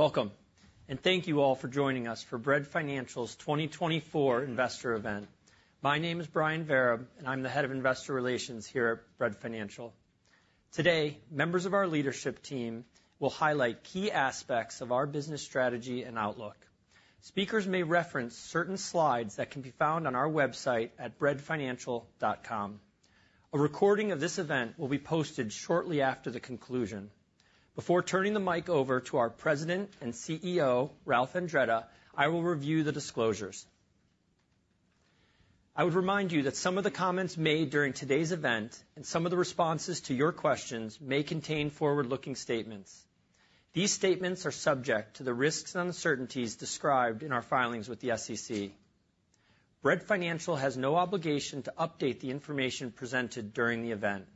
Welcome, and thank you all for joining us for Bread Financial's 2024 investor event. My name is Brian Vereb, and I'm the head of investor relations here at Bread Financial. Today, members of our leadership team will highlight key aspects of our business strategy and outlook. Speakers may reference certain slides that can be found on our website at breadfinancial.com. A recording of this event will be posted shortly after the conclusion. Before turning the mic over to our president and CEO, Ralph Andretta, I will review the disclosures. I would remind you that some of the comments made during today's event, and some of the responses to your questions may contain forward-looking statements. These statements are subject to the risks and uncertainties described in our filings with the SEC. Bread Financial has no obligation to update the information presented during the event.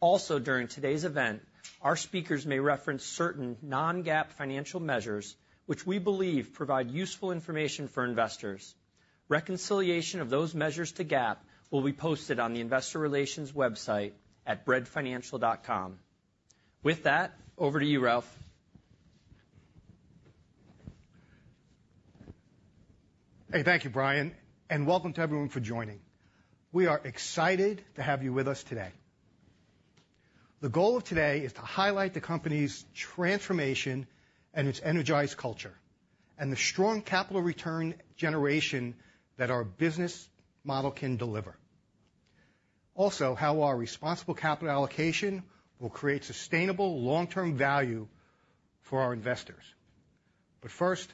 Also, during today's event, our speakers may reference certain non-GAAP financial measures, which we believe provide useful information for investors. Reconciliation of those measures to GAAP will be posted on the investor relations website at breadfinancial.com. With that, over to you, Ralph. Hey, thank you, Brian, and welcome to everyone for joining. We are excited to have you with us today. The goal of today is to highlight the company's transformation and its energized culture, and the strong capital return generation that our business model can deliver. Also, how our responsible capital allocation will create sustainable long-term value for our investors. But first,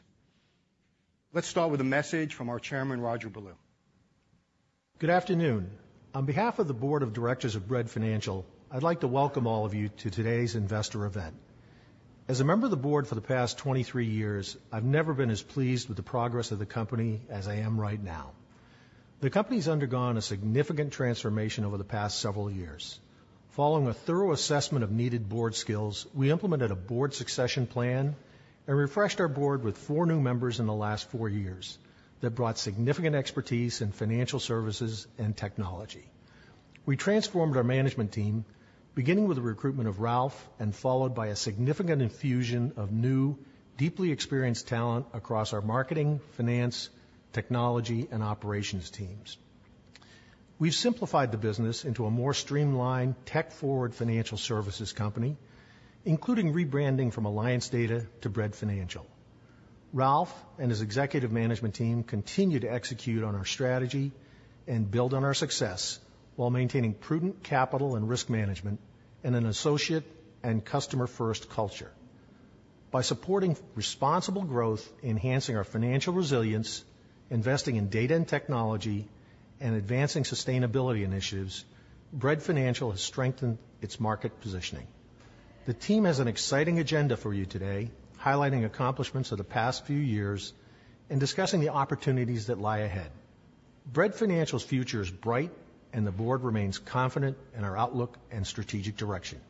let's start with a message from our Chairman, Roger Ballou. Good afternoon. On behalf of the board of directors of Bread Financial, I'd like to welcome all of you to today's investor event. As a member of the board for the past 23 years, I've never been as pleased with the progress of the company as I am right now. The company's undergone a significant transformation over the past several years. Following a thorough assessment of needed board skills, we implemented a board succession plan and refreshed our board with four new members in the last four years that brought significant expertise in financial services and technology. We transformed our management team, beginning with the recruitment of Ralph, and followed by a significant infusion of new, deeply experienced talent across our marketing, finance, technology, and operations teams. We've simplified the business into a more streamlined, tech-forward financial services company, including rebranding from Alliance Data to Bread Financial. Ralph and his executive management team continue to execute on our strategy and build on our success while maintaining prudent capital and risk management and an associate and customer-first culture. By supporting responsible growth, enhancing our financial resilience, investing in data and technology, and advancing sustainability initiatives, Bread Financial has strengthened its market positioning. The team has an exciting agenda for you today, highlighting accomplishments of the past few years and discussing the opportunities that lie ahead. Bread Financial's future is bright, and the board remains confident in our outlook and strategic direction.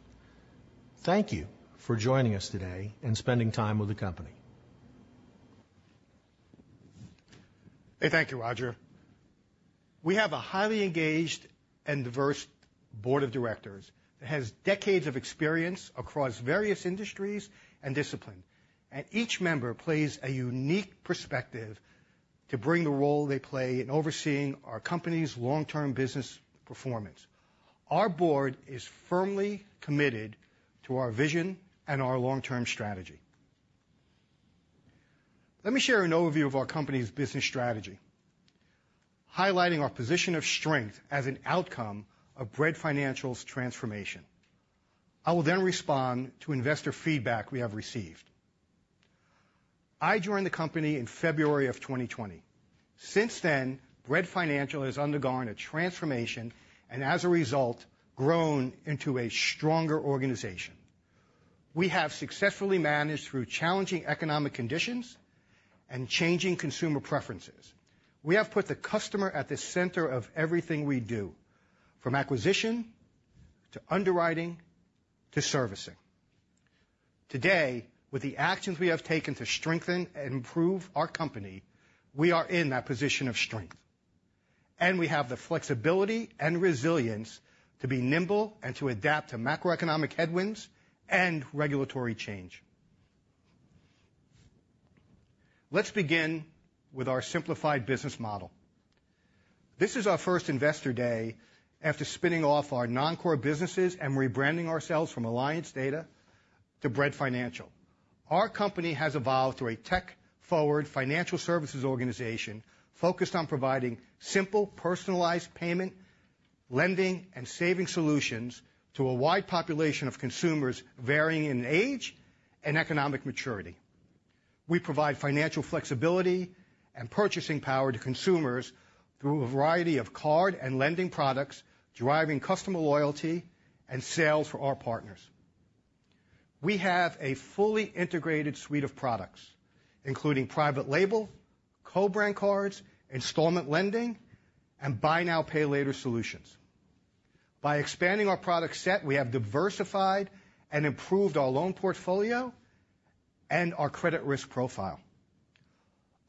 Thank you for joining us today and spending time with the company. Hey, thank you, Roger. We have a highly engaged and diverse board of directors that has decades of experience across various industries and discipline, and each member plays a unique perspective to bring the role they play in overseeing our company's long-term business performance. Our board is firmly committed to our vision and our long-term strategy. Let me share an overview of our company's business strategy, highlighting our position of strength as an outcome of Bread Financial's transformation. I will then respond to investor feedback we have received. I joined the company in February of 2020. Since then, Bread Financial has undergone a transformation and, as a result, grown into a stronger organization. We have successfully managed through challenging economic conditions and changing consumer preferences. We have put the customer at the center of everything we do, from acquisition to underwriting to servicing. Today, with the actions we have taken to strengthen and improve our company, we are in that position of strength, and we have the flexibility and resilience to be nimble and to adapt to macroeconomic headwinds and regulatory change. Let's begin with our simplified business model. This is our first investor day after spinning off our non-core businesses and rebranding ourselves from Alliance Data to Bread Financial. Our company has evolved to a tech-forward financial services organization focused on providing simple, personalized payment, lending, and saving solutions to a wide population of consumers varying in age and economic maturity. We provide financial flexibility and purchasing power to consumers through a variety of card and lending products, driving customer loyalty and sales for our partners. We have a fully integrated suite of products, including private label, co-brand cards, installment lending, and buy now, pay later solutions. By expanding our product set, we have diversified and improved our loan portfolio and our credit risk profile.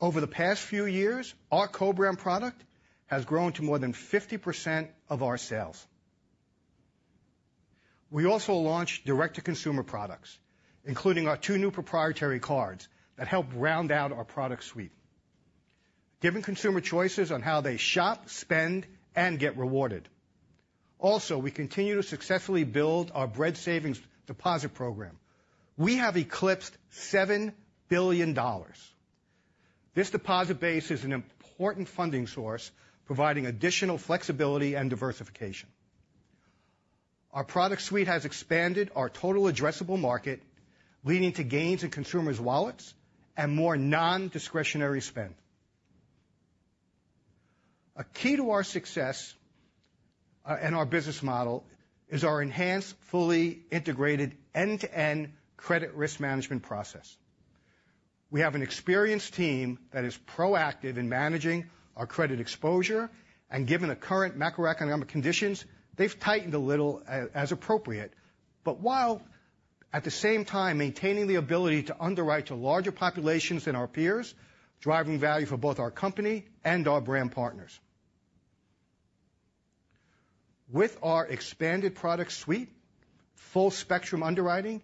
Over the past few years, our co-brand product has grown to more than 50% of our sales. We also launched direct-to-consumer products, including our two new proprietary cards that help round out our product suite, giving consumer choices on how they shop, spend, and get rewarded. Also, we continue to successfully build our Bread Savings deposit program. We have eclipsed $7 billion. This deposit base is an important funding source, providing additional flexibility and diversification. Our product suite has expanded our total addressable market, leading to gains in consumers' wallets and more non-discretionary spend. A key to our success and our business model is our enhanced, fully integrated, end-to-end credit risk management process. We have an experienced team that is proactive in managing our credit exposure, and given the current macroeconomic conditions, they've tightened a little as appropriate, but while at the same time maintaining the ability to underwrite to larger populations than our peers, driving value for both our company and our brand partners. With our expanded product suite, full spectrum underwriting,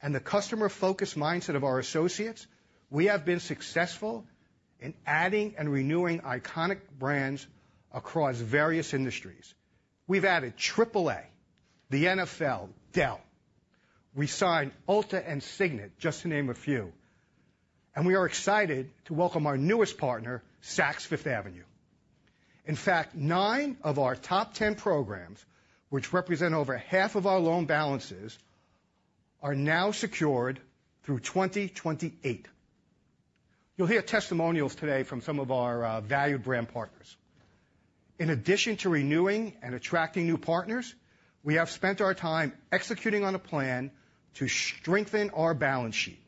and the customer-focused mindset of our associates, we have been successful in adding and renewing iconic brands across various industries. We've added AAA, the NFL, Dell. We signed Ulta and Signet, just to name a few, and we are excited to welcome our newest partner, Saks Fifth Avenue. In fact, nine of our top 10 programs, which represent over half of our loan balances, are now secured through 2028. You'll hear testimonials today from some of our valued brand partners. In addition to renewing and attracting new partners, we have spent our time executing on a plan to strengthen our balance sheet.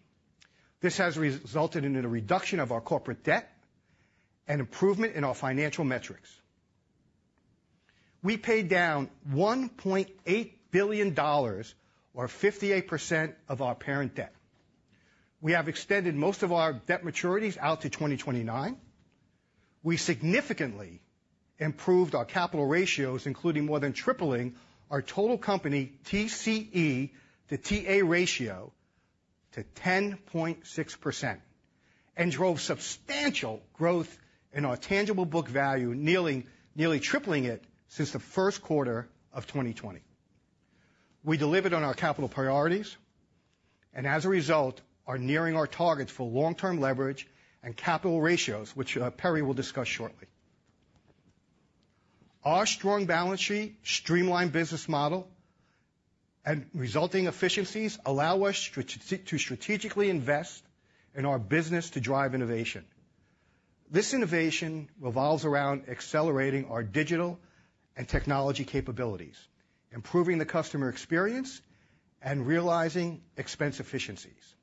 This has resulted in a reduction of our corporate debt and improvement in our financial metrics. We paid down $1.8 billion, or 58%, of our parent debt. We have extended most of our debt maturities out to 2029. We significantly improved our capital ratios, including more than tripling our total company TCE to TA ratio to 10.6% and drove substantial growth in our tangible book value, nearly tripling it since the first quarter of 2020. We delivered on our capital priorities, and as a result, are nearing our targets for long-term leverage and capital ratios, which Perry will discuss shortly. Our strong balance sheet, streamlined business model, and resulting efficiencies allow us to strategically invest in our business to drive innovation. This innovation revolves around accelerating our digital and technology capabilities, improving the customer experience, and realizing expense efficiencies.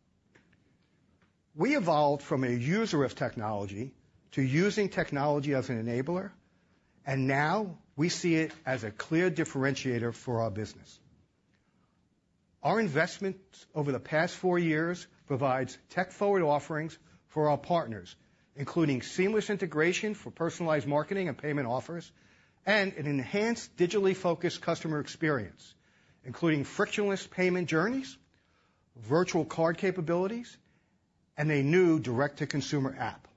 We evolved from a user of technology to using technology as an enabler, and now we see it as a clear differentiator for our business. Our investments over the past four years provides tech-forward offerings for our partners, including seamless integration for personalized marketing and payment offers, and an enhanced, digitally focused customer experience, including frictionless payment journeys, virtual card capabilities, and a new direct-to-consumer app,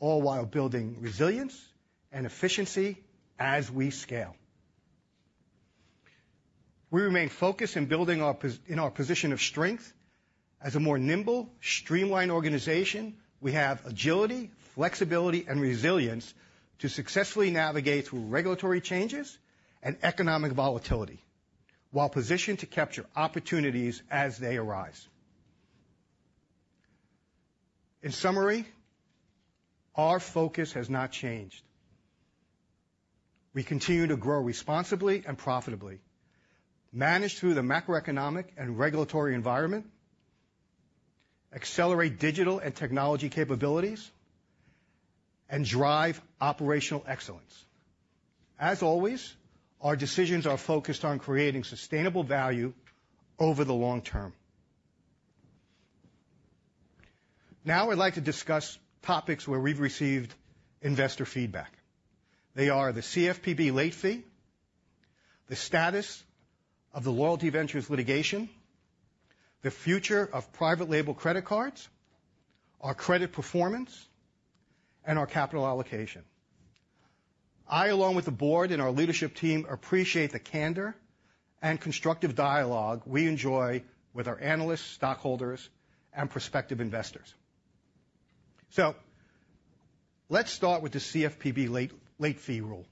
all while building resilience and efficiency as we scale. We remain focused in building our position of strength. As a more nimble, streamlined organization, we have agility, flexibility, and resilience to successfully navigate through regulatory changes and economic volatility while positioned to capture opportunities as they arise. In summary, our focus has not changed. We continue to grow responsibly and profitably, manage through the macroeconomic and regulatory environment, accelerate digital and technology capabilities, and drive operational excellence. As always, our decisions are focused on creating sustainable value over the long term. Now I'd like to discuss topics where we've received investor feedback. They are the CFPB late fee, the status of the Loyalty Ventures litigation, the future of private label credit cards, our credit performance, and our capital allocation. I, along with the board and our leadership team, appreciate the candor and constructive dialogue we enjoy with our analysts, stockholders, and prospective investors. So let's start with the CFPB late fee rule.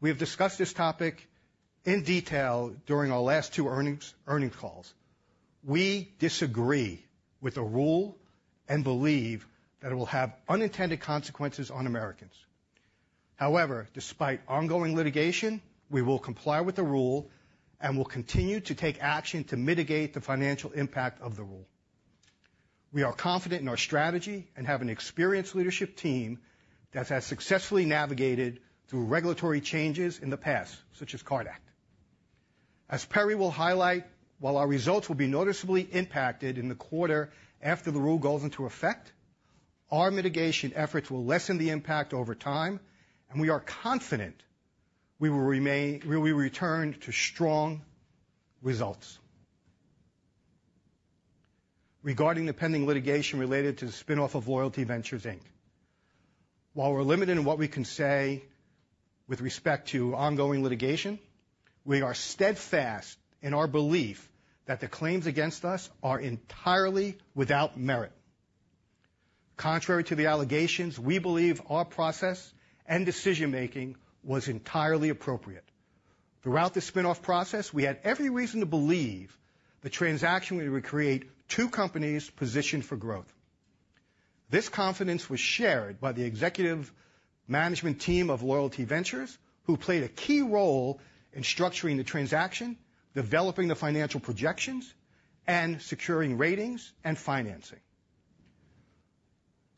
We have discussed this topic in detail during our last two earnings, earnings calls. We disagree with the rule and believe that it will have unintended consequences on Americans. However, despite ongoing litigation, we will comply with the rule and will continue to take action to mitigate the financial impact of the rule. We are confident in our strategy and have an experienced leadership team that has successfully navigated through regulatory changes in the past, such as CARD Act. As Perry will highlight, while our results will be noticeably impacted in the quarter after the rule goes into effect. Our mitigation efforts will lessen the impact over time, and we are confident we will return to strong results. Regarding the pending litigation related to the spin-off of Loyalty Ventures Inc, while we're limited in what we can say with respect to ongoing litigation, we are steadfast in our belief that the claims against us are entirely without merit. Contrary to the allegations, we believe our process and decision-making was entirely appropriate. Throughout the spin-off process, we had every reason to believe the transaction would create two companies positioned for growth. This confidence was shared by the executive management team of Loyalty Ventures, who played a key role in structuring the transaction, developing the financial projections, and securing ratings and financing.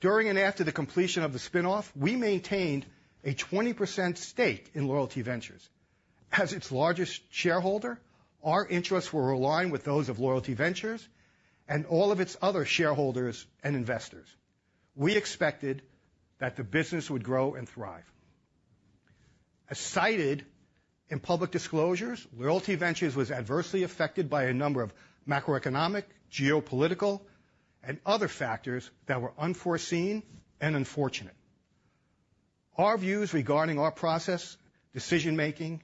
During and after the completion of the spin-off, we maintained a 20% stake in Loyalty Ventures. As its largest shareholder, our interests were aligned with those of Loyalty Ventures and all of its other shareholders and investors. We expected that the business would grow and thrive. As cited in public disclosures, Loyalty Ventures was adversely affected by a number of macroeconomic, geopolitical, and other factors that were unforeseen and unfortunate. Our views regarding our process, decision-making,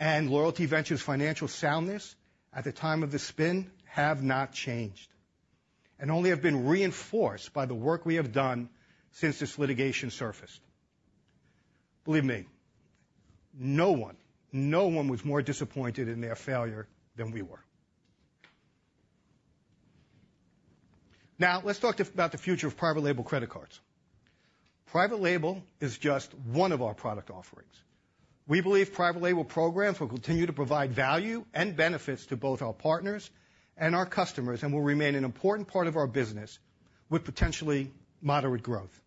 and Loyalty Ventures' financial soundness at the time of the spin have not changed, and only have been reinforced by the work we have done since this litigation surfaced. Believe me, no one, no one was more disappointed in their failure than we were. Now, let's talk about the future of private label credit cards. Private label is just one of our product offerings. We believe private label programs will continue to provide value and benefits to both our partners and our customers, and will remain an important part of our business with potentially moderate growth.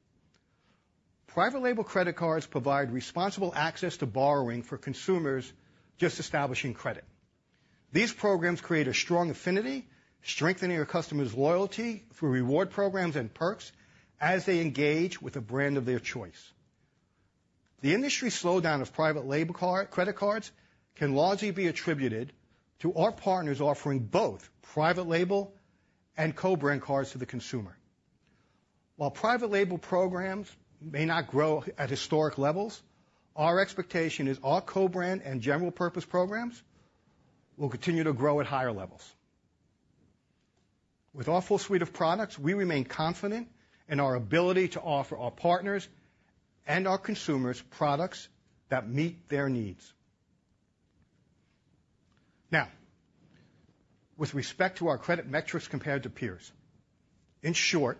Private label credit cards provide responsible access to borrowing for consumers just establishing credit. These programs create a strong affinity, strengthening our customers' loyalty through reward programs and perks as they engage with a brand of their choice. The industry slowdown of private label credit cards can largely be attributed to our partners offering both private label and co-brand cards to the consumer. While private label programs may not grow at historic levels, our expectation is our co-brand and general purpose programs will continue to grow at higher levels. With our full suite of products, we remain confident in our ability to offer our partners and our consumers products that meet their needs. Now, with respect to our credit metrics compared to peers, in short,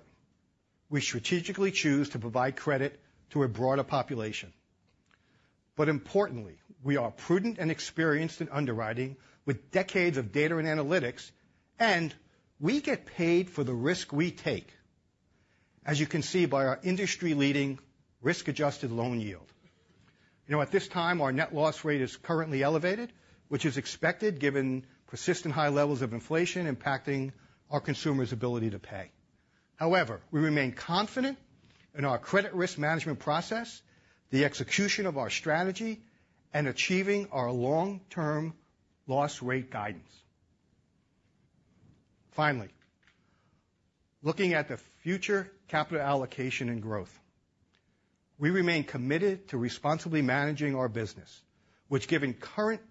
we strategically choose to provide credit to a broader population. But importantly, we are prudent and experienced in underwriting with decades of data and analytics, and we get paid for the risk we take, as you can see by our industry-leading risk-adjusted loan yield. You know, at this time, our net loss rate is currently elevated, which is expected given persistent high levels of inflation impacting our consumers' ability to pay. However, we remain confident in our credit risk management process, the execution of our strategy, and achieving our long-term loss rate guidance. Finally, looking at the future capital allocation and growth. We remain committed to responsibly managing our business, which, given current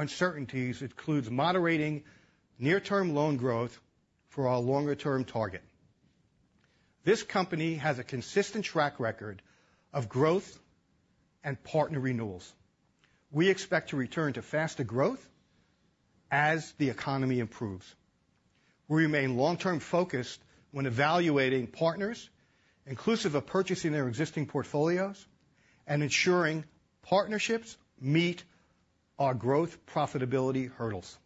uncertainties, includes moderating near-term loan growth for our longer-term target. This company has a consistent track record of growth and partner renewals. We expect to return to faster growth as the economy improves. We remain long-term focused when evaluating partners, inclusive of purchasing their existing portfolios and ensuring partnerships meet our growth profitability hurdles.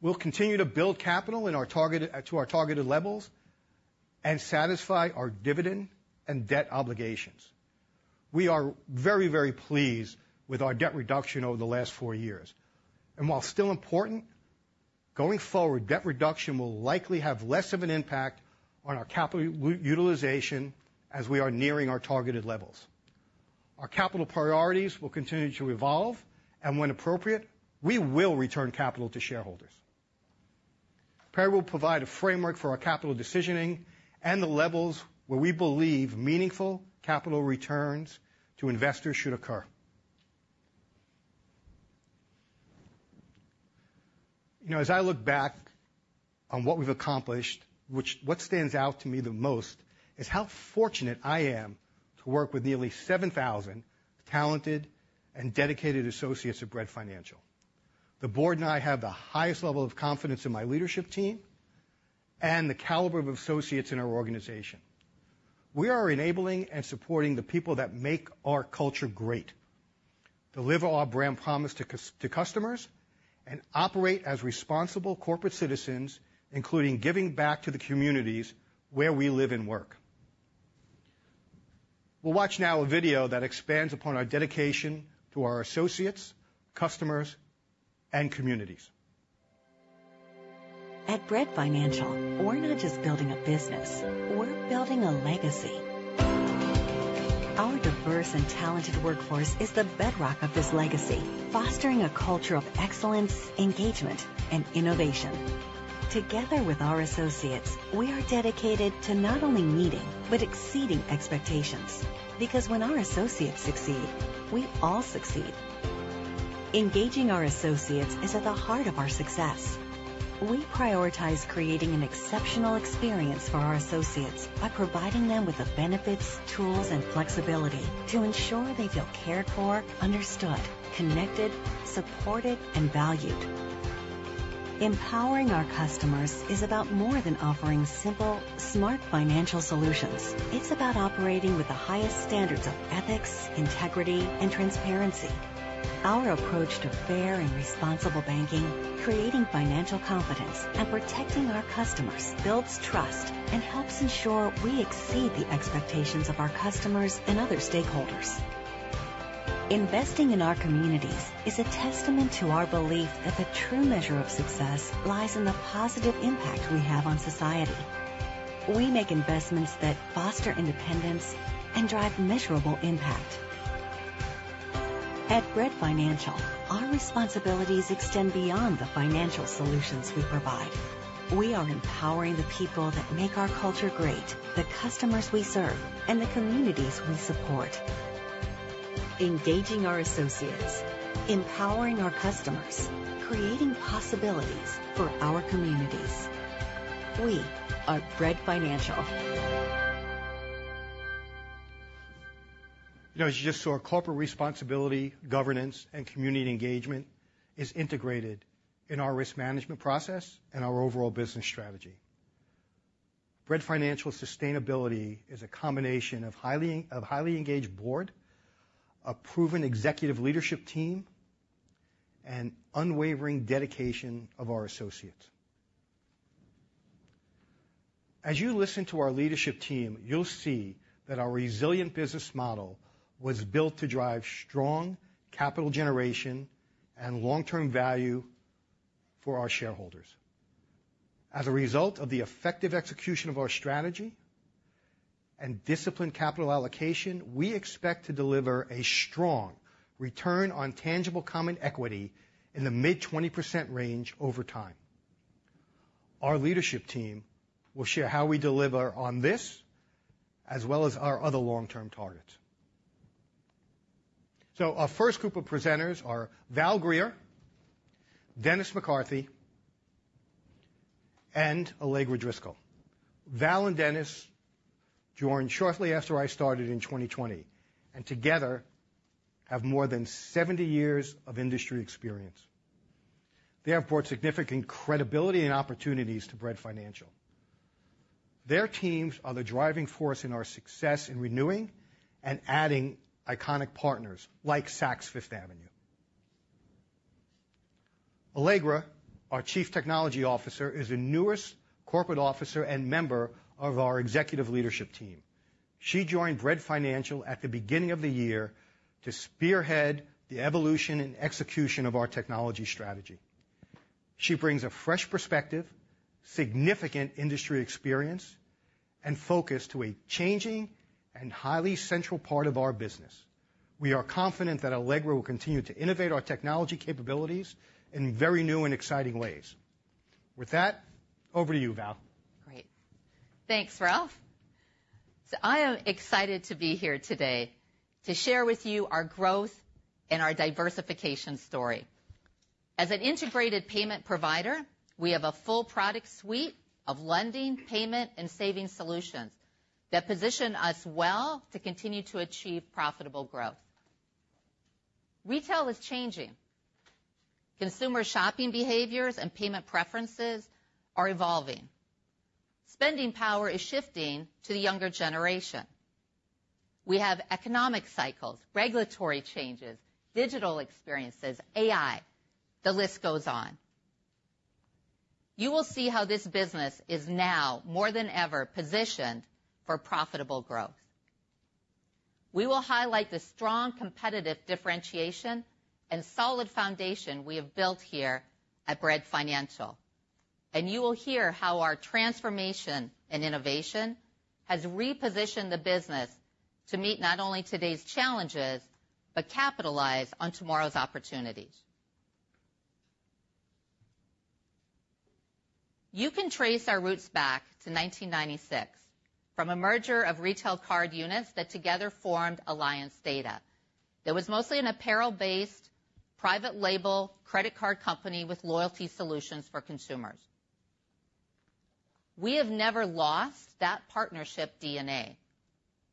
We'll continue to build capital in our targeted to our targeted levels and satisfy our dividend and debt obligations. We are very, very pleased with our debt reduction over the last four years, and while still important, going forward, debt reduction will likely have less of an impact on our capital utilization as we are nearing our targeted levels. Our capital priorities will continue to evolve, and when appropriate, we will return capital to shareholders. Perry will provide a framework for our capital decisioning and the levels where we believe meaningful capital returns to investors should occur. You know, as I look back on what we've accomplished, what stands out to me the most is how fortunate I am to work with nearly 7,000 talented and dedicated associates at Bread Financial. The board and I have the highest level of confidence in my leadership team and the caliber of associates in our organization. We are enabling and supporting the people that make our culture great, deliver our brand promise to customers, and operate as responsible corporate citizens, including giving back to the communities where we live and work. We'll watch now a video that expands upon our dedication to our associates, customers, and communities. At Bread Financial, we're not just building a business, we're building a legacy. Our diverse and talented workforce is the bedrock of this legacy, fostering a culture of excellence, engagement, and innovation. Together with our associates, we are dedicated to not only meeting, but exceeding expectations, because when our associates succeed, we all succeed. Engaging our associates is at the heart of our success. We prioritize creating an exceptional experience for our associates by providing them with the benefits, tools, and flexibility to ensure they feel cared for, understood, connected, supported, and valued. Empowering our customers is about more than offering simple, smart financial solutions. It's about operating with the highest standards of ethics, integrity, and transparency. Our approach to fair and responsible banking, creating financial confidence, and protecting our customers builds trust and helps ensure we exceed the expectations of our customers and other stakeholders. Investing in our communities is a testament to our belief that the true measure of success lies in the positive impact we have on society. We make investments that foster independence and drive measurable impact. At Bread Financial, our responsibilities extend beyond the financial solutions we provide. We are empowering the people that make our culture great, the customers we serve, and the communities we support. Engaging our associates, empowering our customers, creating possibilities for our communities. We are Bread Financial. You know, as you just saw, corporate responsibility, governance, and community engagement is integrated in our risk management process and our overall business strategy. Bread Financial's sustainability is a combination of a highly engaged board, a proven executive leadership team, and unwavering dedication of our associates. As you listen to our leadership team, you'll see that our resilient business model was built to drive strong capital generation and long-term value for our shareholders. As a result of the effective execution of our strategy and disciplined capital allocation, we expect to deliver a strong return on tangible common equity in the mid-20% range over time. Our leadership team will share how we deliver on this, as well as our other long-term targets. So our first group of presenters are Val Greer, Dennis McCarthy, and Allegra Driscoll. Val and Dennis joined shortly after I started in 2020, and together, have more than 70 years of industry experience. They have brought significant credibility and opportunities to Bread Financial. Their teams are the driving force in our success in renewing and adding iconic partners like Saks Fifth Avenue. Allegra, our Chief Technology Officer, is the newest corporate officer and member of our executive leadership team. She joined Bread Financial at the beginning of the year to spearhead the evolution and execution of our technology strategy. She brings a fresh perspective, significant industry experience, and focus to a changing and highly central part of our business. We are confident that Allegra will continue to innovate our technology capabilities in very new and exciting ways. With that, over to you, Val. Great. Thanks, Ralph. So I am excited to be here today to share with you our growth and our diversification story. As an integrated payment provider, we have a full product suite of lending, payment, and savings solutions that position us well to continue to achieve profitable growth. Retail is changing. Consumer shopping behaviors and payment preferences are evolving. Spending power is shifting to the younger generation. We have economic cycles, regulatory changes, digital experiences, AI, the list goes on. You will see how this business is now, more than ever, positioned for profitable growth. We will highlight the strong competitive differentiation and solid foundation we have built here at Bread Financial, and you will hear how our transformation and innovation has repositioned the business to meet not only today's challenges, but capitalize on tomorrow's opportunities. You can trace our roots back to 1996, from a merger of retail card units that together formed Alliance Data. It was mostly an apparel-based, private label, credit card company with loyalty solutions for consumers. We have never lost that partnership DNA,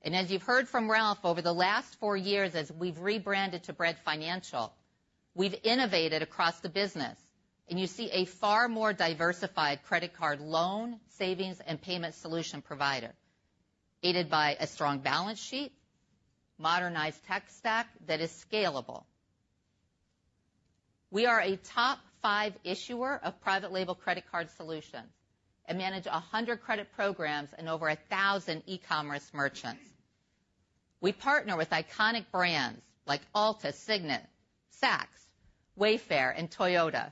and as you've heard from Ralph, over the last four years, as we've rebranded to Bread Financial, we've innovated across the business, and you see a far more diversified credit card loan, savings, and payment solution provider, aided by a strong balance sheet, modernized tech stack that is scalable. We are a top five issuer of private label credit card solutions, and manage 100 credit programs and over 1,000 e-commerce merchants. We partner with iconic brands like Ulta, Signet, Saks, Wayfair, and Toyota,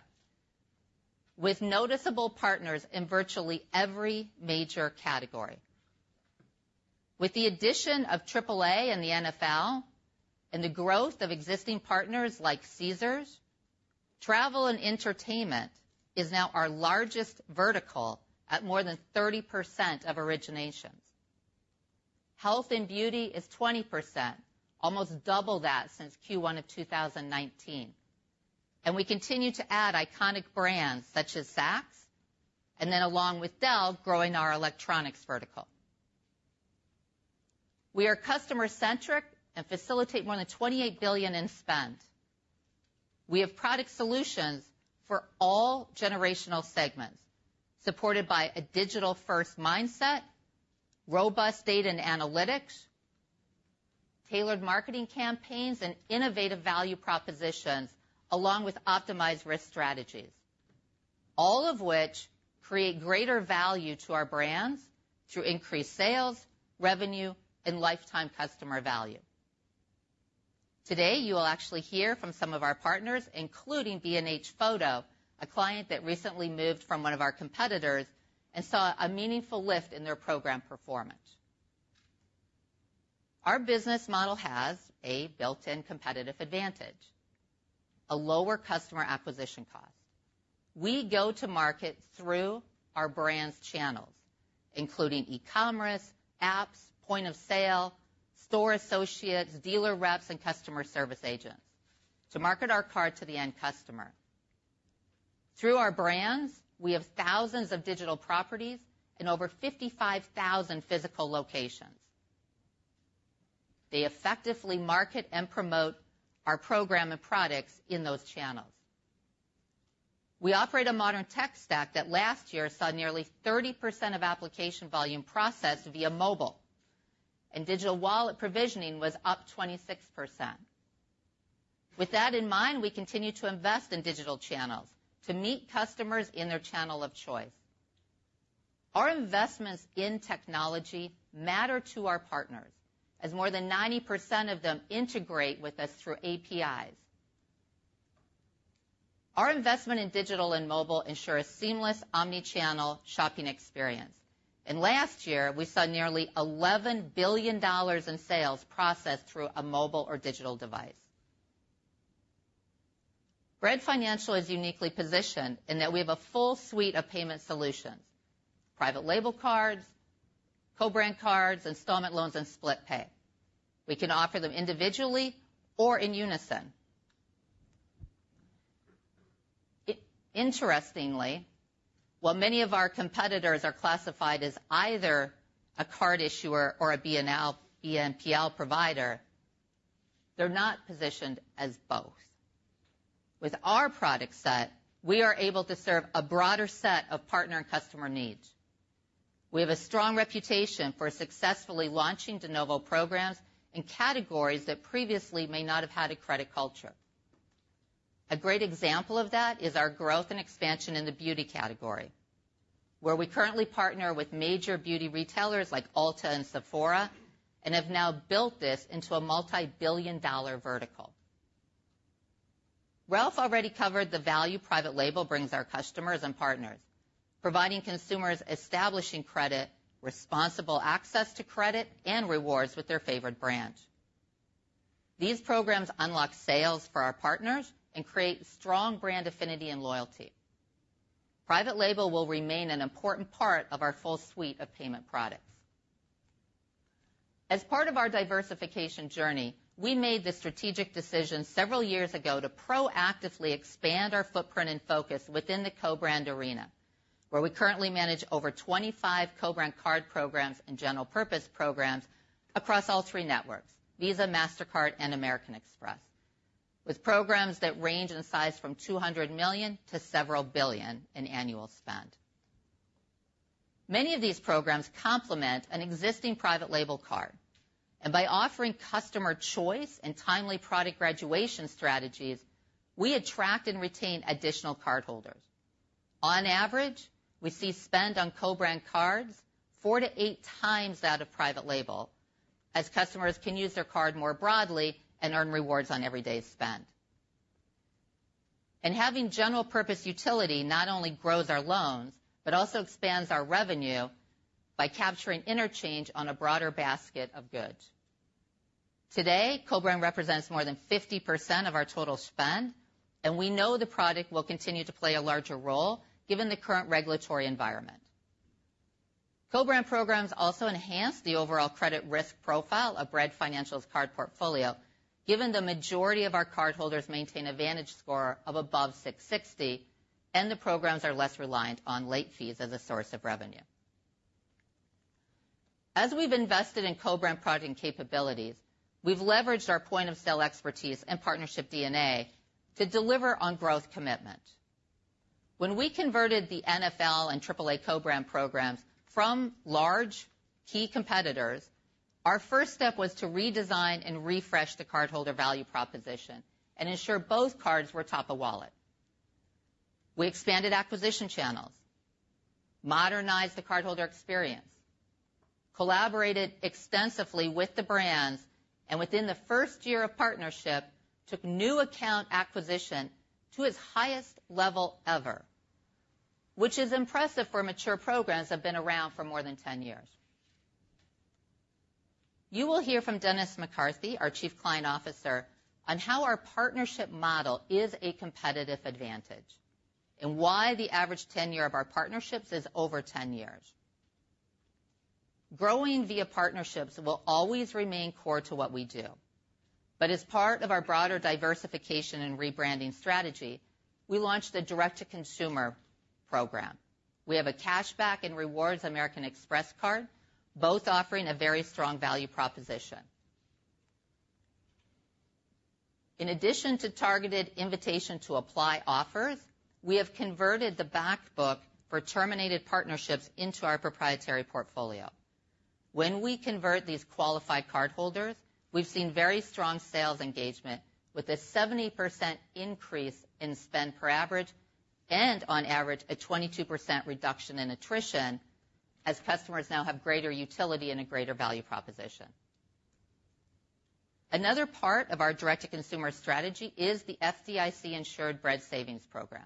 with noticeable partners in virtually every major category. With the addition of AAA and the NFL, and the growth of existing partners like Caesars, travel and entertainment is now our largest vertical at more than 30% of originations. Health and beauty is 20%, almost double that since Q1 of 2019. We continue to add iconic brands such as Saks, and then along with Dell, growing our electronics vertical. We are customer-centric and facilitate more than $28 billion in spend. We have product solutions for all generational segments, supported by a digital-first mindset, robust data and analytics, tailored marketing campaigns, and innovative value propositions, along with optimized risk strategies, all of which create greater value to our brands through increased sales, revenue, and lifetime customer value. Today, you will actually hear from some of our partners, including B&H Photo, a client that recently moved from one of our competitors and saw a meaningful lift in their program performance. Our business model has a built-in competitive advantage, a lower customer acquisition cost. We go to market through our brands' channels, including e-commerce, apps, point of sale, store associates, dealer reps, and customer service agents to market our card to the end customer. Through our brands, we have thousands of digital properties in over 55,000 physical locations. They effectively market and promote our program and products in those channels. We operate a modern tech stack that last year saw nearly 30% of application volume processed via mobile, and digital wallet provisioning was up 26%. With that in mind, we continue to invest in digital channels to meet customers in their channel of choice. Our investments in technology matter to our partners, as more than 90% of them integrate with us through APIs. Our investment in digital and mobile ensure a seamless, omni-channel shopping experience, and last year, we saw nearly $11 billion in sales processed through a mobile or digital device. Bread Financial is uniquely positioned in that we have a full suite of payment solutions, private label cards, co-brand cards, installment loans, and SplitPay. We can offer them individually or in unison. Interestingly, while many of our competitors are classified as either a card issuer or a BNPL provider, they're not positioned as both. With our product set, we are able to serve a broader set of partner and customer needs. We have a strong reputation for successfully launching de novo programs in categories that previously may not have had a credit culture. A great example of that is our growth and expansion in the beauty category, where we currently partner with major beauty retailers like Ulta and Sephora, and have now built this into a multi-billion-dollar vertical. Ralph already covered the value private label brings our customers and partners, providing consumers establishing credit, responsible access to credit, and rewards with their favorite brand. These programs unlock sales for our partners and create strong brand affinity and loyalty. Private label will remain an important part of our full suite of payment products. As part of our diversification journey, we made the strategic decision several years ago to proactively expand our footprint and focus within the co-brand arena, where we currently manage over 25 co-brand card programs and general purpose programs across all three networks, Visa, Mastercard, and American Express, with programs that range in size from $200 million to several billion in annual spend. Many of these programs complement an existing private label card, and by offering customer choice and timely product graduation strategies, we attract and retain additional cardholders. On average, we see spend on co-brand cards 4-8 times that of private label, as customers can use their card more broadly and earn rewards on everyday spend. Having general purpose utility not only grows our loans, but also expands our revenue by capturing interchange on a broader basket of goods. Today, co-brand represents more than 50% of our total spend, and we know the product will continue to play a larger role given the current regulatory environment. Co-brand programs also enhance the overall credit risk profile of Bread Financial's card portfolio, given the majority of our cardholders maintain a VantageScore of above 660, and the programs are less reliant on late fees as a source of revenue. As we've invested in co-brand product and capabilities, we've leveraged our point-of-sale expertise and partnership DNA to deliver on growth commitment. When we converted the NFL and AAA co-brand programs from large key competitors, our first step was to redesign and refresh the cardholder value proposition and ensure both cards were top of wallet. We expanded acquisition channels, modernized the cardholder experience, collaborated extensively with the brands, and within the first year of partnership, took new account acquisition to its highest level ever, which is impressive for mature programs that have been around for more than 10 years. You will hear from Dennis McCarthy, our Chief Client Officer, on how our partnership model is a competitive advantage and why the average tenure of our partnerships is over 10 years. Growing via partnerships will always remain core to what we do, but as part of our broader diversification and rebranding strategy, we launched a direct-to-consumer program. We have a cashback and rewards American Express card, both offering a very strong value proposition. In addition to targeted invitation-to-apply offers, we have converted the back book for terminated partnerships into our proprietary portfolio. When we convert these qualified cardholders, we've seen very strong sales engagement, with a 70% increase in spend per average and on average, a 22% reduction in attrition as customers now have greater utility and a greater value proposition. Another part of our direct-to-consumer strategy is the FDIC-insured Bread Savings program.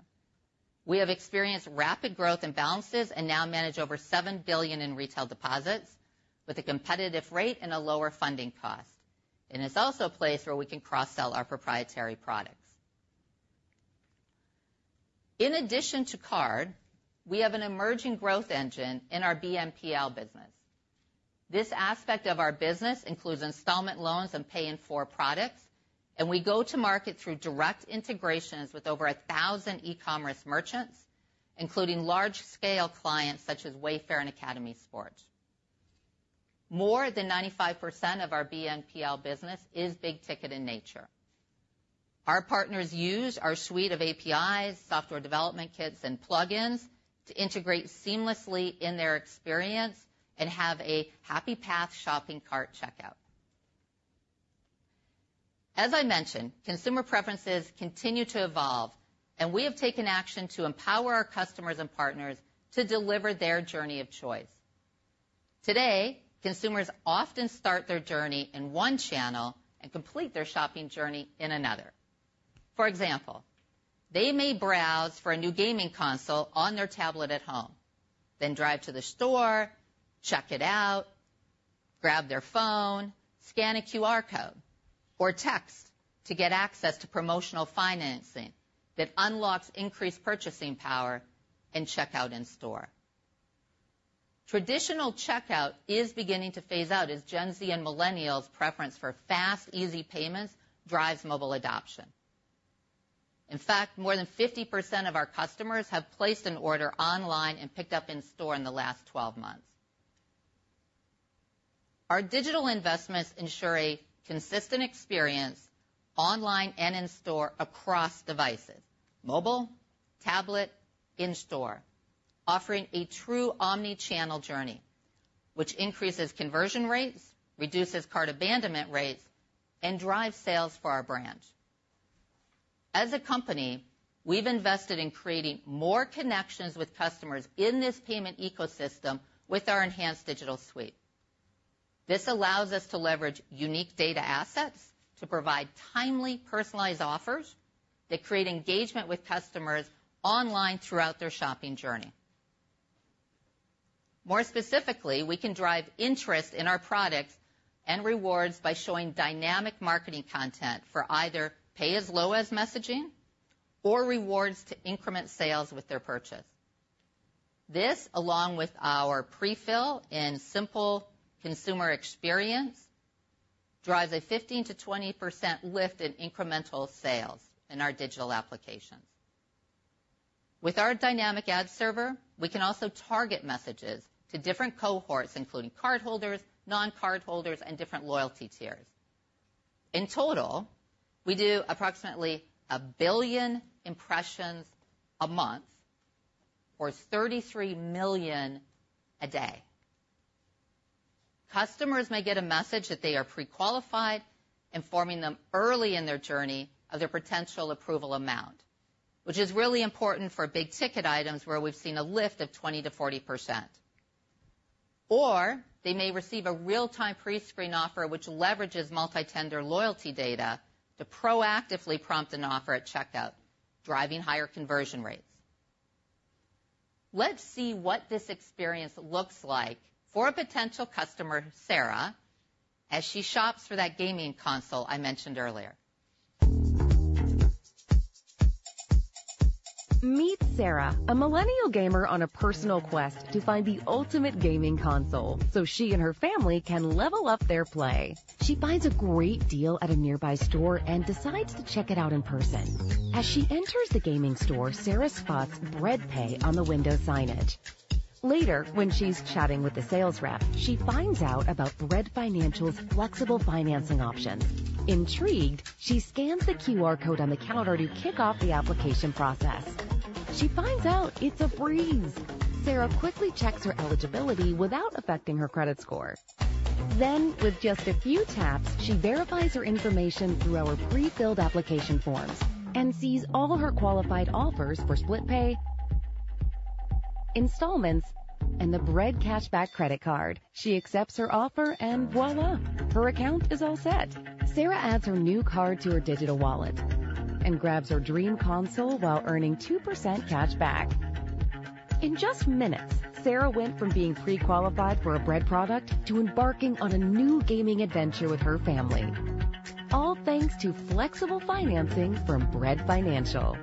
We have experienced rapid growth in balances and now manage over $7 billion in retail deposits with a competitive rate and a lower funding cost. It's also a place where we can cross-sell our proprietary products. In addition to card, we have an emerging growth engine in our BNPL business. This aspect of our business includes installment loans and pay in 4 products, and we go to market through direct integrations with over 1,000 e-commerce merchants, including large-scale clients such as Wayfair and Academy Sports. More than 95% of our BNPL business is big ticket in nature. Our partners use our suite of APIs, software development kits, and plugins to integrate seamlessly in their experience and have a happy path shopping cart checkout. As I mentioned, consumer preferences continue to evolve, and we have taken action to empower our customers and partners to deliver their journey of choice. Today, consumers often start their journey in one channel and complete their shopping journey in another. For example, they may browse for a new gaming console on their tablet at home, then drive to the store, check it out, grab their phone, scan a QR code, or text to get access to promotional financing that unlocks increased purchasing power and checkout in store. Traditional checkout is beginning to phase out as Gen Z and millennials' preference for fast, easy payments drives mobile adoption. In fact, more than 50% of our customers have placed an order online and picked up in store in the last 12 months. Our digital investments ensure a consistent experience online and in store across devices, mobile, tablet, in store, offering a true omni-channel journey, which increases conversion rates, reduces cart abandonment rates, and drives sales for our brand. As a company, we've invested in creating more connections with customers in this payment ecosystem with our enhanced digital suite. This allows us to leverage unique data assets to provide timely, personalized offers that create engagement with customers online throughout their shopping journey. More specifically, we can drive interest in our products and rewards by showing dynamic marketing content for either pay as low as messaging or rewards to increment sales with their purchase. This, along with our pre-fill and simple consumer experience, drives a 15%-20% lift in incremental sales in our digital applications. With our dynamic ad server, we can also target messages to different cohorts, including cardholders, non-cardholders, and different loyalty tiers. In total, we do approximately 1 billion impressions a month or 33 million a day. Customers may get a message that they are pre-qualified, informing them early in their journey of their potential approval amount, which is really important for big-ticket items, where we've seen a lift of 20%-40%. Or they may receive a real-time pre-screen offer, which leverages multi-tender loyalty data to proactively prompt an offer at checkout, driving higher conversion rates. Let's see what this experience looks like for a potential customer, Sarah, as she shops for that gaming console I mentioned earlier. Meet Sarah, a millennial gamer on a personal quest to find the ultimate gaming console, so she and her family can level up their play. She finds a great deal at a nearby store and decides to check it out in person. As she enters the gaming store, Sarah spots Bread Pay on the window signage… Later, when she's chatting with the sales rep, she finds out about Bread Financial's flexible financing options. Intrigued, she scans the QR code on the counter to kick off the application process. She finds out it's a breeze. Sarah quickly checks her eligibility without affecting her credit score. Then, with just a few taps, she verifies her information through our pre-filled application forms and sees all her qualified offers for SplitPay, installments, and the Bread Cashback credit card. She accepts her offer, and voila, her account is all set. Sarah adds her new card to her digital wallet and grabs her dream console while earning 2% cashback. In just minutes, Sarah went from being pre-qualified for a Bread product to embarking on a new gaming adventure with her family, all thanks to flexible financing from Bread Financial.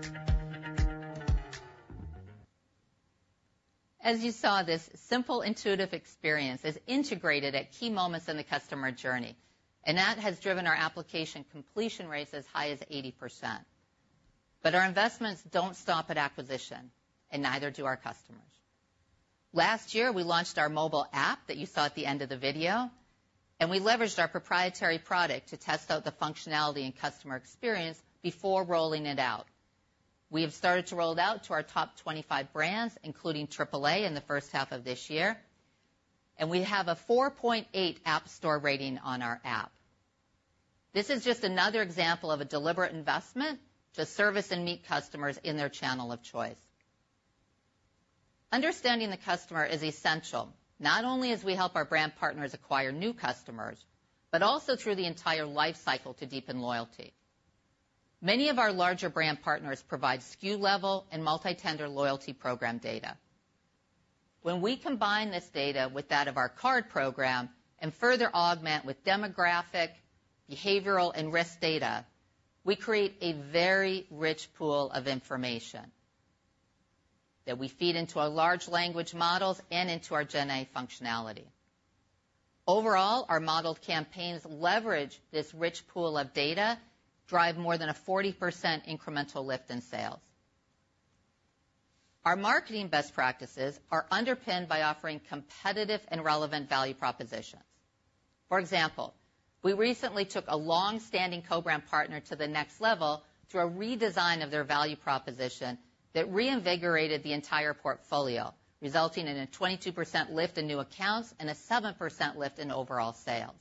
As you saw, this simple, intuitive experience is integrated at key moments in the customer journey, and that has driven our application completion rates as high as 80%. But our investments don't stop at acquisition, and neither do our customers. Last year, we launched our mobile app that you saw at the end of the video, and we leveraged our proprietary product to test out the functionality and customer experience before rolling it out. We have started to roll it out to our top 25 brands, including AAA, in the first half of this year, and we have a 4.8 app store rating on our app. This is just another example of a deliberate investment to service and meet customers in their channel of choice. Understanding the customer is essential, not only as we help our brand partners acquire new customers, but also through the entire life cycle to deepen loyalty. Many of our larger brand partners provide SKU level and multi-tender loyalty program data. When we combine this data with that of our card program and further augment with demographic, behavioral, and risk data, we create a very rich pool of information that we feed into our large language models and into our GenAI functionality. Overall, our modeled campaigns leverage this rich pool of data, drive more than a 40% incremental lift in sales. Our marketing best practices are underpinned by offering competitive and relevant value propositions. For example, we recently took a long-standing co-brand partner to the next level through a redesign of their value proposition that reinvigorated the entire portfolio, resulting in a 22% lift in new accounts and a 7% lift in overall sales.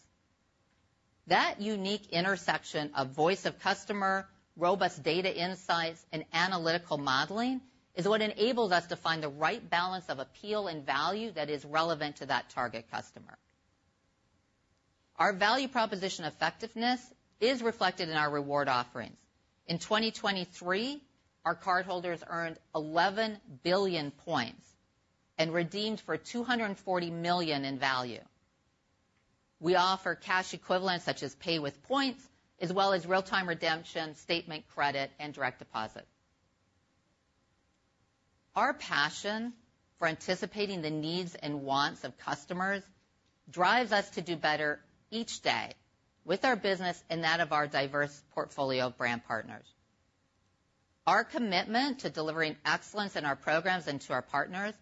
That unique intersection of voice of customer, robust data insights, and analytical modeling is what enables us to find the right balance of appeal and value that is relevant to that target customer. Our value proposition effectiveness is reflected in our reward offerings. In 2023, our cardholders earned 11 billion points and redeemed for $240 million in value. We offer cash equivalents, such as pay with points, as well as real-time redemption, statement credit, and direct deposit. Our passion for anticipating the needs and wants of customers drives us to do better each day with our business and that of our diverse portfolio of brand partners. Our commitment to delivering excellence in our programs and to our partners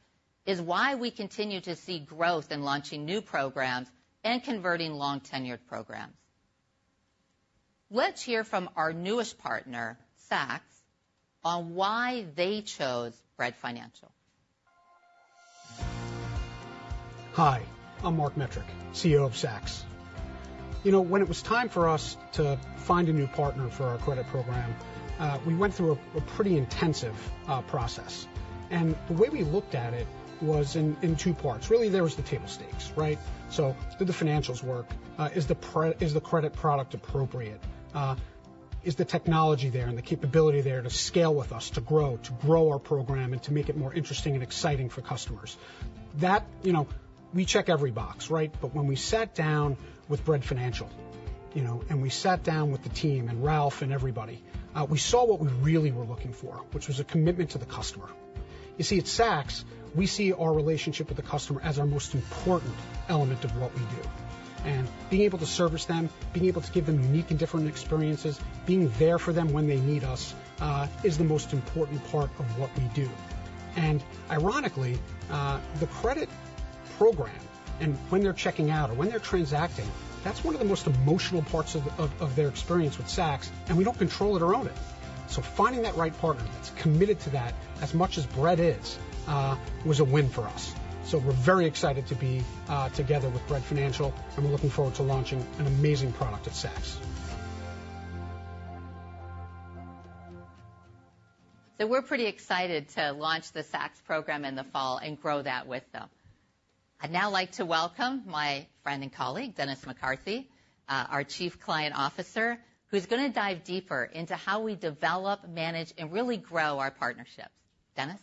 is why we continue to see growth in launching new programs and converting long-tenured programs. Let's hear from our newest partner, Saks, on why they chose Bread Financial. Hi, I'm Marc Metrick, CEO of Saks. You know, when it was time for us to find a new partner for our credit program, we went through a pretty intensive process, and the way we looked at it was in two parts. Really, there was the table stakes, right? So do the financials work? Is the credit product appropriate? Is the technology there and the capability there to scale with us, to grow, to grow our program, and to make it more interesting and exciting for customers? That, you know, we check every box, right? But when we sat down with Bread Financial, you know, and we sat down with the team and Ralph and everybody, we saw what we really were looking for, which was a commitment to the customer. You see, at Saks, we see our relationship with the customer as our most important element of what we do, and being able to service them, being able to give them unique and different experiences, being there for them when they need us, is the most important part of what we do. And ironically, the credit program, and when they're checking out or when they're transacting, that's one of the most emotional parts of their experience with Saks, and we don't control it or own it. So finding that right partner that's committed to that as much as Bread is, was a win for us. So we're very excited to be together with Bread Financial, and we're looking forward to launching an amazing product at Saks. So we're pretty excited to launch the Saks program in the fall and grow that with them. I'd now like to welcome my friend and colleague, Dennis McCarthy, our Chief Client Officer, who's gonna dive deeper into how we develop, manage, and really grow our partnerships. Dennis?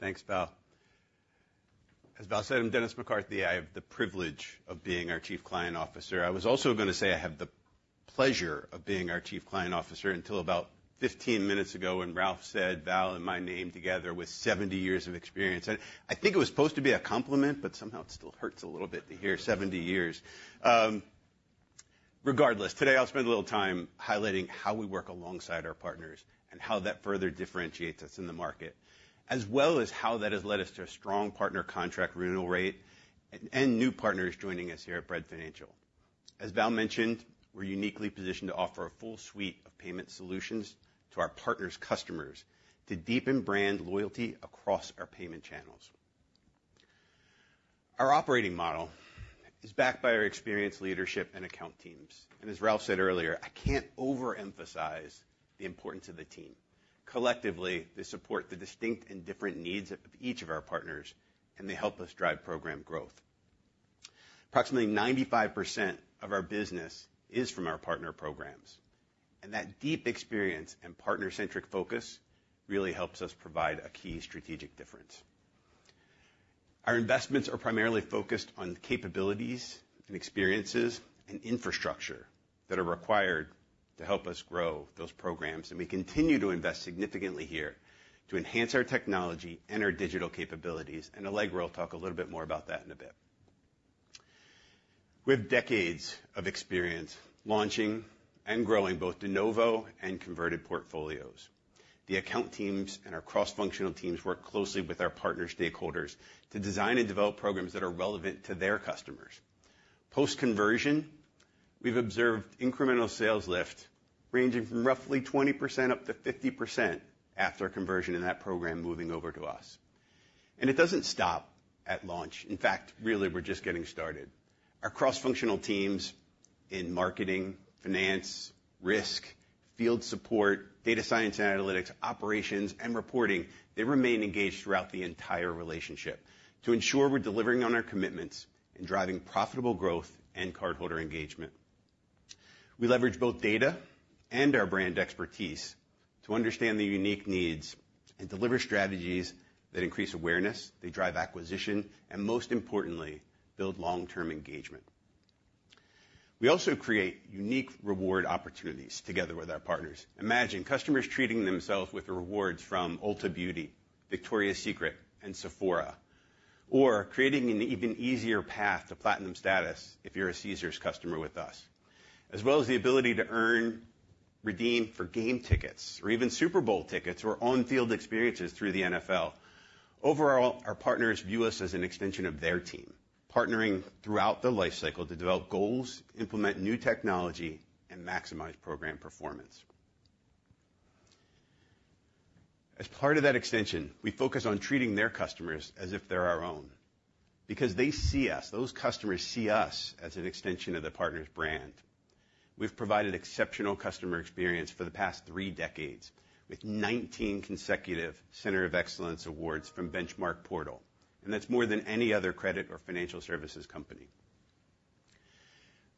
Thanks, Val. As Val said, I'm Dennis McCarthy. I have the privilege of being our Chief Client Officer. I was also gonna say, I have the pleasure of being our Chief Client Officer until about 15 minutes ago, when Ralph said Val and my name together with 70 years of experience. I think it was supposed to be a compliment, but somehow it still hurts a little bit to hear 70 years. ...Regardless, today I'll spend a little time highlighting how we work alongside our partners and how that further differentiates us in the market, as well as how that has led us to a strong partner contract renewal rate, and new partners joining us here at Bread Financial. As Val mentioned, we're uniquely positioned to offer a full suite of payment solutions to our partners' customers to deepen brand loyalty across our payment channels. Our operating model is backed by our experienced leadership and account teams, and as Ralph said earlier, I can't overemphasize the importance of the team. Collectively, they support the distinct and different needs of each of our partners, and they help us drive program growth. Approximately 95% of our business is from our partner programs, and that deep experience and partner-centric focus really helps us provide a key strategic difference. Our investments are primarily focused on capabilities and experiences and infrastructure that are required to help us grow those programs, and we continue to invest significantly here to enhance our technology and our digital capabilities. Allegra will talk a little bit more about that in a bit. We have decades of experience launching and growing both de novo and converted portfolios. The account teams and our cross-functional teams work closely with our partner stakeholders to design and develop programs that are relevant to their customers. Post-conversion, we've observed incremental sales lift, ranging from roughly 20%-50% after a conversion in that program moving over to us. It doesn't stop at launch. In fact, really, we're just getting started. Our cross-functional teams in marketing, finance, risk, field support, data science and analytics, operations, and reporting, they remain engaged throughout the entire relationship to ensure we're delivering on our commitments and driving profitable growth and cardholder engagement. We leverage both data and our brand expertise to understand the unique needs and deliver strategies that increase awareness, they drive acquisition, and most importantly, build long-term engagement. We also create unique reward opportunities together with our partners. Imagine customers treating themselves with rewards from Ulta Beauty, Victoria's Secret, and Sephora, or creating an even easier path to platinum status if you're a Caesars customer with us, as well as the ability to earn, redeem for game tickets or even Super Bowl tickets or on-field experiences through the NFL. Overall, our partners view us as an extension of their team, partnering throughout the lifecycle to develop goals, implement new technology, and maximize program performance. As part of that extension, we focus on treating their customers as if they're our own because they see us, those customers see us as an extension of the partner's brand. We've provided exceptional customer experience for the past three decades, with 19 consecutive Center of Excellence awards from BenchmarkPortal, and that's more than any other credit or financial services company.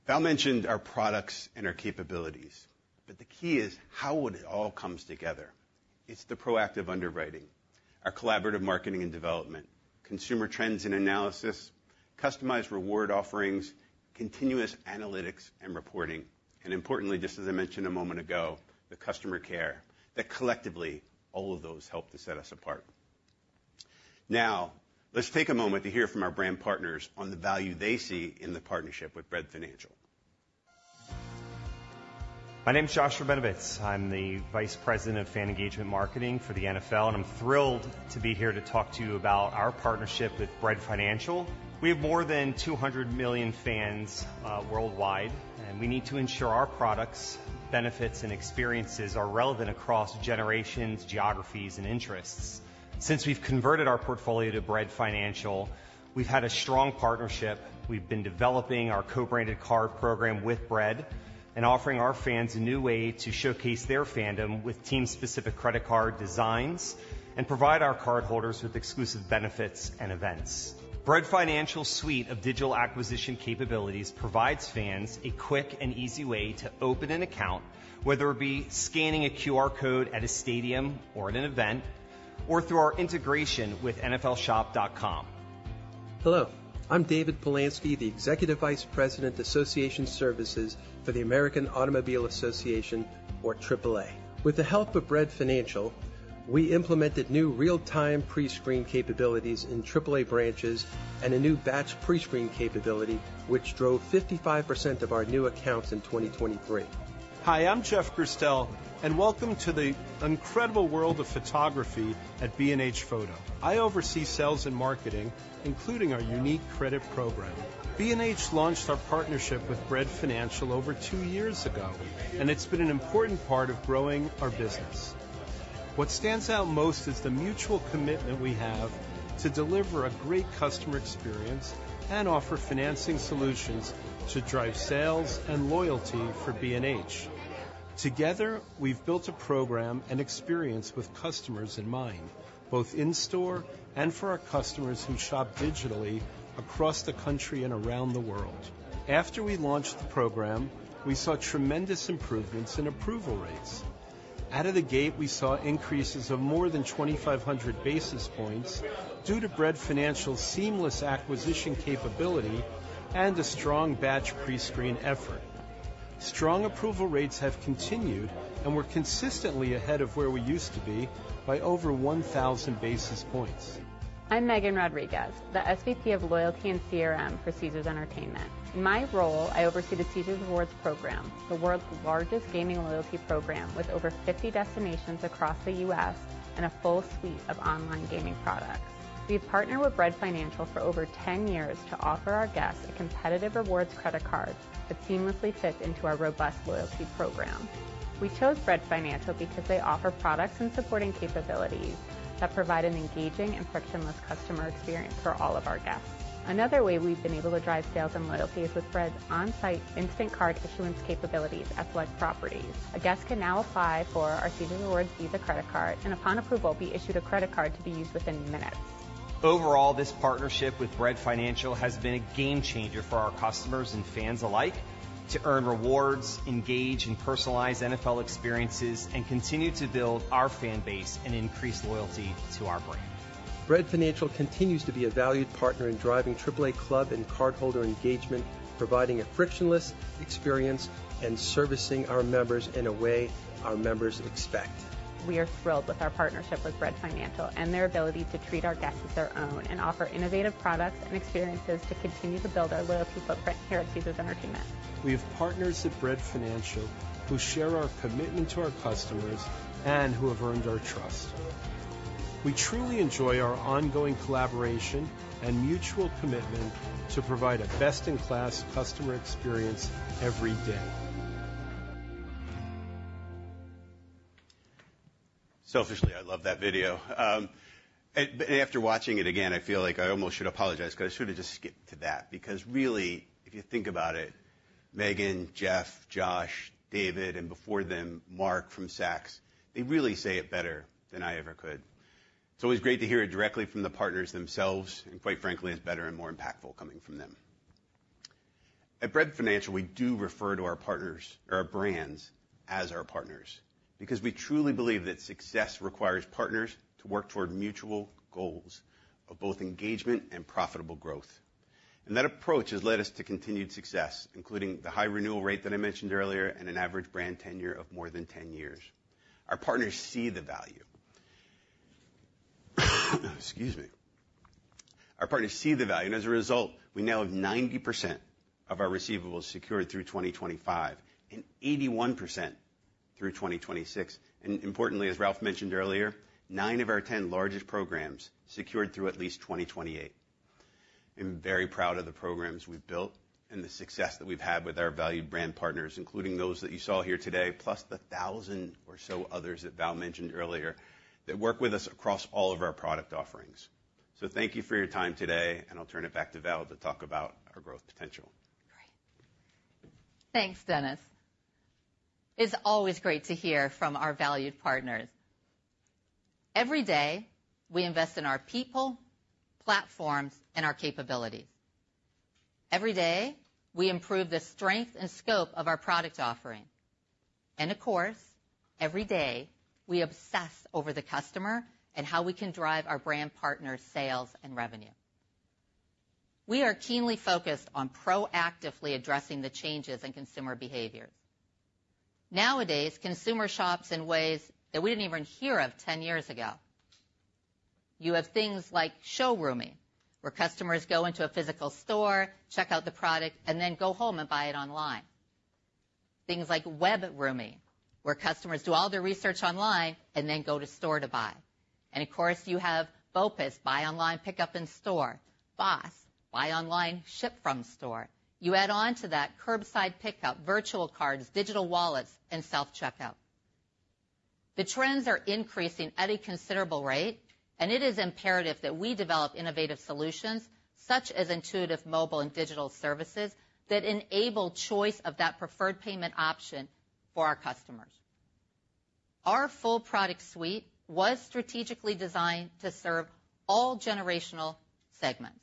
Val mentioned our products and our capabilities, but the key is how it all comes together. It's the proactive underwriting, our collaborative marketing and development, consumer trends and analysis, customized reward offerings, continuous analytics and reporting, and importantly, just as I mentioned a moment ago, the customer care, that collectively, all of those help to set us apart. Now, let's take a moment to hear from our brand partners on the value they see in the partnership with Bread Financial. My name is Josh Rabenovets I'm the Vice President of Fan Engagement Marketing for the NFL, and I'm thrilled to be here to talk to you about our partnership with Bread Financial. We have more than 200 million fans worldwide, and we need to ensure our products, benefits, and experiences are relevant across generations, geographies, and interests. Since we've converted our portfolio to Bread Financial, we've had a strong partnership. We've been developing our co-branded card program with Bread and offering our fans a new way to showcase their fandom with team-specific credit card designs and provide our cardholders with exclusive benefits and events. Bread Financial's suite of digital acquisition capabilities provides fans a quick and easy way to open an account, whether it be scanning a QR code at a stadium or at an event, or through our integration with nflshop.com. Hello, I'm David Polansky, the Executive Vice President, Association Services for the American Automobile Association, or AAA. With the help of Bread Financial, we implemented new real-time prescreen capabilities in AAA branches and a new batch prescreen capability, which drove 55% of our new accounts in 2023. Hi, I'm Jeff Gerstel, and welcome to the incredible world of photography at B&H Photo. I oversee sales and marketing, including our unique credit program. B&H launched our partnership with Bread Financial over two years ago, and it's been an important part of growing our business. What stands out most is the mutual commitment we have to deliver a great customer experience and offer financing solutions to drive sales and loyalty for B&H. Together, we've built a program and experience with customers in mind, both in store and for our customers who shop digitally across the country and around the world. After we launched the program, we saw tremendous improvements in approval rates. Out of the gate, we saw increases of more than 2,500 basis points due to Bread Financial's seamless acquisition capability and a strong batch prescreen effort. Strong approval rates have continued, and we're consistently ahead of where we used to be by over 1,000 basis points.... I'm Megan Rodriguez, the SVP of Loyalty and CRM for Caesars Entertainment. In my role, I oversee the Caesars Rewards program, the world's largest gaming loyalty program, with over 50 destinations across the U.S. and a full suite of online gaming products. We've partnered with Bread Financial for over 10 years to offer our guests a competitive rewards credit card that seamlessly fits into our robust loyalty program. We chose Bread Financial because they offer products and supporting capabilities that provide an engaging and frictionless customer experience for all of our guests. Another way we've been able to drive sales and loyalty is with Bread's on-site instant card issuance capabilities at select properties. A guest can now apply for our Caesars Rewards Visa credit card, and upon approval, be issued a credit card to be used within minutes. Overall, this partnership with Bread Financial has been a game changer for our customers and fans alike to earn rewards, engage in personalized NFL experiences, and continue to build our fan base and increase loyalty to our brand. Bread Financial continues to be a valued partner in driving AAA club and cardholder engagement, providing a frictionless experience and servicing our members in a way our members expect. We are thrilled with our partnership with Bread Financial and their ability to treat our guests as their own and offer innovative products and experiences to continue to build our loyalty footprint here at Caesars Entertainment. We have partners at Bread Financial who share our commitment to our customers and who have earned our trust. We truly enjoy our ongoing collaboration and mutual commitment to provide a best-in-class customer experience every day. Selfishly, I love that video. After watching it again, I feel like I almost should apologize, because I should have just skipped to that, because really, if you think about it, Megan, Jeff, Josh, David, and before them, Mark from Saks, they really say it better than I ever could. It's always great to hear it directly from the partners themselves, and quite frankly, it's better and more impactful coming from them. At Bread Financial, we do refer to our partners or our brands as our partners, because we truly believe that success requires partners to work toward mutual goals of both engagement and profitable growth, and that approach has led us to continued success, including the high renewal rate that I mentioned earlier and an average brand tenure of more than 10 years. Our partners see the value. Excuse me. Our partners see the value, and as a result, we now have 90% of our receivables secured through 2025 and 81% through 2026. Importantly, as Ralph mentioned earlier, 9 of our 10 largest programs secured through at least 2028. I'm very proud of the programs we've built and the success that we've had with our valued brand partners, including those that you saw here today, plus the 1,000 or so others that Val mentioned earlier, that work with us across all of our product offerings. So thank you for your time today, and I'll turn it back to Val to talk about our growth potential. Great. Thanks, Dennis. It's always great to hear from our valued partners. Every day, we invest in our people, platforms, and our capabilities. Every day, we improve the strength and scope of our product offering. And of course, every day, we obsess over the customer and how we can drive our brand partners' sales and revenue. We are keenly focused on proactively addressing the changes in consumer behaviors. Nowadays, consumer shops in ways that we didn't even hear of 10 years ago. You have things like showrooming, where customers go into a physical store, check out the product, and then go home and buy it online. Things like webrooming, where customers do all their research online and then go to store to buy. And of course, you have BOPIS, buy online, pickup in store. BOSS, buy online, ship from store. You add on to that curbside pickup, virtual cards, digital wallets, and self-checkout. The trends are increasing at a considerable rate, and it is imperative that we develop innovative solutions, such as intuitive mobile and digital services, that enable choice of that preferred payment option for our customers. Our full product suite was strategically designed to serve all generational segments,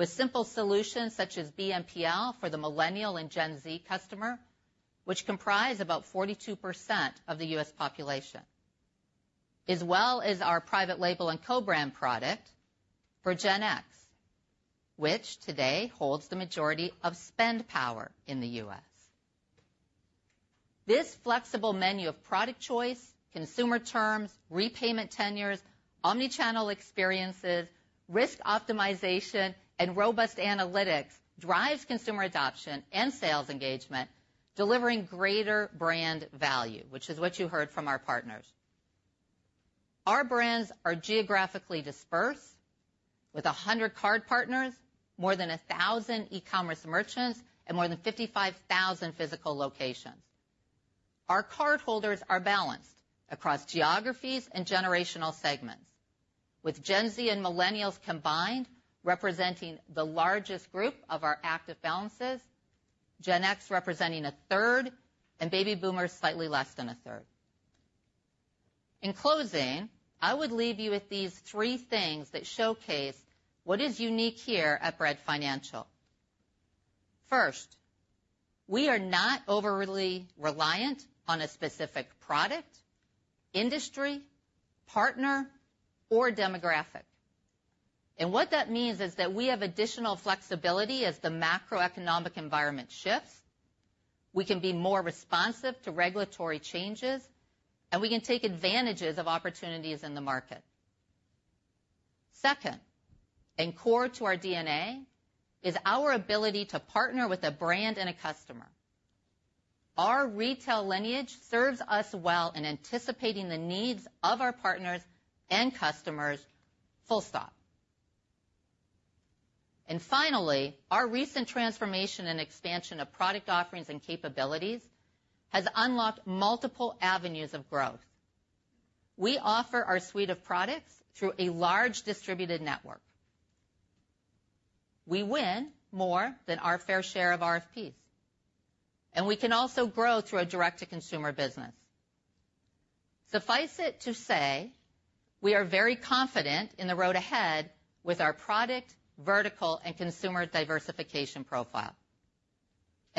with simple solutions such as BNPL for the Millennial and Gen Z customer, which comprise about 42% of the U.S. population, as well as our private label and co-brand product for Gen X, which today holds the majority of spend power in the U.S. This flexible menu of product choice, consumer terms, repayment tenures, omni-channel experiences, risk optimization, and robust analytics drives consumer adoption and sales engagement, delivering greater brand value, which is what you heard from our partners. Our brands are geographically dispersed with 100 card partners, more than 1,000 e-commerce merchants, and more than 55,000 physical locations. Our cardholders are balanced across geographies and generational segments, with Gen Z and Millennials combined, representing the largest group of our active balances, Gen X representing a third, and baby boomers slightly less than a third. In closing, I would leave you with these three things that showcase what is unique here at Bread Financial. First, we are not overly reliant on a specific product, industry, partner, or demographic. And what that means is that we have additional flexibility as the macroeconomic environment shifts. We can be more responsive to regulatory changes, and we can take advantages of opportunities in the market. Second, and core to our DNA, is our ability to partner with a brand and a customer. Our retail lineage serves us well in anticipating the needs of our partners and customers, full stop. Finally, our recent transformation and expansion of product offerings and capabilities has unlocked multiple avenues of growth. We offer our suite of products through a large distributed network. We win more than our fair share of RFPs, and we can also grow through a direct-to-consumer business. Suffice it to say, we are very confident in the road ahead with our product, vertical, and consumer diversification profile.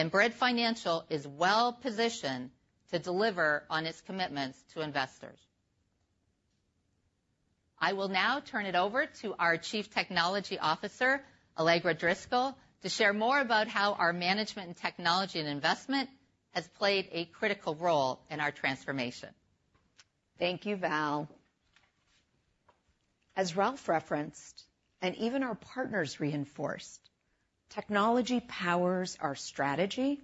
Bread Financial is well positioned to deliver on its commitments to investors. I will now turn it over to our Chief Technology Officer, Allegra Driscoll, to share more about how our management in technology and investment has played a critical role in our transformation. Thank you, Val. As Ralph referenced, and even our partners reinforced, technology powers our strategy,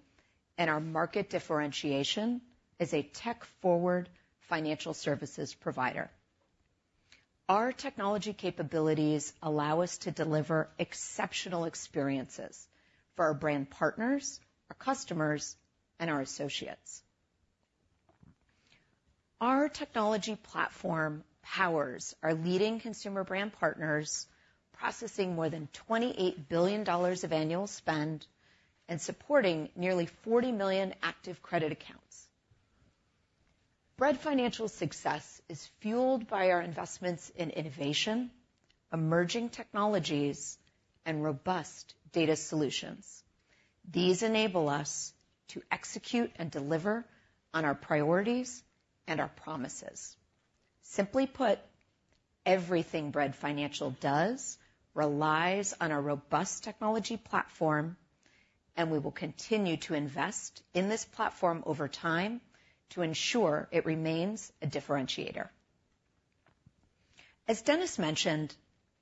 and our market differentiation is a tech-forward financial services provider. Our technology capabilities allow us to deliver exceptional experiences for our brand partners, our customers, and our associates. Our technology platform powers our leading consumer brand partners, processing more than $28 billion of annual spend and supporting nearly 40 million active credit accounts. Bread Financial's success is fueled by our investments in innovation, emerging technologies, and robust data solutions. These enable us to execute and deliver on our priorities and our promises. Simply put, everything Bread Financial does relies on a robust technology platform, and we will continue to invest in this platform over time to ensure it remains a differentiator. As Dennis mentioned,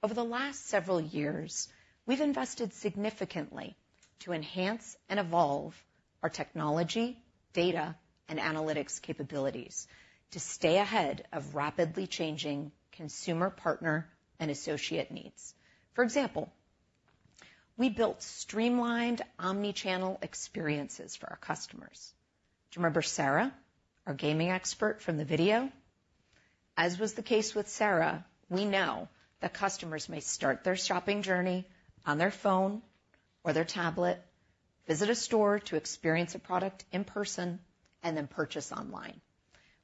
over the last several years, we've invested significantly to enhance and evolve our technology, data, and analytics capabilities to stay ahead of rapidly changing consumer partner and associate needs. For example, we built streamlined omni-channel experiences for our customers. Do you remember Sarah, our gaming expert from the video? As was the case with Sarah, we know that customers may start their shopping journey on their phone or their tablet, visit a store to experience a product in person, and then purchase online.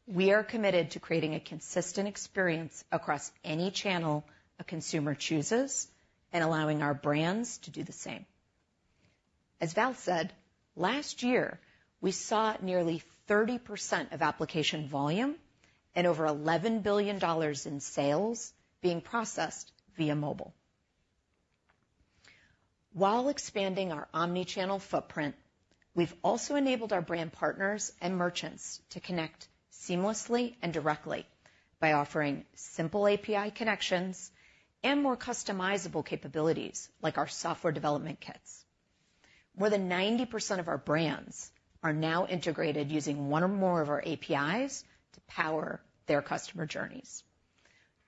We are committed to creating a consistent experience across any channel a consumer chooses and allowing our brands to do the same. As Val said, last year, we saw nearly 30% of application volume and over $11 billion in sales being processed via mobile. While expanding our omni-channel footprint, we've also enabled our brand partners and merchants to connect seamlessly and directly by offering simple API connections and more customizable capabilities, like our software development kits. More than 90% of our brands are now integrated using one or more of our APIs to power their customer journeys.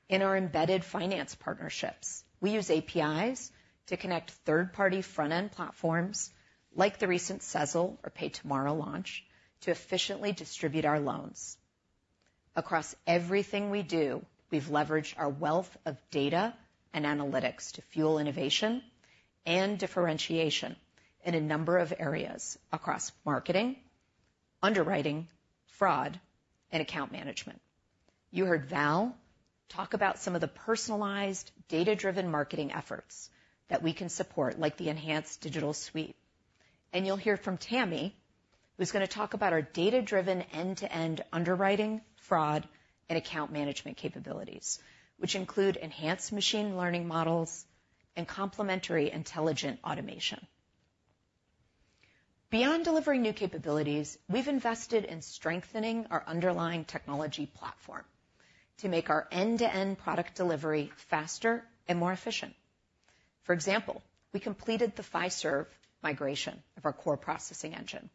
In our embedded finance partnerships, we use APIs to connect third-party front-end platforms, like the recent Sezzle or PayTomorrow launch, to efficiently distribute our loans. Across everything we do, we've leveraged our wealth of data and analytics to fuel innovation and differentiation in a number of areas across marketing, underwriting, fraud, and account management. You heard Val talk about some of the personalized data-driven marketing efforts that we can support, like the enhanced digital suite. You'll hear from Tammy, who's gonna talk about our data-driven end-to-end underwriting, fraud, and account management capabilities, which include enhanced machine learning models and complementary intelligent automation. Beyond delivering new capabilities, we've invested in strengthening our underlying technology platform to make our end-to-end product delivery faster and more efficient. For example, we completed the Fiserv migration of our core processing engine.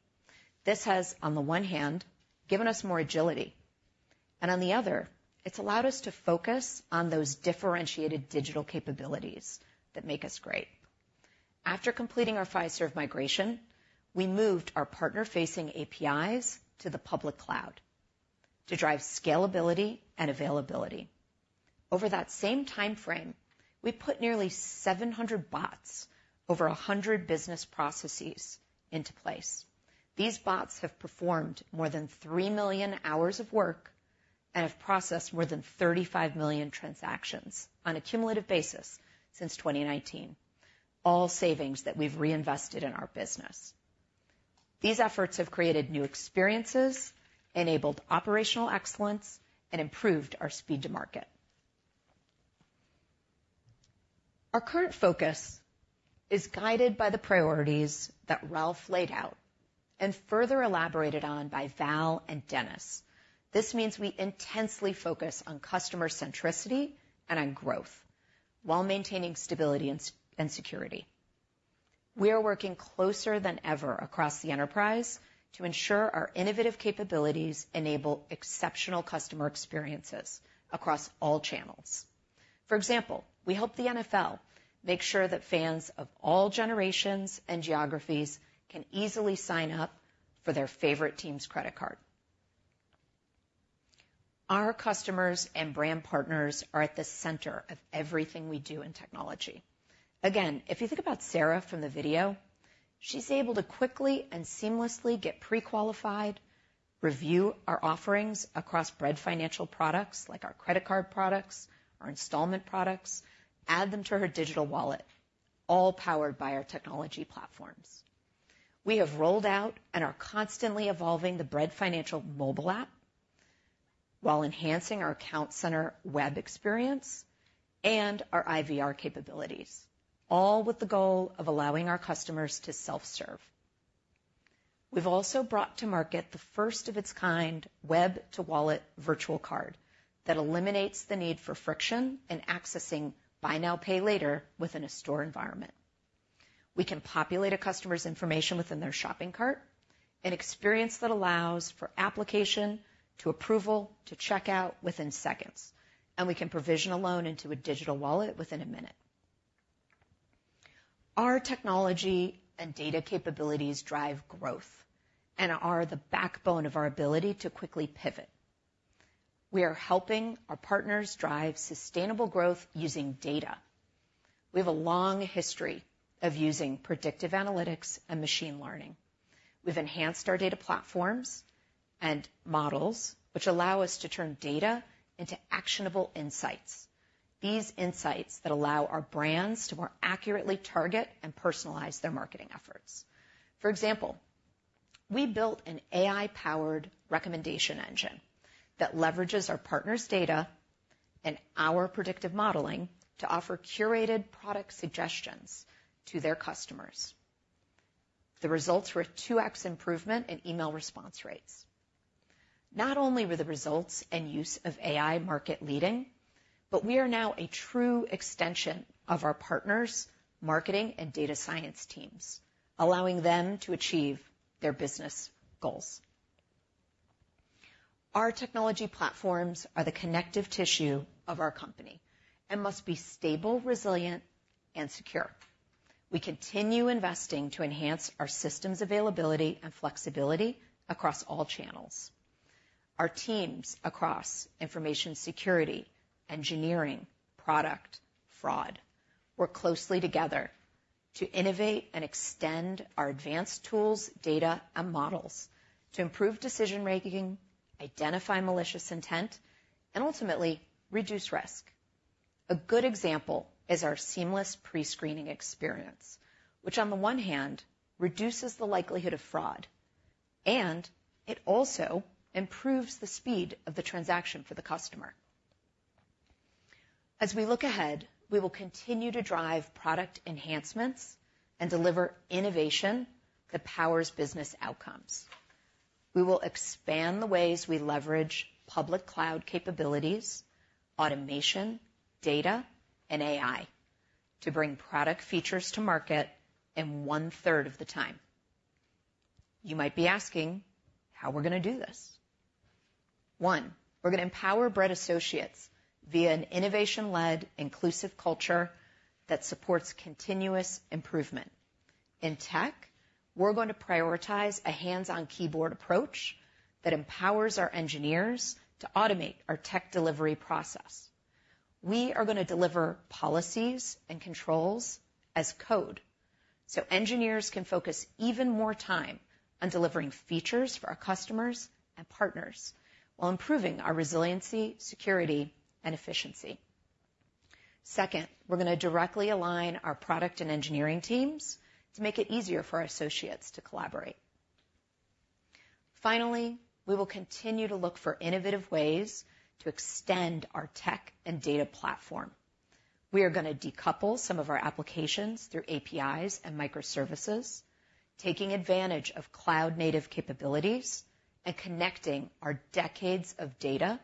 This has, on the one hand, given us more agility, and on the other, it's allowed us to focus on those differentiated digital capabilities that make us great. After completing our Fiserv migration, we moved our partner-facing APIs to the public cloud to drive scalability and availability. Over that same timeframe, we put nearly 700 bots over 100 business processes into place. These bots have performed more than 3 million hours of work and have processed more than 35 million transactions on a cumulative basis since 2019. All savings that we've reinvested in our business. These efforts have created new experiences, enabled operational excellence, and improved our speed to market. Our current focus is guided by the priorities that Ralph laid out and further elaborated on by Val and Dennis. This means we intensely focus on customer centricity and on growth, while maintaining stability and security. We are working closer than ever across the enterprise to ensure our innovative capabilities enable exceptional customer experiences across all channels. For example, we help the NFL make sure that fans of all generations and geographies can easily sign up for their favorite team's credit card. Our customers and brand partners are at the center of everything we do in technology. Again, if you think about Sarah from the video, she's able to quickly and seamlessly get pre-qualified, review our offerings across Bread Financial products, like our credit card products, our installment products, add them to her digital wallet, all powered by our technology platforms. We have rolled out and are constantly evolving the Bread Financial mobile app, while enhancing our account center web experience and our IVR capabilities, all with the goal of allowing our customers to self-serve. We've also brought to market the first of its kind web-to-wallet virtual card that eliminates the need for friction in accessing buy now, pay later within a store environment. We can populate a customer's information within their shopping cart, an experience that allows for application to approval to checkout within seconds, and we can provision a loan into a digital wallet within a minute. Our technology and data capabilities drive growth and are the backbone of our ability to quickly pivot. We are helping our partners drive sustainable growth using data. We have a long history of using predictive analytics and machine learning. We've enhanced our data platforms and models, which allow us to turn data into actionable insights. These insights, that allow our brands to more accurately target and personalize their marketing efforts. For example, we built an AI-powered recommendation engine that leverages our partners' data and our predictive modeling to offer curated product suggestions to their customers. The results were a 2x improvement in email response rates. Not only were the results and use of AI market-leading, but we are now a true extension of our partners' marketing and data science teams, allowing them to achieve their business goals. Our technology platforms are the connective tissue of our company and must be stable, resilient, and secure. We continue investing to enhance our system's availability and flexibility across all channels. Our teams across information security, engineering, product, fraud, work closely together to innovate and extend our advanced tools, data, and models to improve decision-making, identify malicious intent, and ultimately, reduce risk. A good example is our seamless prescreening experience, which on the one hand, reduces the likelihood of fraud, and it also improves the speed of the transaction for the customer. As we look ahead, we will continue to drive product enhancements and deliver innovation that powers business outcomes. We will expand the ways we leverage public cloud capabilities, automation, data, and AI to bring product features to market in one-third of the time. You might be asking how we're gonna do this. One, we're gonna empower Bread associates via an innovation-led, inclusive culture that supports continuous improvement. In tech, we're going to prioritize a hands-on-keyboard approach that empowers our engineers to automate our tech delivery process. We are gonna deliver policies and controls as code, so engineers can focus even more time on delivering features for our customers and partners, while improving our resiliency, security, and efficiency. Second, we're gonna directly align our product and engineering teams to make it easier for our associates to collaborate. Finally, we will continue to look for innovative ways to extend our tech and data platform. We are gonna decouple some of our applications through APIs and microservices, taking advantage of cloud-native capabilities and connecting our decades of data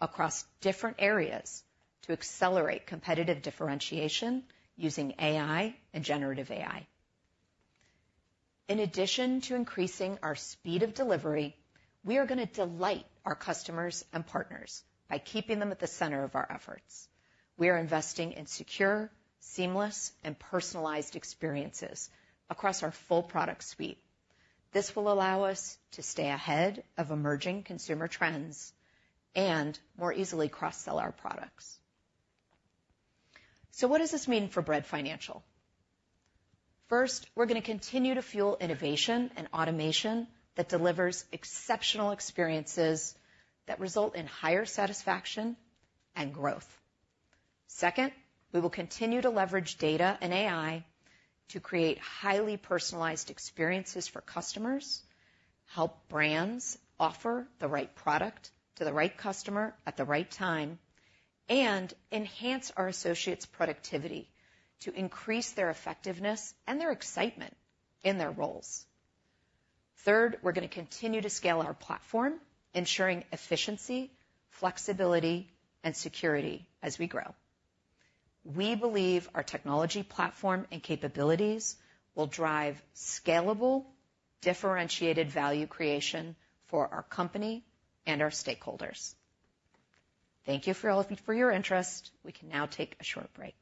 across different areas to accelerate competitive differentiation using AI and generative AI. In addition to increasing our speed of delivery, we are gonna delight our customers and partners by keeping them at the center of our efforts. We are investing in secure, seamless, and personalized experiences across our full product suite. This will allow us to stay ahead of emerging consumer trends and more easily cross-sell our products. So what does this mean for Bread Financial? First, we're gonna continue to fuel innovation and automation that delivers exceptional experiences that result in higher satisfaction and growth. Second, we will continue to leverage data and AI to create highly personalized experiences for customers, help brands offer the right product to the right customer at the right time, and enhance our associates' productivity to increase their effectiveness and their excitement in their roles. Third, we're gonna continue to scale our platform, ensuring efficiency, flexibility, and security as we grow. We believe our technology platform and capabilities will drive scalable, differentiated value creation for our company and our stakeholders. Thank you for all of you for your interest. We can now take a short break.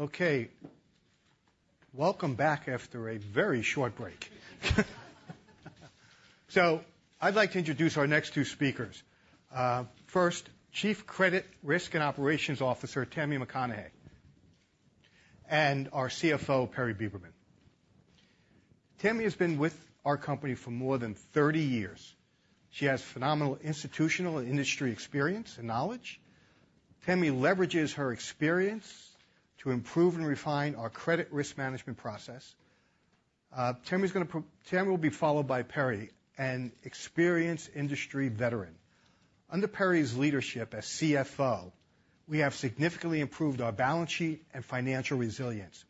Okay, welcome back after a very short break. I'd like to introduce our next two speakers. First, Chief Credit Risk and Operations Officer, Tammy McConnaughey, and our CFO, Perry Beberman. Tammy has been with our company for more than 30 years. She has phenomenal institutional and industry experience and knowledge. Tammy leverages her experience to improve and refine our credit risk management process. Tammy will be followed by Perry, an experienced industry veteran. Under Perry's leadership as CFO, we have significantly improved our balance sheet and financial resilience.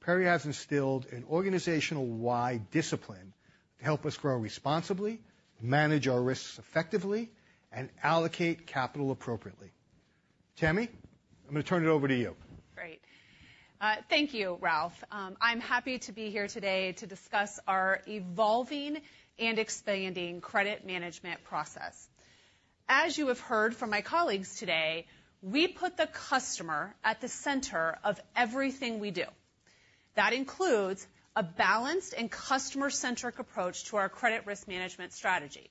Perry has instilled an organizational-wide discipline to help us grow responsibly, manage our risks effectively, and allocate capital appropriately. Tammy, I'm going to turn it over to you. Great. Thank you, Ralph. I'm happy to be here today to discuss our evolving and expanding credit management process. As you have heard from my colleagues today, we put the customer at the center of everything we do. That includes a balanced and customer-centric approach to our credit risk management strategy.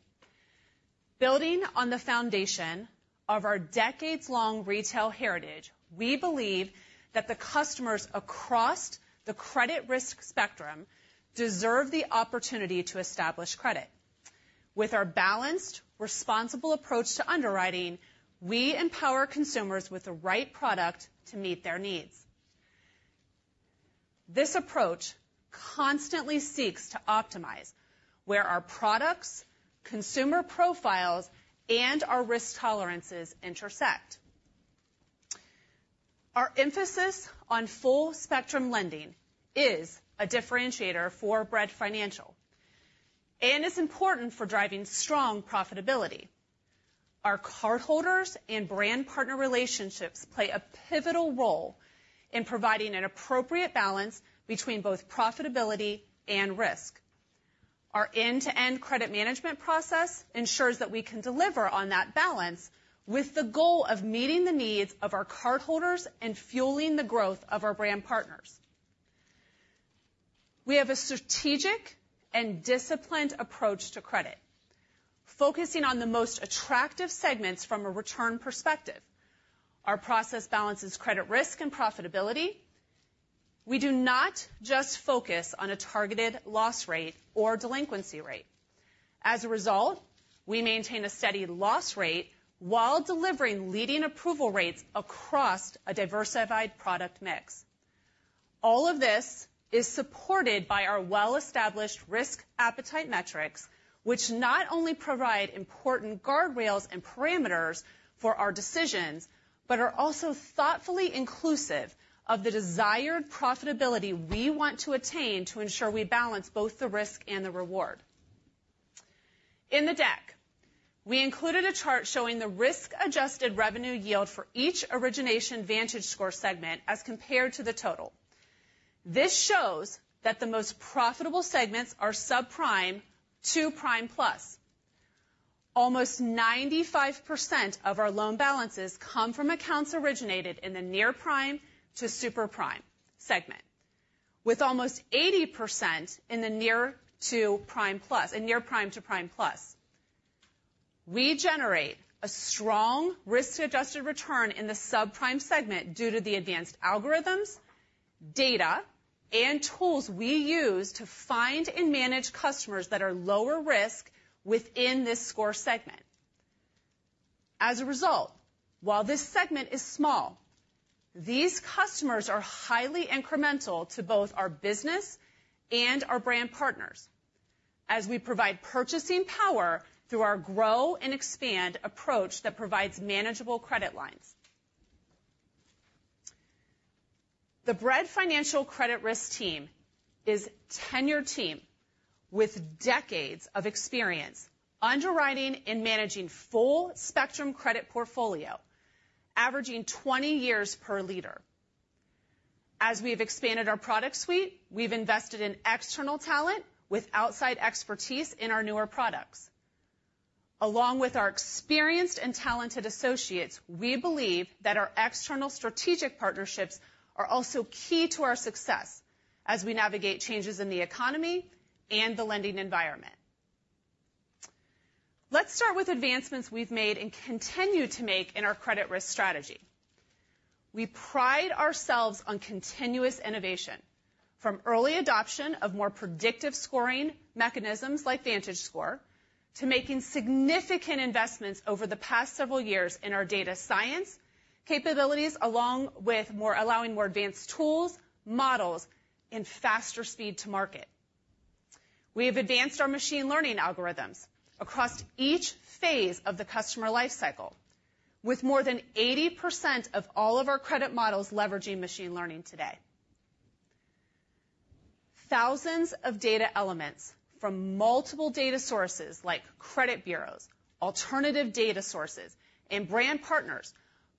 Building on the foundation of our decades-long retail heritage, we believe that the customers across the credit risk spectrum deserve the opportunity to establish credit. With our balanced, responsible approach to underwriting, we empower consumers with the right product to meet their needs. This approach constantly seeks to optimize where our products, consumer profiles, and our risk tolerances intersect. Our emphasis on full-spectrum lending is a differentiator for Bread Financial, and it's important for driving strong profitability. Our cardholders and brand partner relationships play a pivotal role in providing an appropriate balance between both profitability and risk. Our end-to-end credit management process ensures that we can deliver on that balance with the goal of meeting the needs of our cardholders and fueling the growth of our brand partners. We have a strategic and disciplined approach to credit, focusing on the most attractive segments from a return perspective. Our process balances credit risk and profitability. We do not just focus on a targeted loss rate or delinquency rate. As a result, we maintain a steady loss rate while delivering leading approval rates across a diversified product mix. All of this is supported by our well-established risk appetite metrics, which not only provide important guardrails and parameters for our decisions, but are also thoughtfully inclusive of the desired profitability we want to attain to ensure we balance both the risk and the reward. In the deck, we included a chart showing the risk-adjusted revenue yield for each origination VantageScore segment as compared to the total. This shows that the most profitable segments are subprime to prime plus. Almost 95% of our loan balances come from accounts originated in the near prime to super prime segment, with almost 80% in the near to prime plus - in near prime to prime plus. We generate a strong risk-adjusted return in the subprime segment due to the advanced algorithms, data, and tools we use to find and manage customers that are lower risk within this score segment. As a result, while this segment is small, these customers are highly incremental to both our business and our brand partners as we provide purchasing power through our grow and expand approach that provides manageable credit lines.... The Bread Financial credit risk team is tenured team with decades of experience underwriting and managing full spectrum credit portfolio, averaging 20 years per leader. As we have expanded our product suite, we've invested in external talent with outside expertise in our newer products. Along with our experienced and talented associates, we believe that our external strategic partnerships are also key to our success as we navigate changes in the economy and the lending environment. Let's start with advancements we've made and continue to make in our credit risk strategy. We pride ourselves on continuous innovation, from early adoption of more predictive scoring mechanisms like VantageScore, to making significant investments over the past several years in our data science capabilities, along with allowing more advanced tools, models, and faster speed to market. We have advanced our machine learning algorithms across each phase of the customer life cycle, with more than 80% of all of our credit models leveraging machine learning today. Thousands of data elements from multiple data sources like credit bureaus, alternative data sources, and brand partners,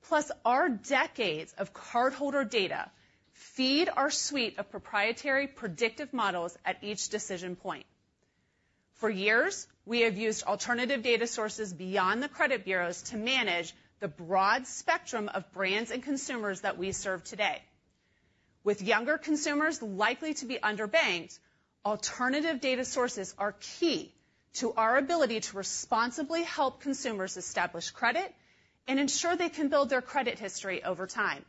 plus our decades of cardholder data, feed our suite of proprietary predictive models at each decision point. For years, we have used alternative data sources beyond the credit bureaus to manage the broad spectrum of brands and consumers that we serve today. With younger consumers likely to be underbanked, alternative data sources are key to our ability to responsibly help consumers establish credit and ensure they can build their credit history over time.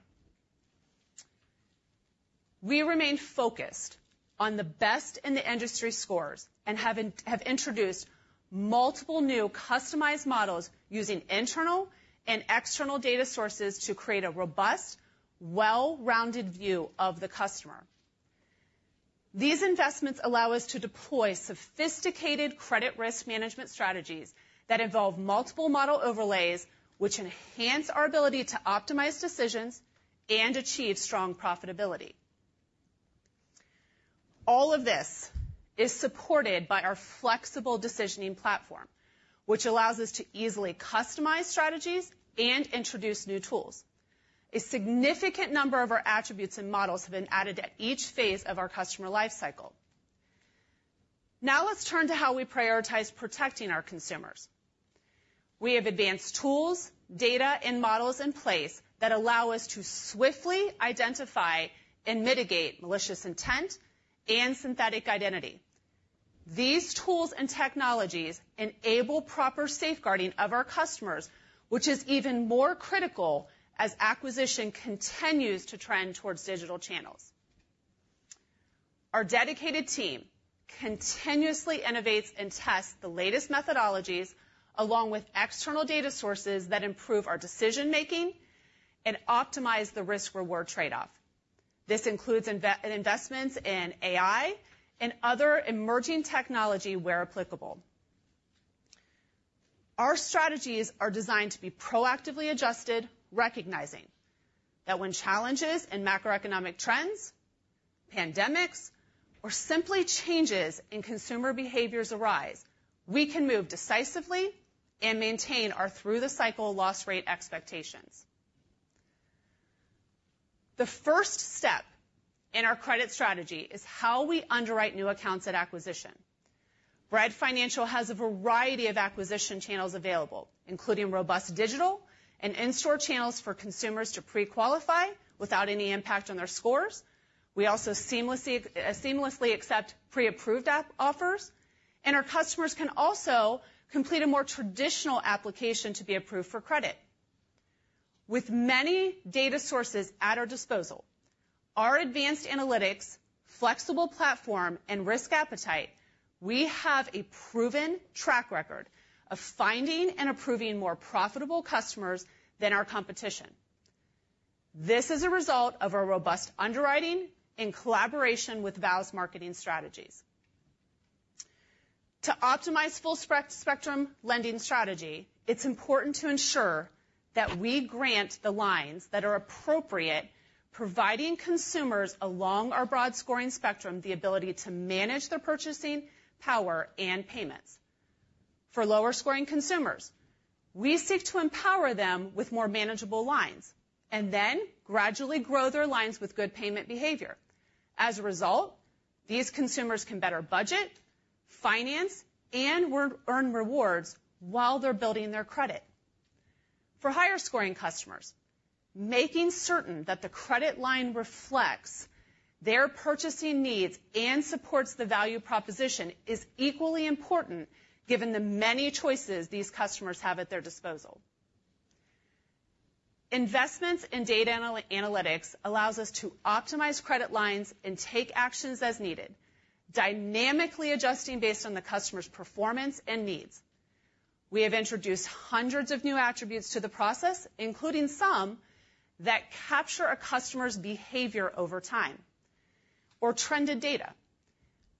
We remain focused on the best in the industry scores and have introduced multiple new customized models using internal and external data sources to create a robust, well-rounded view of the customer. These investments allow us to deploy sophisticated credit risk management strategies that involve multiple model overlays, which enhance our ability to optimize decisions and achieve strong profitability. All of this is supported by our flexible decisioning platform, which allows us to easily customize strategies and introduce new tools. A significant number of our attributes and models have been added at each phase of our customer life cycle. Now let's turn to how we prioritize protecting our consumers. We have advanced tools, data, and models in place that allow us to swiftly identify and mitigate malicious intent and synthetic identity. These tools and technologies enable proper safeguarding of our customers, which is even more critical as acquisition continues to trend towards digital channels. Our dedicated team continuously innovates and tests the latest methodologies, along with external data sources that improve our decision making and optimize the risk-reward trade-off. This includes investments in AI and other emerging technology where applicable. Our strategies are designed to be proactively adjusted, recognizing that when challenges and macroeconomic trends, pandemics, or simply changes in consumer behaviors arise, we can move decisively and maintain our through-the-cycle loss rate expectations. The first step in our credit strategy is how we underwrite new accounts at acquisition. Bread Financial has a variety of acquisition channels available, including robust digital and in-store channels for consumers to pre-qualify without any impact on their scores. We also seamlessly, seamlessly accept pre-approved app offers, and our customers can also complete a more traditional application to be approved for credit. With many data sources at our disposal, our advanced analytics, flexible platform, and risk appetite, we have a proven track record of finding and approving more profitable customers than our competition. This is a result of our robust underwriting in collaboration with Val's marketing strategies. To optimize full spectrum lending strategy, it's important to ensure that we grant the lines that are appropriate, providing consumers along our broad scoring spectrum, the ability to manage their purchasing power and payments. For lower scoring consumers, we seek to empower them with more manageable lines and then gradually grow their lines with good payment behavior. As a result, these consumers can better budget, finance, and earn rewards while they're building their credit. For higher scoring customers, making certain that the credit line reflects their purchasing needs and supports the value proposition is equally important, given the many choices these customers have at their disposal. Investments in data analytics allows us to optimize credit lines and take actions as needed, dynamically adjusting based on the customer's performance and needs. We have introduced hundreds of new attributes to the process, including some that capture a customer's behavior over time... or trended data.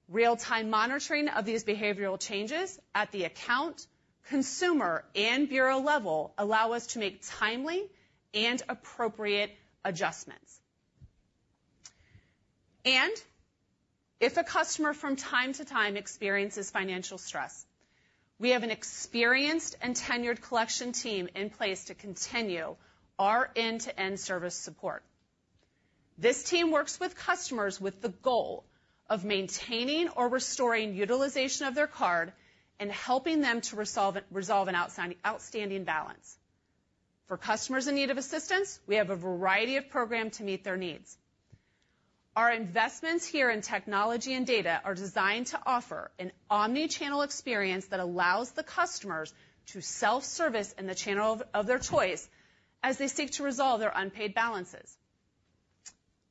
Real-time monitoring of these behavioral changes at the account, consumer, and bureau level allow us to make timely and appropriate adjustments. If a customer from time to time experiences financial stress, we have an experienced and tenured collection team in place to continue our end-to-end service support. This team works with customers with the goal of maintaining or restoring utilization of their card and helping them to resolve an outstanding balance. For customers in need of assistance, we have a variety of programs to meet their needs. Our investments here in technology and data are designed to offer an omni-channel experience that allows the customers to self-service in the channel of their choice as they seek to resolve their unpaid balances,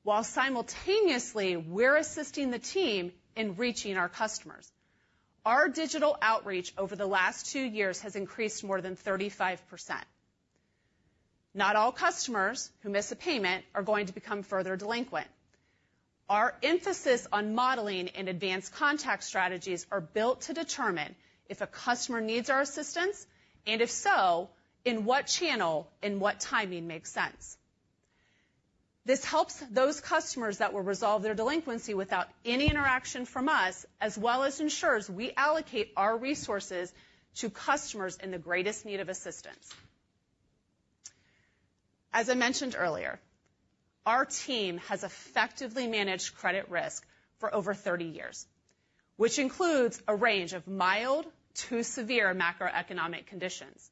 while simultaneously, we're assisting the team in reaching our customers. Our digital outreach over the last two years has increased more than 35%. Not all customers who miss a payment are going to become further delinquent. Our emphasis on modeling and advanced contact strategies are built to determine if a customer needs our assistance, and if so, in what channel and what timing makes sense. This helps those customers that will resolve their delinquency without any interaction from us, as well as ensures we allocate our resources to customers in the greatest need of assistance. As I mentioned earlier, our team has effectively managed credit risk for over 30 years, which includes a range of mild to severe macroeconomic conditions.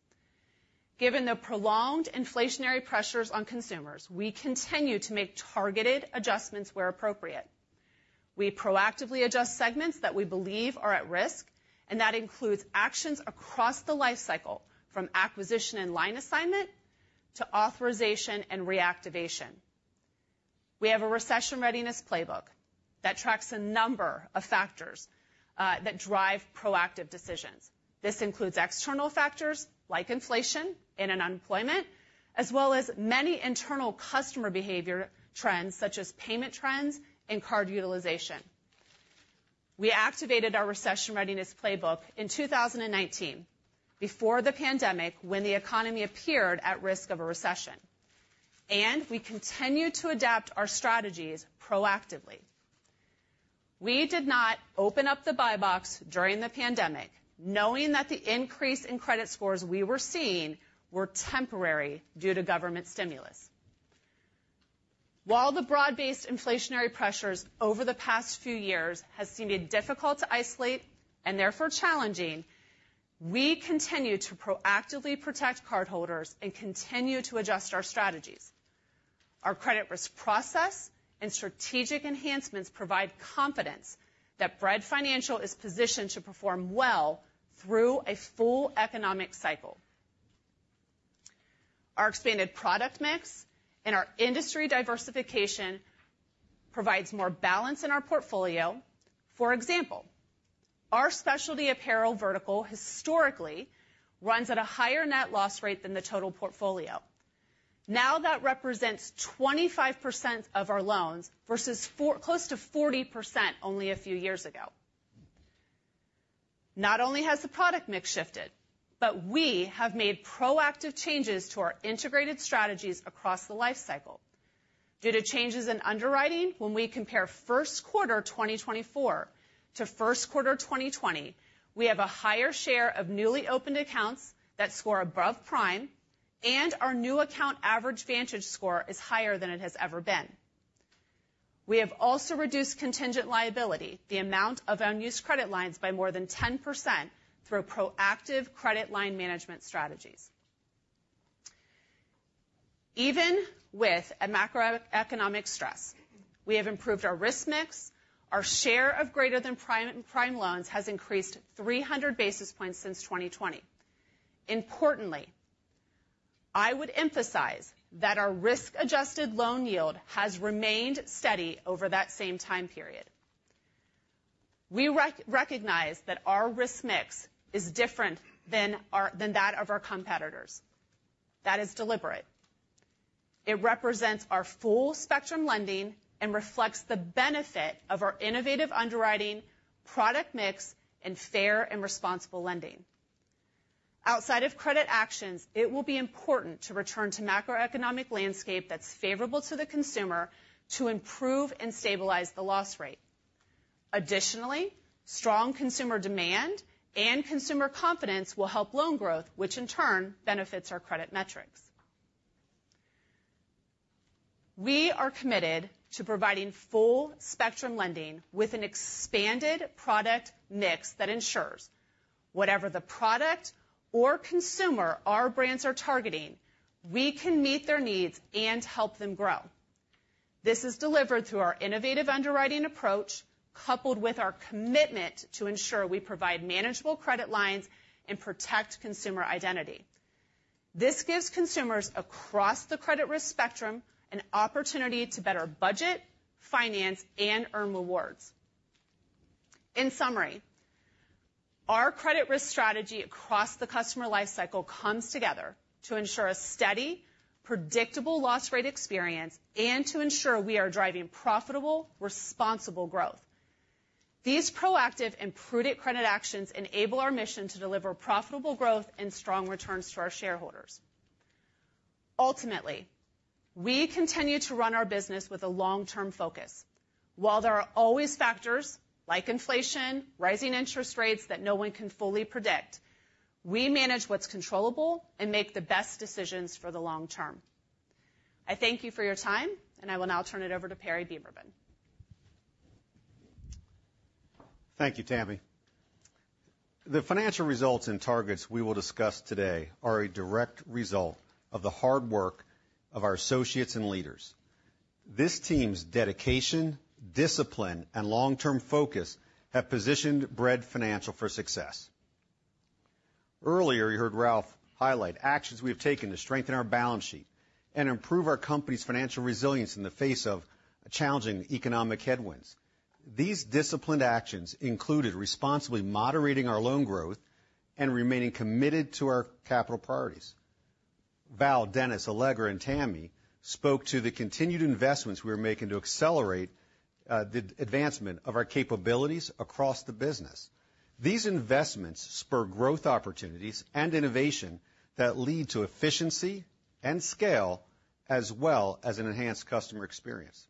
Given the prolonged inflationary pressures on consumers, we continue to make targeted adjustments where appropriate. We proactively adjust segments that we believe are at risk, and that includes actions across the life cycle, from acquisition and line assignment to authorization and reactivation. We have a recession readiness playbook that tracks a number of factors that drive proactive decisions. This includes external factors like inflation and unemployment, as well as many internal customer behavior trends, such as payment trends and card utilization. We activated our recession readiness playbook in 2019 before the pandemic, when the economy appeared at risk of a recession, and we continued to adapt our strategies proactively. We did not open up the buy box during the pandemic, knowing that the increase in credit scores we were seeing were temporary due to government stimulus. While the broad-based inflationary pressures over the past few years has seemed difficult to isolate and therefore challenging, we continue to proactively protect cardholders and continue to adjust our strategies. Our credit risk process and strategic enhancements provide confidence that Bread Financial is positioned to perform well through a full economic cycle. Our expanded product mix and our industry diversification provides more balance in our portfolio. For example, our specialty apparel vertical historically runs at a higher net loss rate than the total portfolio. Now, that represents 25% of our loans, versus close to 40% only a few years ago. Not only has the product mix shifted, but we have made proactive changes to our integrated strategies across the life cycle. Due to changes in underwriting, when we compare first quarter 2024 to first quarter 2020, we have a higher share of newly opened accounts that score above prime, and our new account average VantageScore is higher than it has ever been. We have also reduced contingent liability, the amount of unused credit lines, by more than 10% through proactive credit line management strategies. Even with a macroeconomic stress, we have improved our risk mix. Our share of greater than prime loans has increased 300 basis points since 2020. Importantly, I would emphasize that our risk-adjusted loan yield has remained steady over that same time period. We recognize that our risk mix is different than that of our competitors. That is deliberate. It represents our full spectrum lending and reflects the benefit of our innovative underwriting, product mix, and fair and responsible lending. Outside of credit actions, it will be important to return to macroeconomic landscape that's favorable to the consumer to improve and stabilize the loss rate. Additionally, strong consumer demand and consumer confidence will help loan growth, which in turn benefits our credit metrics. We are committed to providing full spectrum lending with an expanded product mix that ensures whatever the product or consumer our brands are targeting, we can meet their needs and help them grow. This is delivered through our innovative underwriting approach, coupled with our commitment to ensure we provide manageable credit lines and protect consumer identity. This gives consumers across the credit risk spectrum an opportunity to better budget, finance, and earn rewards.... In summary, our credit risk strategy across the customer life cycle comes together to ensure a steady, predictable loss rate experience and to ensure we are driving profitable, responsible growth. These proactive and prudent credit actions enable our mission to deliver profitable growth and strong returns to our shareholders. Ultimately, we continue to run our business with a long-term focus. While there are always factors like inflation, rising interest rates that no one can fully predict, we manage what's controllable and make the best decisions for the long term. I thank you for your time, and I will now turn it over to Perry Beberman. Thank you, Tammy. The financial results and targets we will discuss today are a direct result of the hard work of our associates and leaders. This team's dedication, discipline, and long-term focus have positioned Bread Financial for success. Earlier, you heard Ralph highlight actions we have taken to strengthen our balance sheet and improve our company's financial resilience in the face of challenging economic headwinds. These disciplined actions included responsibly moderating our loan growth and remaining committed to our capital priorities. Val, Dennis, Allegra, and Tammy spoke to the continued investments we are making to accelerate the advancement of our capabilities across the business. These investments spur growth opportunities and innovation that lead to efficiency and scale, as well as an enhanced customer experience.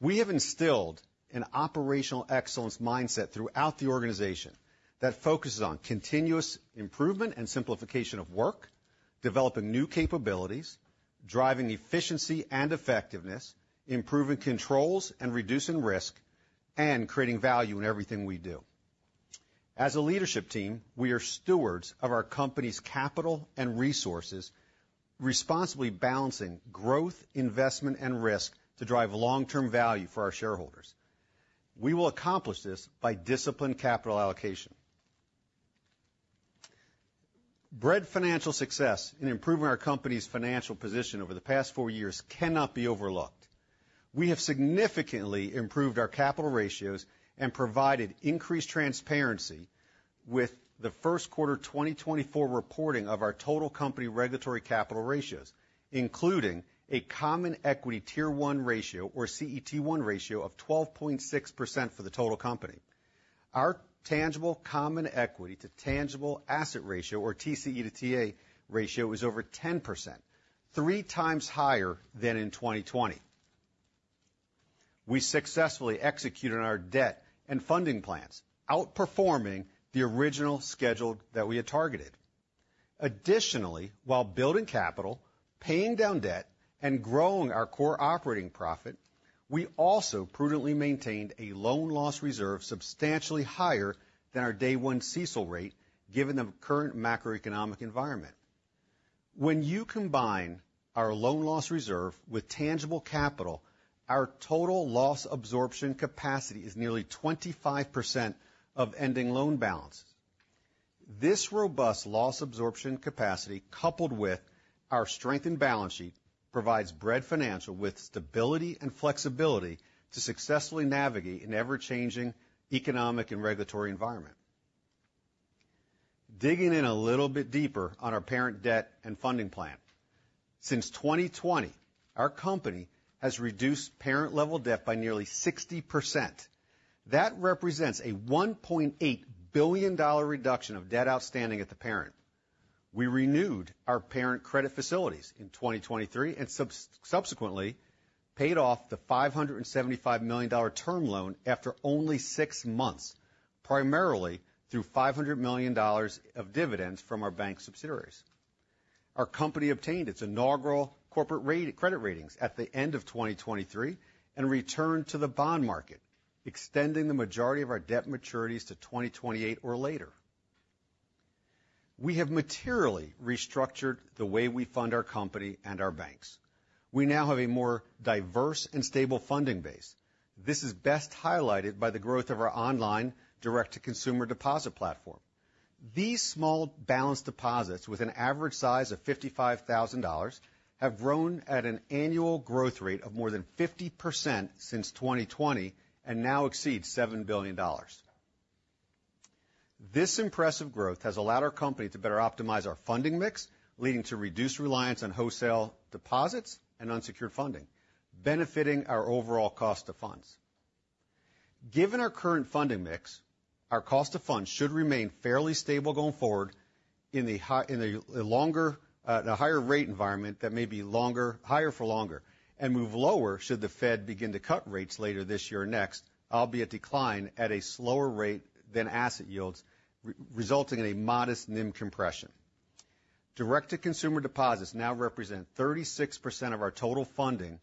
We have instilled an operational excellence mindset throughout the organization that focuses on continuous improvement and simplification of work, developing new capabilities, driving efficiency and effectiveness, improving controls and reducing risk, and creating value in everything we do. As a leadership team, we are stewards of our company's capital and resources, responsibly balancing growth, investment, and risk to drive long-term value for our shareholders. We will accomplish this by disciplined capital allocation. Bread Financial's success in improving our company's financial position over the past four years cannot be overlooked. We have significantly improved our capital ratios and provided increased transparency with the first quarter 2024 reporting of our total company regulatory capital ratios, including a Common Eequity Tier 1 ratio, or CET1 ratio, of 12.6% for the total company. Our tangible common equity to tangible asset ratio, or TCE to TA ratio, is over 10%, three times higher than in 2020. We successfully executed on our debt and funding plans, outperforming the original schedule that we had targeted. Additionally, while building capital, paying down debt, and growing our core operating profit, we also prudently maintained a loan loss reserve substantially higher than our day one CECL rate, given the current macroeconomic environment. When you combine our loan loss reserve with tangible capital, our total loss absorption capacity is nearly 25% of ending loan balance. This robust loss absorption capacity, coupled with our strengthened balance sheet, provides Bread Financial with stability and flexibility to successfully navigate an ever-changing economic and regulatory environment. Digging in a little bit deeper on our parent debt and funding plan. Since 2020, our company has reduced parent level debt by nearly 60%. That represents a $1.8 billion reduction of debt outstanding at the parent. We renewed our parent credit facilities in 2023, and subsequently, paid off the $575 million term loan after only 6 months, primarily through $500 million of dividends from our bank subsidiaries. Our company obtained its inaugural corporate rating, credit ratings at the end of 2023 and returned to the bond market, extending the majority of our debt maturities to 2028 or later. We have materially restructured the way we fund our company and our banks. We now have a more diverse and stable funding base. This is best highlighted by the growth of our online direct-to-consumer deposit platform. These small balance deposits, with an average size of $55,000, have grown at an annual growth rate of more than 50% since 2020 and now exceed $7 billion. This impressive growth has allowed our company to better optimize our funding mix, leading to reduced reliance on wholesale deposits and unsecured funding, benefiting our overall cost of funds. Given our current funding mix, our cost of funds should remain fairly stable going forward in the higher rate environment that may be longer, higher for longer, and move lower should the Fed begin to cut rates later this year or next, albeit decline at a slower rate than asset yields, resulting in a modest NIM compression. Direct-to-consumer deposits now represent 36% of our total funding,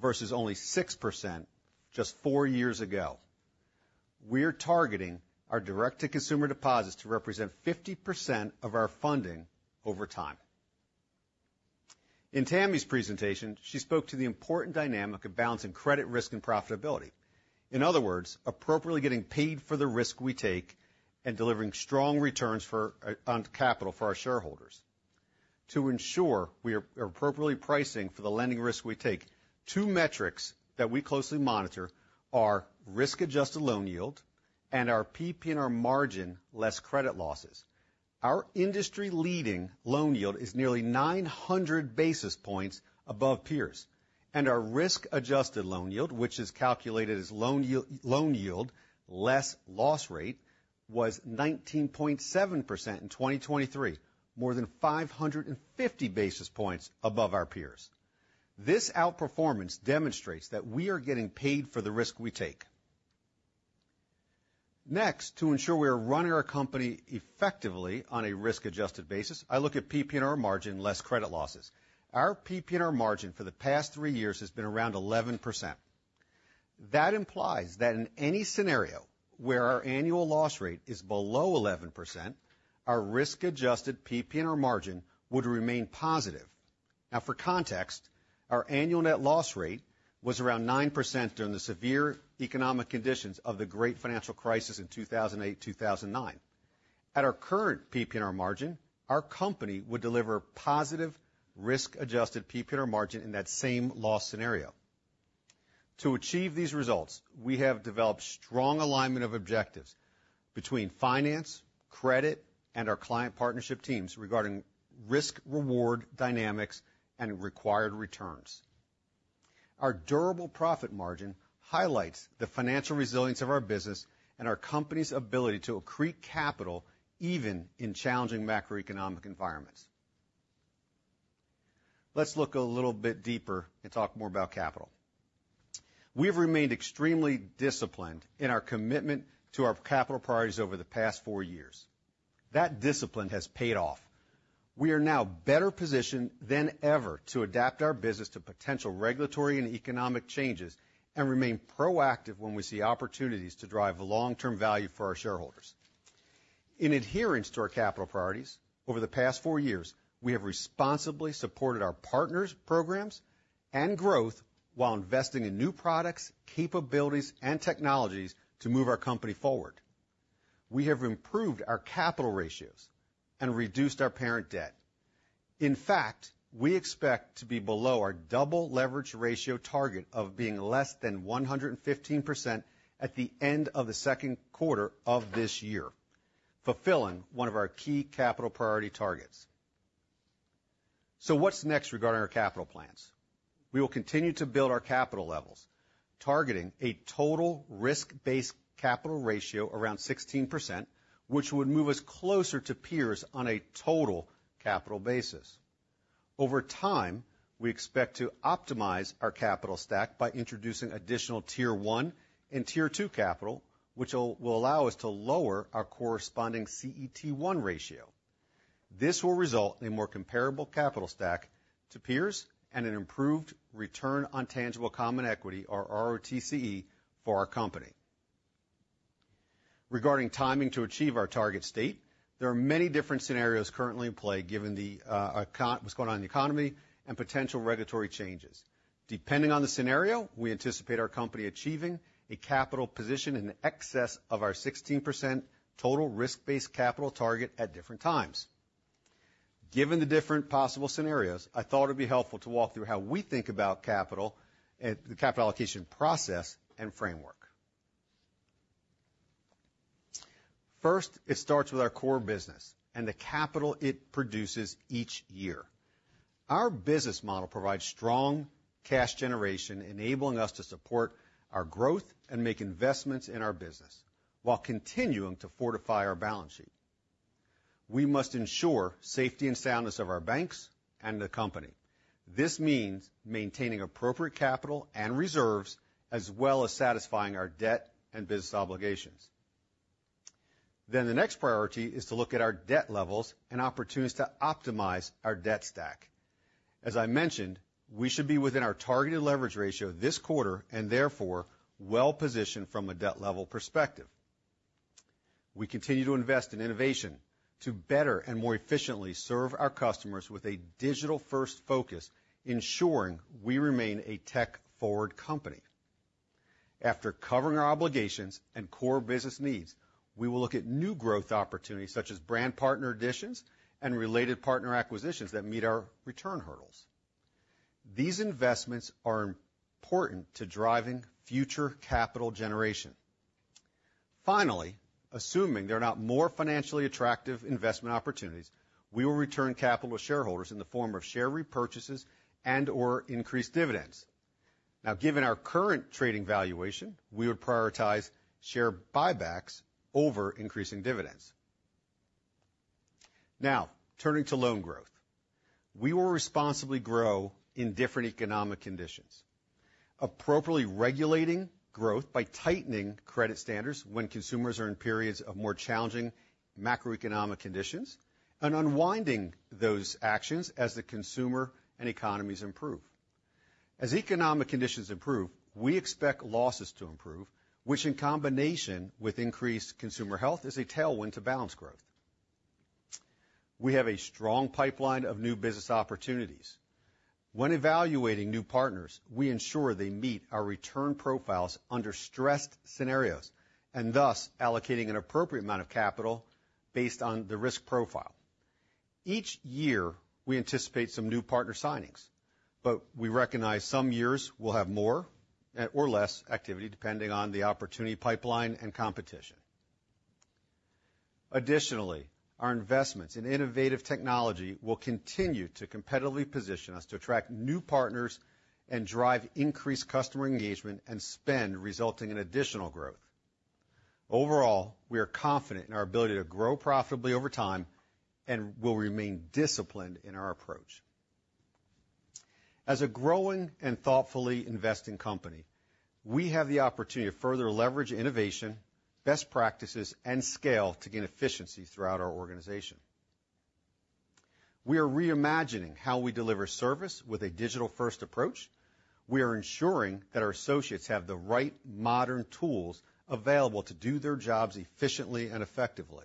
versus only 6% just four years ago. We're targeting our direct-to-consumer deposits to represent 50% of our funding over time. In Tammy's presentation, she spoke to the important dynamic of balancing credit risk and profitability. In other words, appropriately getting paid for the risk we take and delivering strong returns on capital for our shareholders to ensure we are appropriately pricing for the lending risk we take. Two metrics that we closely monitor are risk-adjusted loan yield and our PPNR margin, less credit losses. Our industry-leading loan yield is nearly 900 basis points above peers, and our risk-adjusted loan yield, which is calculated as loan yield less loss rate, was 19.7% in 2023, more than 550 basis points above our peers. This outperformance demonstrates that we are getting paid for the risk we take. Next, to ensure we are running our company effectively on a risk-adjusted basis, I look at PPNR margin less credit losses. Our PPNR margin for the past three years has been around 11%. That implies that in any scenario where our annual loss rate is below 11%, our risk-adjusted PPNR margin would remain positive. Now, for context, our annual net loss rate was around 9% during the severe economic conditions of the great financial crisis in 2008, 2009. At our current PPNR margin, our company would deliver positive risk-adjusted PPNR margin in that same loss scenario. To achieve these results, we have developed strong alignment of objectives between finance, credit, and our client partnership teams regarding risk-reward dynamics and required returns. Our durable profit margin highlights the financial resilience of our business and our company's ability to accrete capital, even in challenging macroeconomic environments. Let's look a little bit deeper and talk more about capital. We have remained extremely disciplined in our commitment to our capital priorities over the past four years. That discipline has paid off. We are now better positioned than ever to adapt our business to potential regulatory and economic changes and remain proactive when we see opportunities to drive long-term value for our shareholders. In adherence to our capital priorities, over the past four years, we have responsibly supported our partners, programs, and growth while investing in new products, capabilities, and technologies to move our company forward. We have improved our capital ratios and reduced our parent debt. In fact, we expect to be below our double leverage ratio target of being less than 115% at the end of the second quarter of this year, fulfilling one of our key capital priority targets. What's next regarding our capital plans? We will continue to build our capital levels, targeting a total risk-based capital ratio around 16%, which would move us closer to peers on a total capital basis. Over time, we expect to optimize our capital stack by introducing additional Tier 1 and Tier 2 capital, which will allow us to lower our corresponding CET1 ratio. This will result in a more comparable capital stack to peers and an improved return on tangible common equity, or ROTCE, for our company. Regarding timing to achieve our target state, there are many different scenarios currently in play, given what's going on in the economy and potential regulatory changes. Depending on the scenario, we anticipate our company achieving a capital position in excess of our 16% total risk-based capital target at different times. Given the different possible scenarios, I thought it'd be helpful to walk through how we think about capital and the capital allocation process and framework. First, it starts with our core business and the capital it produces each year. Our business model provides strong cash generation, enabling us to support our growth and make investments in our business, while continuing to fortify our balance sheet. We must ensure safety and soundness of our banks and the company. This means maintaining appropriate capital and reserves, as well as satisfying our debt and business obligations. Then, the next priority is to look at our debt levels and opportunities to optimize our debt stack. As I mentioned, we should be within our targeted leverage ratio this quarter, and therefore, well-positioned from a debt level perspective. We continue to invest in innovation to better and more efficiently serve our customers with a digital-first focus, ensuring we remain a tech-forward company. After covering our obligations and core business needs, we will look at new growth opportunities, such as brand partner additions and related partner acquisitions that meet our return hurdles. These investments are important to driving future capital generation. Finally, assuming there are not more financially attractive investment opportunities, we will return capital to shareholders in the form of share repurchases and/or increased dividends. Now, given our current trading valuation, we would prioritize share buybacks over increasing dividends. Now, turning to loan growth. We will responsibly grow in different economic conditions, appropriately regulating growth by tightening credit standards when consumers are in periods of more challenging macroeconomic conditions, and unwinding those actions as the consumer and economies improve. As economic conditions improve, we expect losses to improve, which, in combination with increased consumer health, is a tailwind to balance growth. We have a strong pipeline of new business opportunities.... When evaluating new partners, we ensure they meet our return profiles under stressed scenarios, and thus allocating an appropriate amount of capital based on the risk profile. Each year, we anticipate some new partner signings, but we recognize some years we'll have more, or less activity, depending on the opportunity pipeline and competition. Additionally, our investments in innovative technology will continue to competitively position us to attract new partners and drive increased customer engagement and spend, resulting in additional growth. Overall, we are confident in our ability to grow profitably over time and will remain disciplined in our approach. As a growing and thoughtfully investing company, we have the opportunity to further leverage innovation, best practices, and scale to gain efficiency throughout our organization. We are reimagining how we deliver service with a digital-first approach. We are ensuring that our associates have the right modern tools available to do their jobs efficiently and effectively.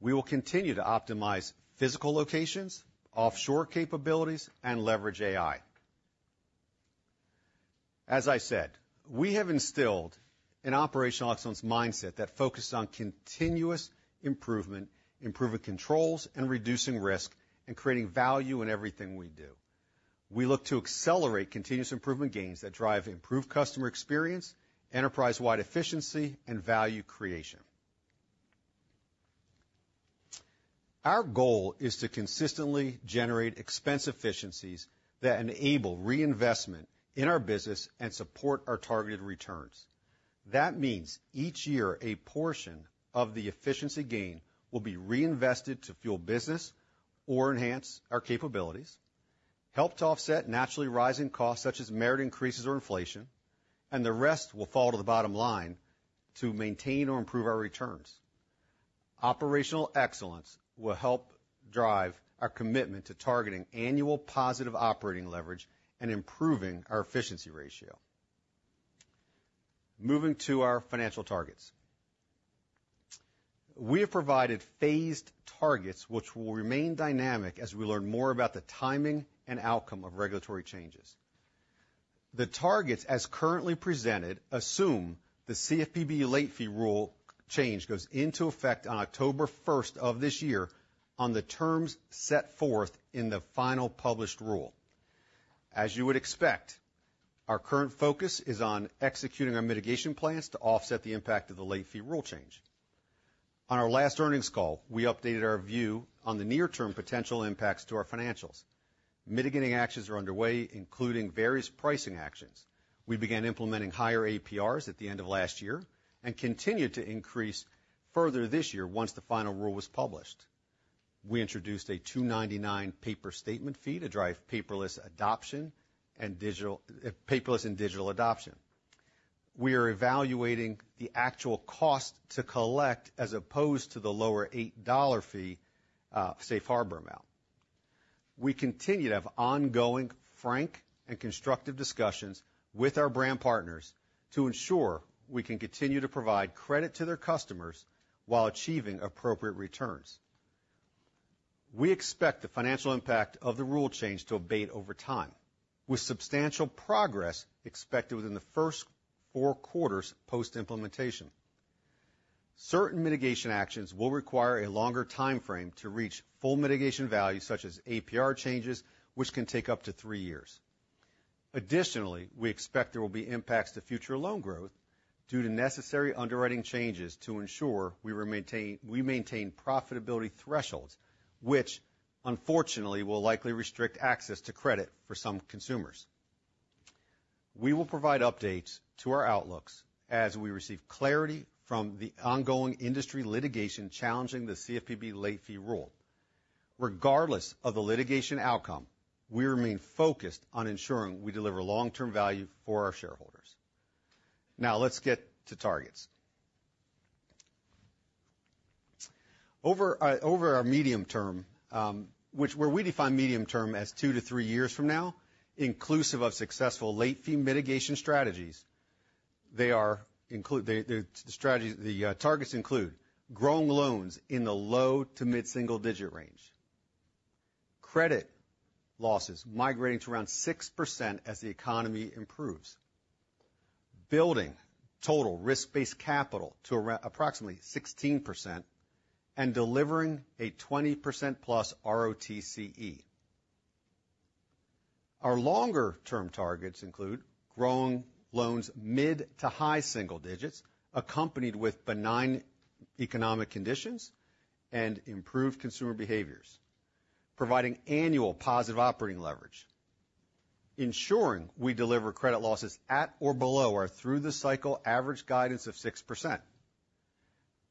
We will continue to optimize physical locations, offshore capabilities, and leverage AI. As I said, we have instilled an operational excellence mindset that focuses on continuous improvement, improving controls, and reducing risk, and creating value in everything we do. We look to accelerate continuous improvement gains that drive improved customer experience, enterprise-wide efficiency, and value creation. Our goal is to consistently generate expense efficiencies that enable reinvestment in our business and support our targeted returns. That means each year, a portion of the efficiency gain will be reinvested to fuel business or enhance our capabilities, help to offset naturally rising costs, such as merit increases or inflation, and the rest will fall to the bottom line to maintain or improve our returns. Operational excellence will help drive our commitment to targeting annual positive operating leverage and improving our efficiency ratio. Moving to our financial targets. We have provided phased targets, which will remain dynamic as we learn more about the timing and outcome of regulatory changes. The targets, as currently presented, assume the CFPB late fee rule change goes into effect on October first of this year on the terms set forth in the final published rule. As you would expect, our current focus is on executing our mitigation plans to offset the impact of the late fee rule change. On our last earnings call, we updated our view on the near-term potential impacts to our financials. Mitigating actions are underway, including various pricing actions. We began implementing higher APRs at the end of last year and continued to increase further this year once the final rule was published. We introduced a $2.99 paper statement fee to drive paperless and digital adoption. We are evaluating the actual cost to collect as opposed to the lower $8 fee, safe harbor amount. We continue to have ongoing, frank, and constructive discussions with our brand partners to ensure we can continue to provide credit to their customers while achieving appropriate returns. We expect the financial impact of the rule change to abate over time, with substantial progress expected within the first four quarters post-implementation. Certain mitigation actions will require a longer time frame to reach full mitigation value, such as APR changes, which can take up to three years. Additionally, we expect there will be impacts to future loan growth due to necessary underwriting changes to ensure we maintain profitability thresholds, which, unfortunately, will likely restrict access to credit for some consumers. We will provide updates to our outlooks as we receive clarity from the ongoing industry litigation challenging the CFPB late fee rule. Regardless of the litigation outcome, we remain focused on ensuring we deliver long-term value for our shareholders. Now, let's get to targets. Over our medium term, where we define medium term as two to three years from now, inclusive of successful late fee mitigation strategies, they are include... The strategies, the targets include growing loans in the low to mid-single digit range, credit losses migrating to around 6% as the economy improves, building total risk-based capital to around approximately 16%, and delivering a 20%+ ROTCE. Our longer-term targets include growing loans mid to high single digits, accompanied with benign economic conditions and improved consumer behaviors, providing annual positive operating leverage, ensuring we deliver credit losses at or below our through-the-cycle average guidance of 6%,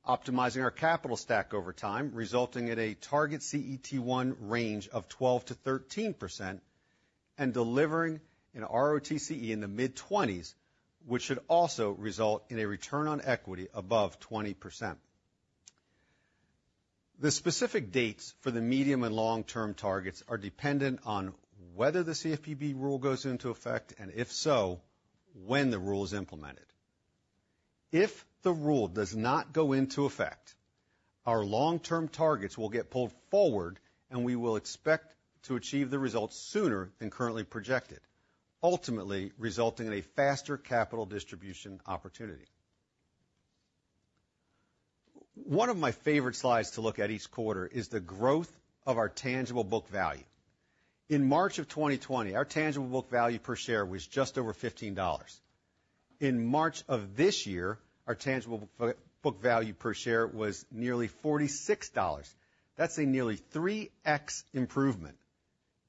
optimizing our capital stack over time, resulting in a target CET1 range of 12%-13%, and delivering an ROTCE in the mid-20s, which should also result in a return on equity above 20%. The specific dates for the medium and long-term targets are dependent on whether the CFPB rule goes into effect, and if so, when the rule is implemented. If the rule does not go into effect, our long-term targets will get pulled forward, and we will expect to achieve the results sooner than currently projected, ultimately resulting in a faster capital distribution opportunity. One of my favorite slides to look at each quarter is the growth of our tangible book value. In March 2020, our tangible book value per share was just over $15. In March of this year, our tangible book value per share was nearly $46. That's a nearly 3x improvement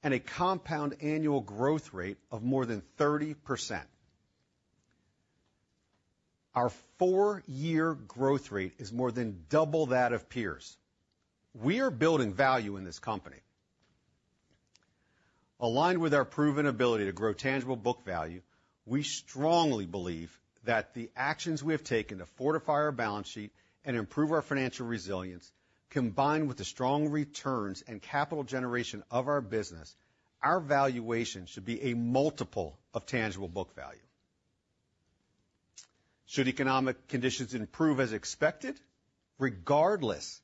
and a compound annual growth rate of more than 30%. Our four-year growth rate is more than double that of peers. We are building value in this company. Aligned with our proven ability to grow tangible book value, we strongly believe that the actions we have taken to fortify our balance sheet and improve our financial resilience, combined with the strong returns and capital generation of our business, our valuation should be a multiple of tangible book value. Should economic conditions improve as expected, regardless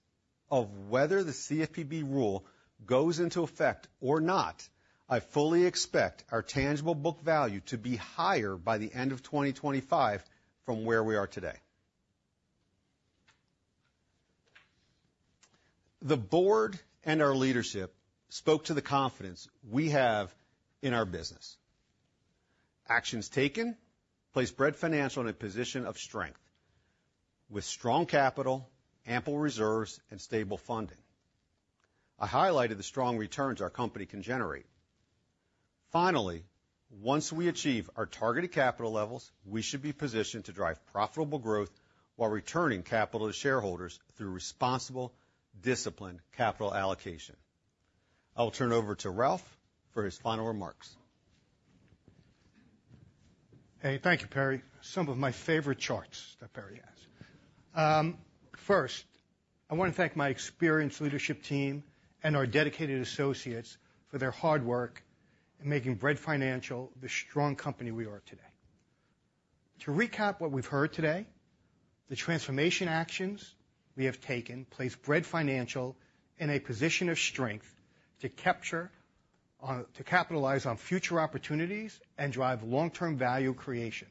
of whether the CFPB rule goes into effect or not, I fully expect our tangible book value to be higher by the end of 2025 from where we are today. The board and our leadership spoke to the confidence we have in our business. Actions taken place Bread Financial in a position of strength, with strong capital, ample reserves, and stable funding. I highlighted the strong returns our company can generate. Finally, once we achieve our targeted capital levels, we should be positioned to drive profitable growth while returning capital to shareholders through responsible, disciplined capital allocation. I will turn it over to Ralph for his final remarks. Hey, thank you, Perry. Some of my favorite charts that Perry has. First, I want to thank my experienced leadership team and our dedicated associates for their hard work in making Bread Financial the strong company we are today. To recap what we've heard today, the transformation actions we have taken have placed Bread Financial in a position of strength to capture, to capitalize on future opportunities and drive long-term value creation.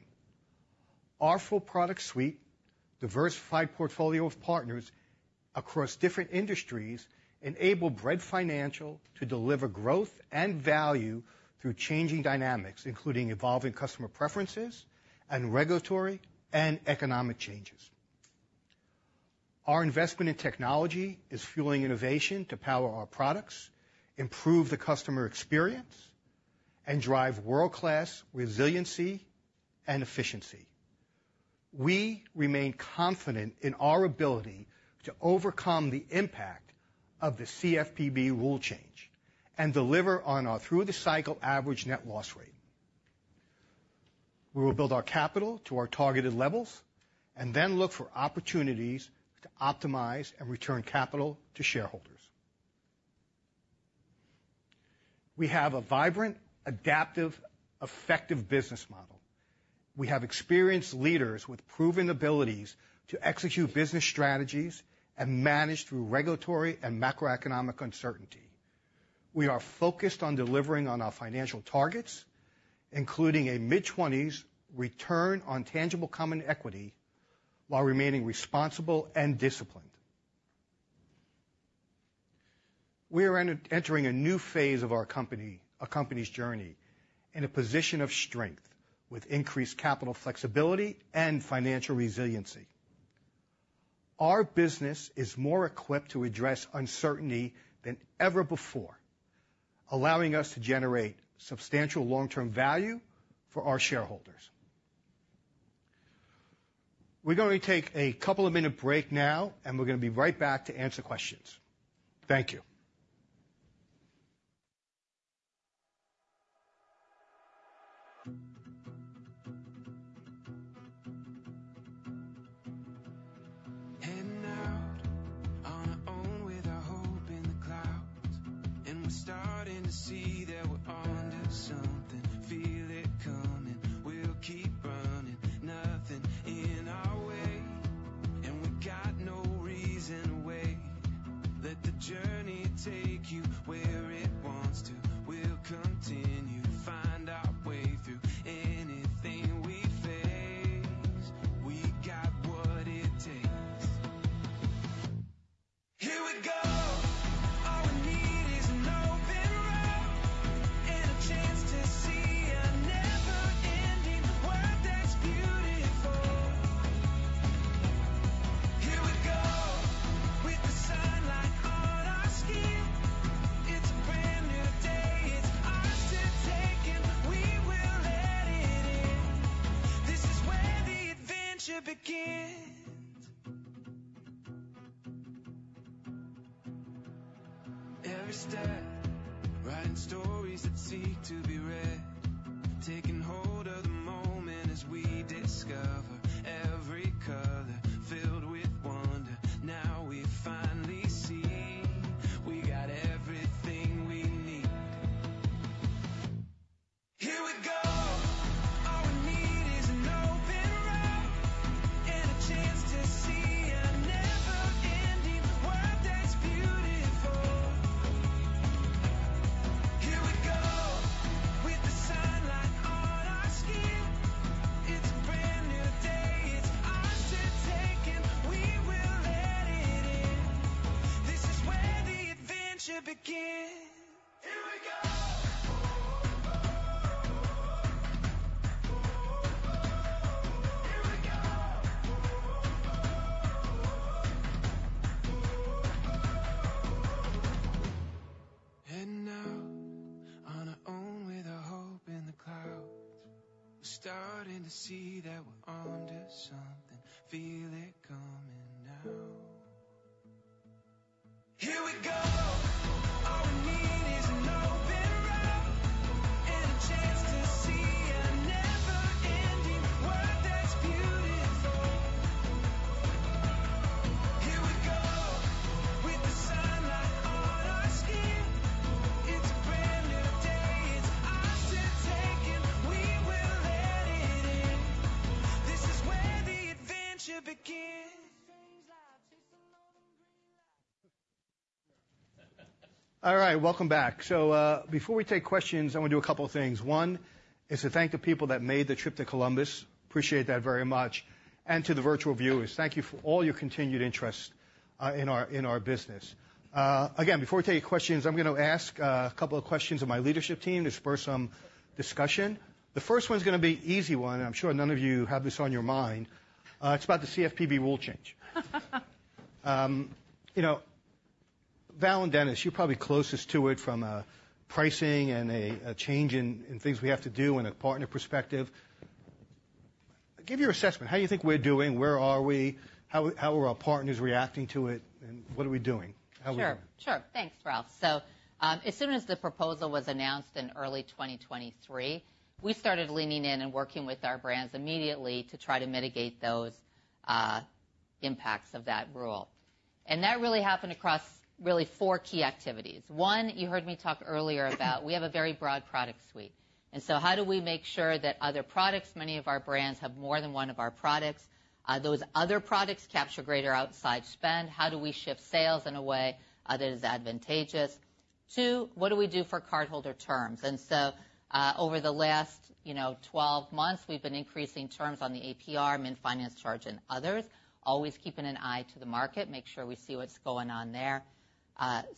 Our full product suite, diversified portfolio of partners across different industries, enable Bread Financial to deliver growth and value through changing dynamics, including evolving customer preferences and regulatory and economic changes. Our investment in technology is fueling innovation to power our products, improve the customer experience, and drive world-class resiliency and efficiency. We remain confident in our ability to overcome the impact of the CFPB rule change and deliver on our through-the-cycle average net loss rate. We will build our capital to our targeted levels and then look for opportunities to optimize and return capital to shareholders. We have a vibrant, adaptive, effective business model. We have experienced leaders with proven abilities to execute business strategies and manage through regulatory and macroeconomic uncertainty. We are focused on delivering on our financial targets, including a mid-20s return on tangible common equity, while remaining responsible and disciplined. We are entering a new phase of our company, our company's journey, in a position of strength, with increased capital flexibility and financial resiliency. Our business is more equipped to address uncertainty than ever before, allowing us to generate substantial long-term value for our shareholders. We're going to take a couple of minute break now, and we're going to be right back to answer questions. Thank you. Heading out on our own with our hope in the clouds, and we're starting to see that we're onto something. Feel it coming, we'll keep running. Nothing in our way, and we got no reason to wait. Let the journey take you where it wants to. We'll continue to find our way through anything we face. We got what it takes. Here we go. All we need is an open road and a chance to see a never-ending world that's beautiful. Here we go. With the sunlight on our skin, it's a brand new day. It's ours to take, and we will let it in. This is where the adventure begins. Every step, writing stories that seek to be read. Taking hold of the moment as we discover every color. Here we go! All we need is an open road. And a chance to see a never-ending world that's beautiful. Here we go. With the sunlight on our skin. It's a brand new day, it's ours to take, and we will let it in. This is where the adventure begins. Here we go. Oh, oh, oh, oh-oh, oh. Oh, oh, oh, oh-oh, oh. Here we go. Oh, oh, oh, oh-oh, oh. Oh, oh, oh, oh-oh, oh. Heading out on our own with our hope in the clouds. We're starting to see that we're onto something, feel it coming now. Here we go! All we need is an open road and a chance to see a never-ending world that's beautiful. Oh, oh, oh. Here we go, with the sunlight on our skin. It's a brand new day, it's ours to take, and we will let it in. This is where the adventure begins. Strange life, chasing all them green lights... All right, welcome back. So, before we take questions, I want to do a couple of things. One, is to thank the people that made the trip to Columbus. Appreciate that very much. And to the virtual viewers, thank you for all your continued interest, in our, in our business. Again, before we take any questions, I'm going to ask a, a couple of questions of my leadership team to spur some discussion. The first one's going to be an easy one, and I'm sure none of you have this on your mind. It's about the CFPB rule change. You know, Val and Dennis, you're probably closest to it from a pricing and a, a change in, in things we have to do and a partner perspective. Give your assessment. How do you think we're doing? Where are we? How are our partners reacting to it, and what are we doing? How are we doing? Sure, sure. Thanks, Ralph. So, as soon as the proposal was announced in early 2023, we started leaning in and working with our brands immediately to try to mitigate those impacts of that rule. And that really happened across really 4 key activities. One, you heard me talk earlier about, we have a very broad product suite, and so how do we make sure that other products, many of our brands have more than one of our products, those other products capture greater outside spend. How do we shift sales in a way that is advantageous? Two, what do we do for cardholder terms? And so, over the last, you know, 12 months, we've been increasing terms on the APR, min finance charge, and others, always keeping an eye to the market, make sure we see what's going on there.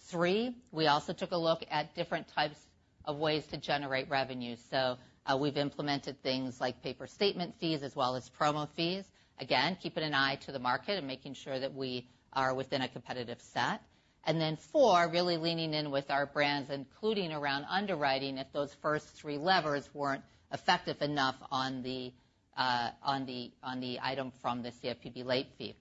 3, we also took a look at different types of ways to generate revenue. So we've implemented things like paper statement fees as well as promo fees. Again, keeping an eye to the market and making sure that we are within a competitive set. And then 4, really leaning in with our brands, including around underwriting, if those first three levers weren't effective enough on the item from the CFPB late fee.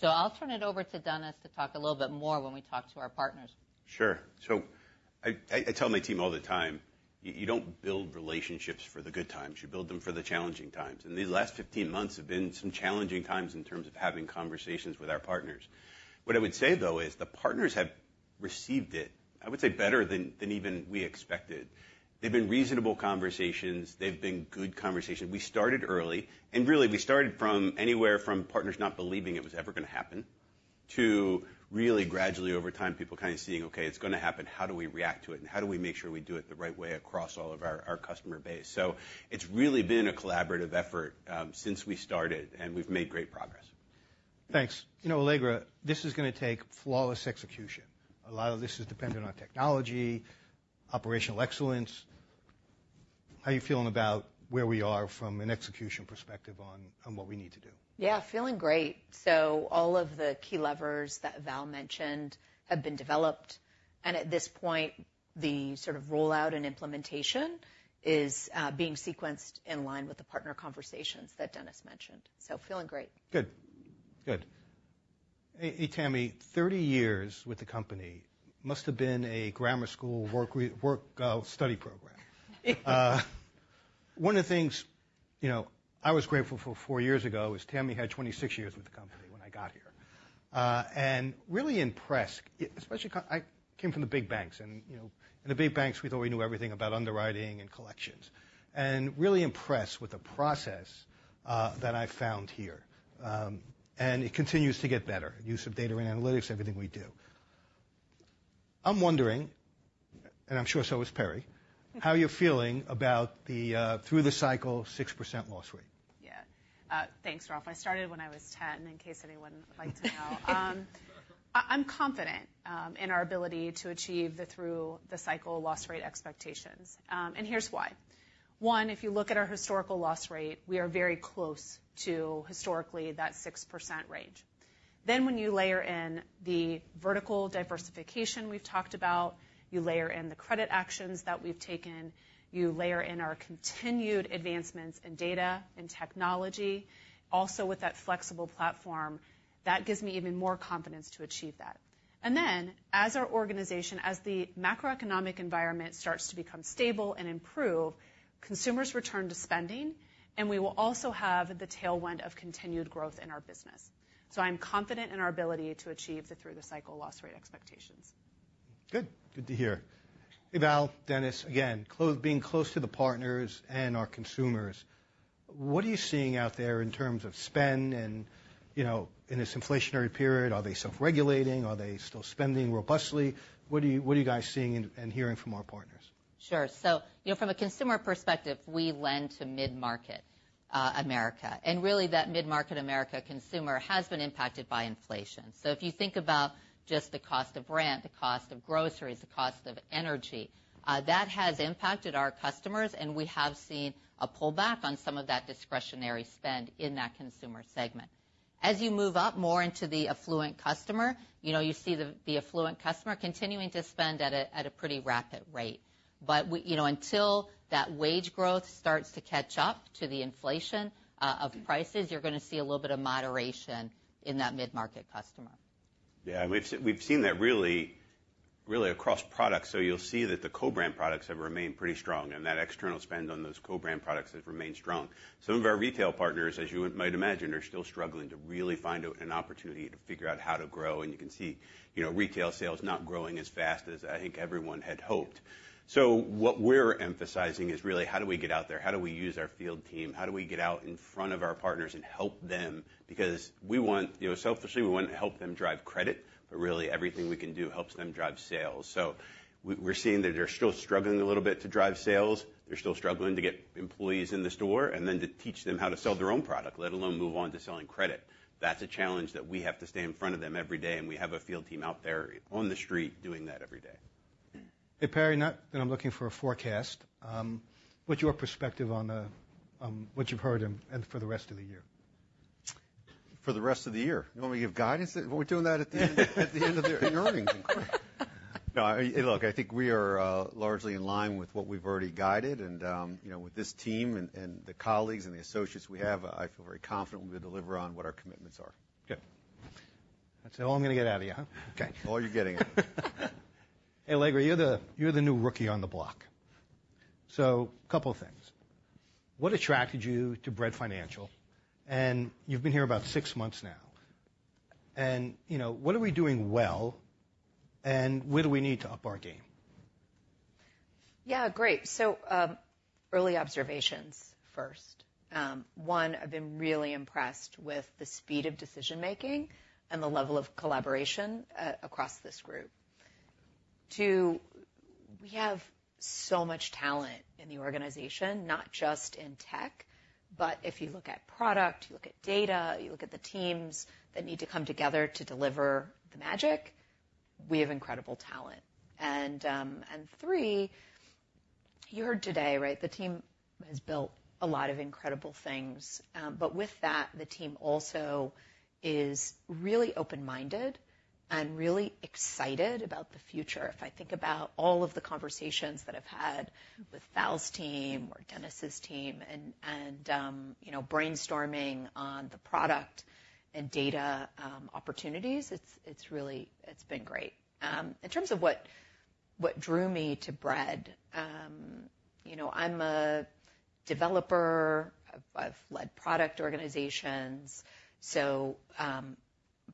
So I'll turn it over to Dennis to talk a little bit more when we talk to our partners. Sure. So I tell my team all the time, "You don't build relationships for the good times. You build them for the challenging times." And these last 15 months have been some challenging times in terms of having conversations with our partners. What I would say, though, is the partners have received it, I would say, better than even we expected. They've been reasonable conversations. They've been good conversations. We started early, and really, we started from anywhere from partners not believing it was ever going to happen, to really gradually, over time, people kind of seeing, okay, it's going to happen. How do we react to it, and how do we make sure we do it the right way across all of our customer base? So it's really been a collaborative effort since we started, and we've made great progress. Thanks. You know, Allegra, this is going to take flawless execution. A lot of this is dependent on technology, operational excellence. How are you feeling about where we are from an execution perspective on what we need to do? Yeah, feeling great. So all of the key levers that Val mentioned have been developed, and at this point, the sort of rollout and implementation is being sequenced in line with the partner conversations that Dennis mentioned. So feeling great. Good. Good. Hey, Tammy, 30 years with the company must have been a grammar school work-study program. One of the things, you know, I was grateful for 4 years ago was Tammy had 26 years with the company when I got here. And really impressed, especially because I came from the big banks, and, you know, in the big banks, we thought we knew everything about underwriting and collections. And really impressed with the process that I found here. And it continues to get better, use of data and analytics, everything we do. I'm wondering, and I'm sure so is Perry, how you're feeling about the through the cycle, 6% loss rate. Yeah. Thanks, Ralph. I started when I was 10, in case anyone would like to know. I'm confident in our ability to achieve through-the-cycle loss rate expectations, and here's why. One, if you look at our historical loss rate, we are very close to historically that 6% range. Then when you layer in the vertical diversification we've talked about, you layer in the credit actions that we've taken, you layer in our continued advancements in data and technology, also with that flexible platform, that gives me even more confidence to achieve that. And then as our organization, as the macroeconomic environment starts to become stable and improve, consumers return to spending, and we will also have the tailwind of continued growth in our business. So I'm confident in our ability to achieve through-the-cycle loss rate expectations.... Good, good to hear. Hey, Val, Dennis, again, close, being close to the partners and our consumers, what are you seeing out there in terms of spend and, you know, in this inflationary period, are they self-regulating? Are they still spending robustly? What are you, what are you guys seeing and, and hearing from our partners? Sure. So, you know, from a consumer perspective, we lend to mid-market America. And really, that mid-market America consumer has been impacted by inflation. So if you think about just the cost of rent, the cost of groceries, the cost of energy, that has impacted our customers, and we have seen a pullback on some of that discretionary spend in that consumer segment. As you move up more into the affluent customer, you know, you see the affluent customer continuing to spend at a pretty rapid rate. But you know, until that wage growth starts to catch up to the inflation of prices, you're gonna see a little bit of moderation in that mid-market customer. Yeah, we've seen that really, really across products. So you'll see that the co-brand products have remained pretty strong, and that external spend on those co-brand products has remained strong. Some of our retail partners, as you might imagine, are still struggling to really find out an opportunity to figure out how to grow, and you can see, you know, retail sales not growing as fast as I think everyone had hoped. So what we're emphasizing is really how do we get out there? How do we use our field team? How do we get out in front of our partners and help them? Because we want... You know, selfishly, we want to help them drive credit, but really everything we can do helps them drive sales. So we, we're seeing that they're still struggling a little bit to drive sales. They're still struggling to get employees in the store, and then to teach them how to sell their own product, let alone move on to selling credit. That's a challenge that we have to stay in front of them every day, and we have a field team out there on the street doing that every day. Hey, Perry, not that I'm looking for a forecast, what's your perspective on what you've heard and for the rest of the year? For the rest of the year? You want me to give guidance? We're doing that at the end, at the end of the earnings? No, I mean, look, I think we are largely in line with what we've already guided, and, you know, with this team and the colleagues and the associates we have, I feel very confident we'll deliver on what our commitments are. Okay. That's all I'm gonna get out of you, huh? Okay. All you're getting out. Hey, Allegra, you're the new rookie on the block. So couple of things. What attracted you to Bread Financial? And you've been here about six months now, and, you know, what are we doing well, and where do we need to up our game? Yeah, great. So, early observations first. One, I've been really impressed with the speed of decision-making and the level of collaboration across this group. Two, we have so much talent in the organization, not just in tech, but if you look at product, you look at data, you look at the teams that need to come together to deliver the magic, we have incredible talent. And three, you heard today, right, the team has built a lot of incredible things, but with that, the team also is really open-minded and really excited about the future. If I think about all of the conversations that I've had with Val's team or Dennis's team and, you know, brainstorming on the product and data opportunities, it's really. It's been great. In terms of what drew me to Bread, you know, I'm a developer. I've led product organizations. So,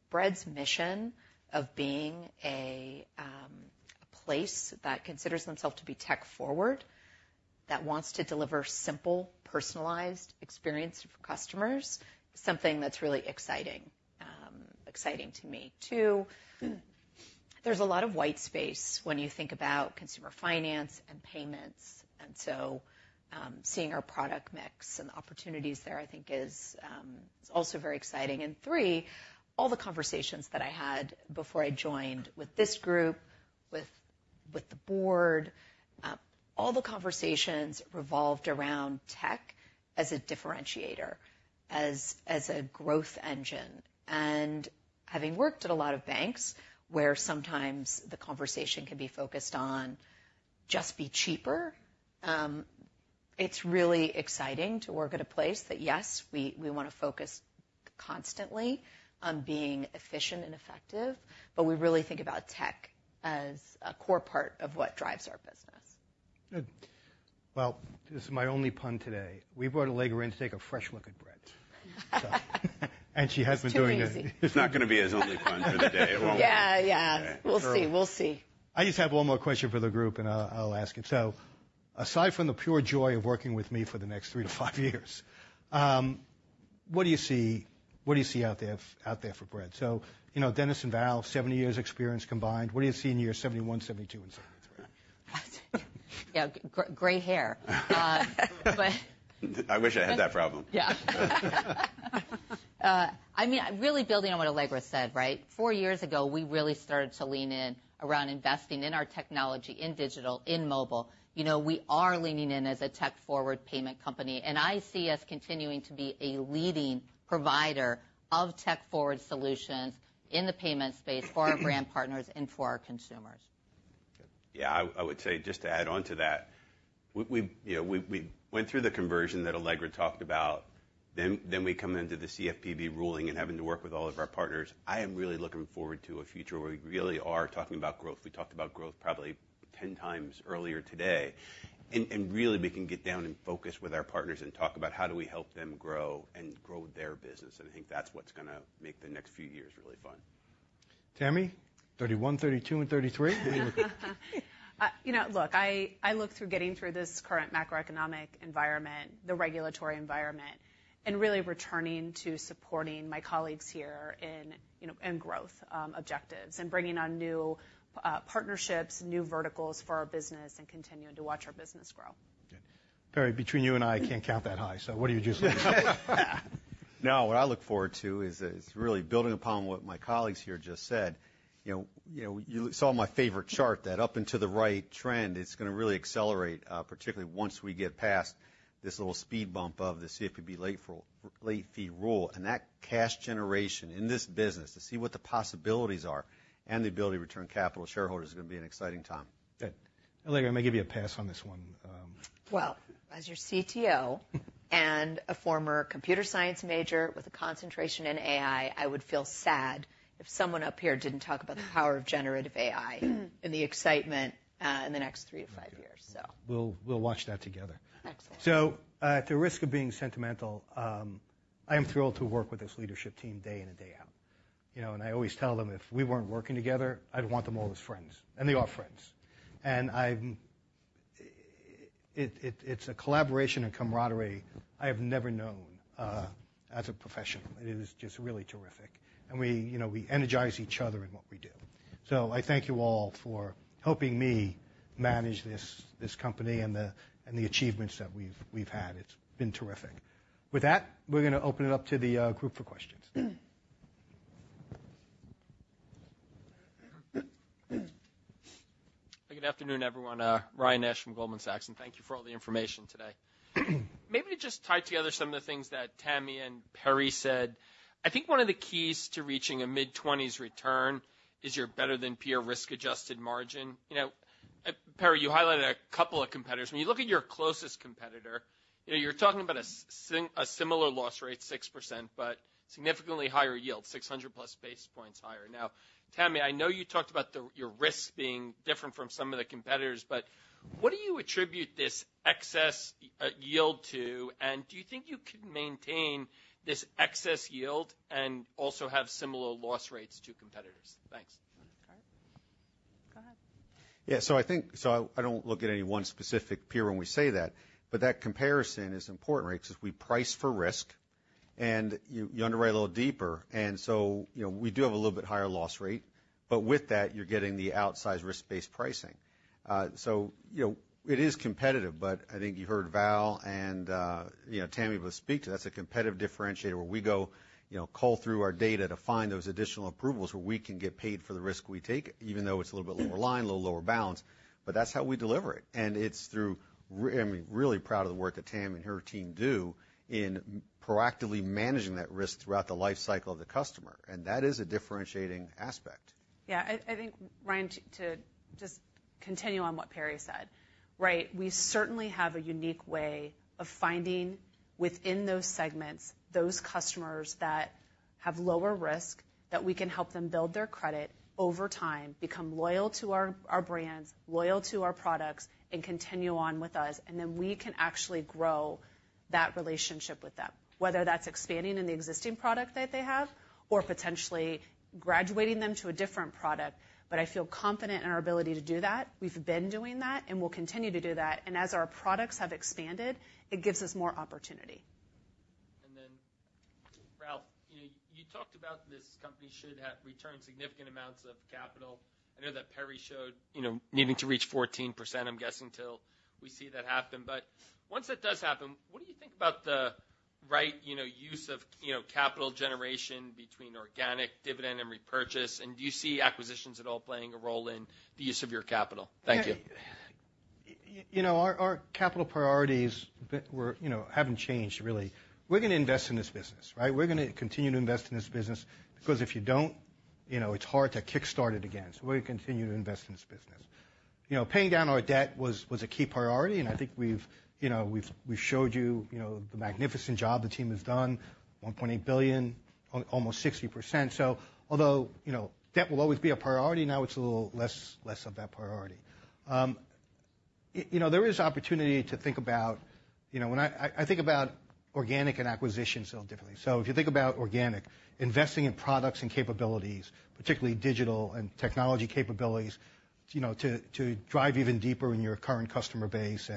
Bread's mission of being a place that considers themselves to be tech forward, that wants to deliver simple, personalized experience for customers, something that's really exciting, exciting to me. Two, there's a lot of white space when you think about consumer finance and payments, and so, seeing our product mix and the opportunities there, I think is also very exciting. And three, all the conversations that I had before I joined with this group, with the board, all the conversations revolved around tech as a differentiator, as a growth engine. Having worked at a lot of banks, where sometimes the conversation can be focused on just be cheaper, it's really exciting to work at a place that, yes, we, we wanna focus constantly on being efficient and effective, but we really think about tech as a core part of what drives our business. Good. Well, this is my only pun today. We brought Allegra in to take a fresh look at Bread. And she has been doing it- Too easy. It's not gonna be his only pun for the day, it won't. Yeah, yeah. Yeah. We'll see, we'll see. I just have one more question for the group, and I'll, I'll ask it. So aside from the pure joy of working with me for the next 3-5 years, what do you see, what do you see out there for Bread? So, you know, Dennis and Val, 70 years experience combined, what do you see in year 71, 72, and 73? Yeah, gray hair. I wish I had that problem. Yeah. I mean, really building on what Allegra said, right? Four years ago, we really started to lean in around investing in our technology, in digital, in mobile. You know, we are leaning in as a tech-forward payment company, and I see us continuing to be a leading provider of tech-forward solutions in the payment space for our brand partners and for our consumers. Yeah, I would say, just to add on to that, we, you know, we went through the conversion that Allegra talked about. Then we come into the CFPB ruling and having to work with all of our partners. I am really looking forward to a future where we really are talking about growth. We talked about growth probably 10 times earlier today. And really, we can get down and focus with our partners and talk about how do we help them grow and grow their business, and I think that's what's gonna make the next few years really fun.... Tammy McConnaughey, 31, 32, and 33? You know, look, I look through getting through this current macroeconomic environment, the regulatory environment, and really returning to supporting my colleagues here in, you know, in growth objectives, and bringing on new partnerships, new verticals for our business, and continuing to watch our business grow. Good. Perry, between you and I, I can't count that high, so what are you just looking at? No, what I look forward to is really building upon what my colleagues here just said. You know, you know, you saw my favorite chart, that up and to the right trend; it's gonna really accelerate, particularly once we get past this little speed bump of the CFPB late fee rule. And that cash generation in this business, to see what the possibilities are and the ability to return capital to shareholders is gonna be an exciting time. Good. Allegra, I'm gonna give you a pass on this one. Well, as your CTO and a former computer science major with a concentration in AI, I would feel sad if someone up here didn't talk about the power of generative AI and the excitement in the next 3-5 years, so. We'll watch that together. Excellent. So, at the risk of being sentimental, I am thrilled to work with this leadership team day in and day out. You know, and I always tell them, if we weren't working together, I'd want them all as friends, and they are friends. It's a collaboration and camaraderie I have never known as a professional. It is just really terrific. And we, you know, we energize each other in what we do. So I thank you all for helping me manage this company and the achievements that we've had. It's been terrific. With that, we're gonna open it up to the group for questions. Good afternoon, everyone. Ryan Nash from Goldman Sachs, and thank you for all the information today. Maybe just tie together some of the things that Tammy and Perry said. I think one of the keys to reaching a mid-twenties return is your better-than-peer risk-adjusted margin. You know, Perry, you highlighted a couple of competitors. When you look at your closest competitor, you know, you're talking about a similar loss rate, 6%, but significantly higher yield, 600-plus basis points higher. Now, Tammy, I know you talked about the, your risk being different from some of the competitors, but what do you attribute this excess yield to, and do you think you can maintain this excess yield and also have similar loss rates to competitors? Thanks. Do you want to start? Go ahead. Yeah, so I think so I, I don't look at any one specific peer when we say that, but that comparison is important, right? 'Cause we price for risk, and you, you underwrite a little deeper, and so, you know, we do have a little bit higher loss rate. But with that, you're getting the outsized risk-based pricing. So, you know, it is competitive, but I think you heard Val and, you know, Tammy both speak to that. That's a competitive differentiator, where we go, you know, cull through our data to find those additional approvals where we can get paid for the risk we take, even though it's a little bit lower line, a little lower balance, but that's how we deliver it. It's through, I mean, really proud of the work that Tammy and her team do in proactively managing that risk throughout the life cycle of the customer, and that is a differentiating aspect. Yeah, I think, Ryan, to just continue on what Perry said, right? We certainly have a unique way of finding, within those segments, those customers that have lower risk, that we can help them build their credit over time, become loyal to our brands, loyal to our products, and continue on with us, and then we can actually grow that relationship with them, whether that's expanding in the existing product that they have or potentially graduating them to a different product. But I feel confident in our ability to do that. We've been doing that, and we'll continue to do that, and as our products have expanded, it gives us more opportunity. Then, Ralph, you know, you talked about this company should have returned significant amounts of capital. I know that Perry showed, you know, needing to reach 14%, I'm guessing, till we see that happen. But once that does happen, what do you think about the right, you know, use of, you know, capital generation between organic dividend and repurchase, and do you see acquisitions at all playing a role in the use of your capital? Thank you. You know, our capital priorities haven't changed, really. We're gonna invest in this business, right? We're gonna continue to invest in this business, because if you don't, you know, it's hard to kickstart it again. So we're gonna continue to invest in this business. You know, paying down our debt was a key priority, and I think we've, you know, shown you, you know, the magnificent job the team has done, $1.8 billion, almost 60%. So although, you know, debt will always be a priority, now it's a little less of that priority. You know, there is opportunity to think about... You know, when I think about organic and acquisitions a little differently. So if you think about organic investing in products and capabilities, particularly digital and technology capabilities, you know, to drive even deeper in your current customer base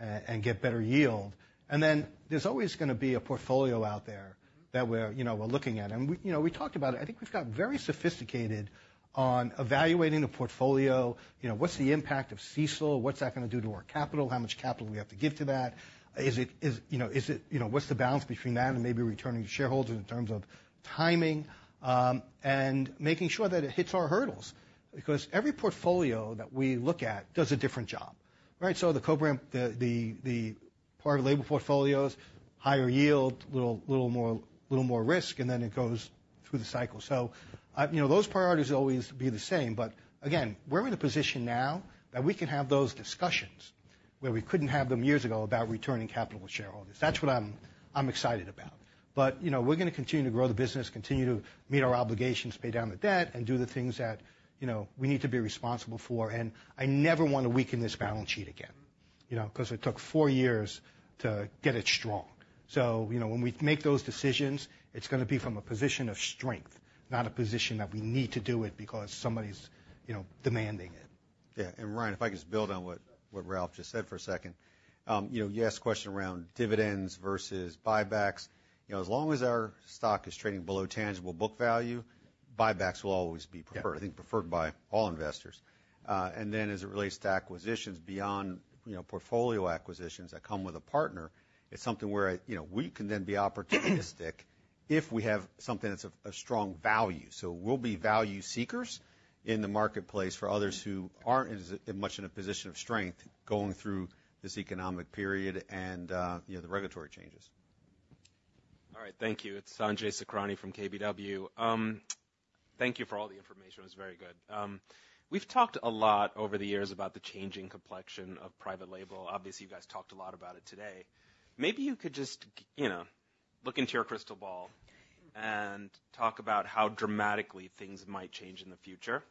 and get better yield. And then there's always gonna be a portfolio out there that we're, you know, we're looking at, and we talked about it. I think we've got very sophisticated on evaluating the portfolio. You know, what's the impact of CECL? What's that gonna do to our capital? How much capital do we have to give to that? Is it, you know, is it? You know, what's the balance between that and maybe returning to shareholders in terms of timing, and making sure that it hits our hurdles? Because every portfolio that we look at does a different job, right? So the co-brand, the private label portfolios, higher yield, little more risk, and then it goes through the cycle. So, you know, those priorities will always be the same, but again, we're in a position now that we can have those discussions, where we couldn't have them years ago about returning capital to shareholders. That's what I'm excited about. But, you know, we're gonna continue to grow the business, continue to meet our obligations, pay down the debt, and do the things that, you know, we need to be responsible for, and I never want to weaken this balance sheet again... you know, 'cause it took four years to get it strong. you know, when we make those decisions, it's gonna be from a position of strength, not a position that we need to do it because somebody's, you know, demanding it. Yeah, and Ryan, if I could just build on what Ralph just said for a second. You know, you asked a question around dividends versus buybacks. You know, as long as our stock is trading below tangible book value, buybacks will always be preferred- Yeah I think, preferred by all investors. And then as it relates to acquisitions beyond, you know, portfolio acquisitions that come with a partner, it's something where, you know, we can then be opportunistic if we have something that's of a strong value. So we'll be value seekers in the marketplace for others who aren't as much in a position of strength going through this economic period and, you know, the regulatory changes. All right. Thank you. It's Sanjay Sakhrani from KBW. Thank you for all the information. It was very good. We've talked a lot over the years about the changing complexion of private label. Obviously, you guys talked a lot about it today. Maybe you could just, you know, look into your crystal ball and talk about how dramatically things might change in the future.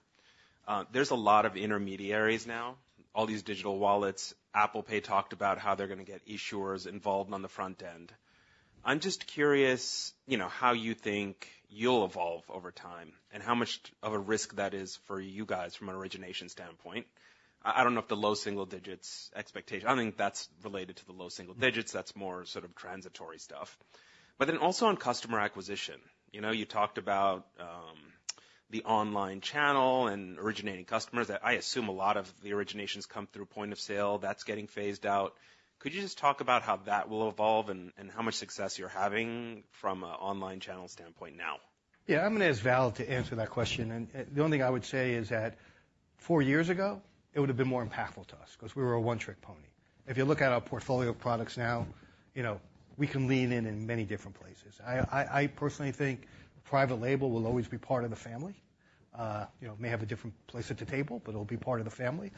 There's a lot of intermediaries now, all these digital wallets. Apple Pay talked about how they're gonna get issuers involved on the front end. I'm just curious, you know, how you think you'll evolve over time, and how much of a risk that is for you guys from an origination standpoint. I, I don't know if the low single digits expectation... I don't think that's related to the low single digits. That's more sort of transitory stuff. But then also on customer acquisition, you know, you talked about the online channel and originating customers. I assume a lot of the originations come through point of sale. That's getting phased out. Could you just talk about how that will evolve and how much success you're having from an online channel standpoint now? Yeah, I'm gonna ask Val to answer that question, and the only thing I would say is that 4 years ago, it would've been more impactful to us 'cause we were a one-trick pony. If you look at our portfolio of products now, you know, we can lean in many different places. I personally think private label will always be part of the family. You know, may have a different place at the table, but it'll be part of the family.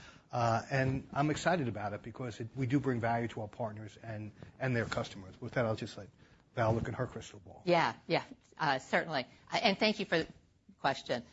And I'm excited about it because it - we do bring value to our partners and their customers. With that, I'll just let Val look in her crystal ball. Yeah. Yeah, certainly. And thank you for the question.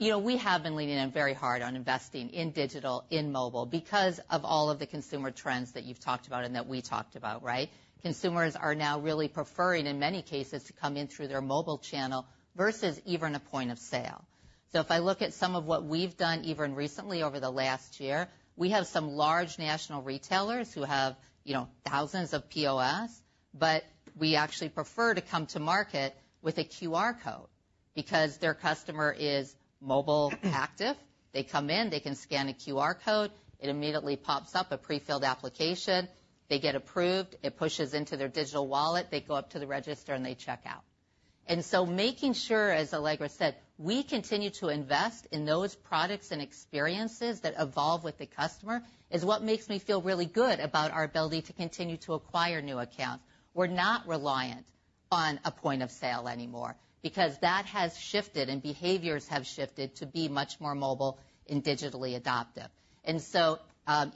You know, we have been leaning in very hard on investing in digital, in mobile, because of all of the consumer trends that you've talked about and that we talked about, right? Consumers are now really preferring, in many cases, to come in through their mobile channel versus even a point of sale. So if I look at some of what we've done even recently over the last year, we have some large national retailers who have, you know, thousands of POS, but we actually prefer to come to market with a QR code because their customer is mobile active. They come in, they can scan a QR code, it immediately pops up a prefilled application, they get approved, it pushes into their digital wallet, they go up to the register, and they check out. Making sure, as Allegra said, we continue to invest in those products and experiences that evolve with the customer, is what makes me feel really good about our ability to continue to acquire new accounts. We're not reliant on a point of sale anymore because that has shifted and behaviors have shifted to be much more mobile and digitally adaptive.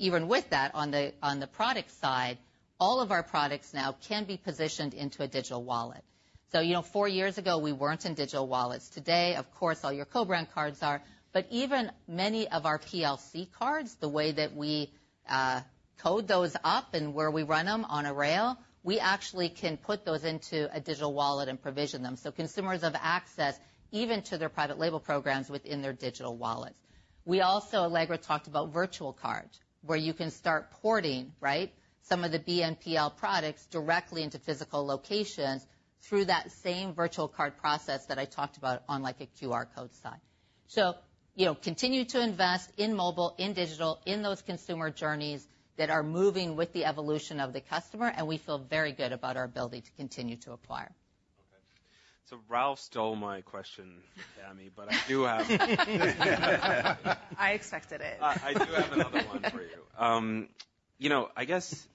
Even with that, on the product side, all of our products now can be positioned into a digital wallet. You know, four years ago, we weren't in digital wallets. Today, of course, all your co-brand cards are, but even many of our PLC cards, the way that we code those up and where we run them on a rail, we actually can put those into a digital wallet and provision them. So consumers have access even to their private label programs within their digital wallets. We also, Allegra talked about virtual cards, where you can start porting, right, some of the BNPL products directly into physical locations through that same virtual card process that I talked about on, like, a QR code side. So, you know, continue to invest in mobile, in digital, in those consumer journeys that are moving with the evolution of the customer, and we feel very good about our ability to continue to acquire. Okay. So Ralph stole my question, Tammy, but I do have- I expected it. I do have another one for you. You know, I guess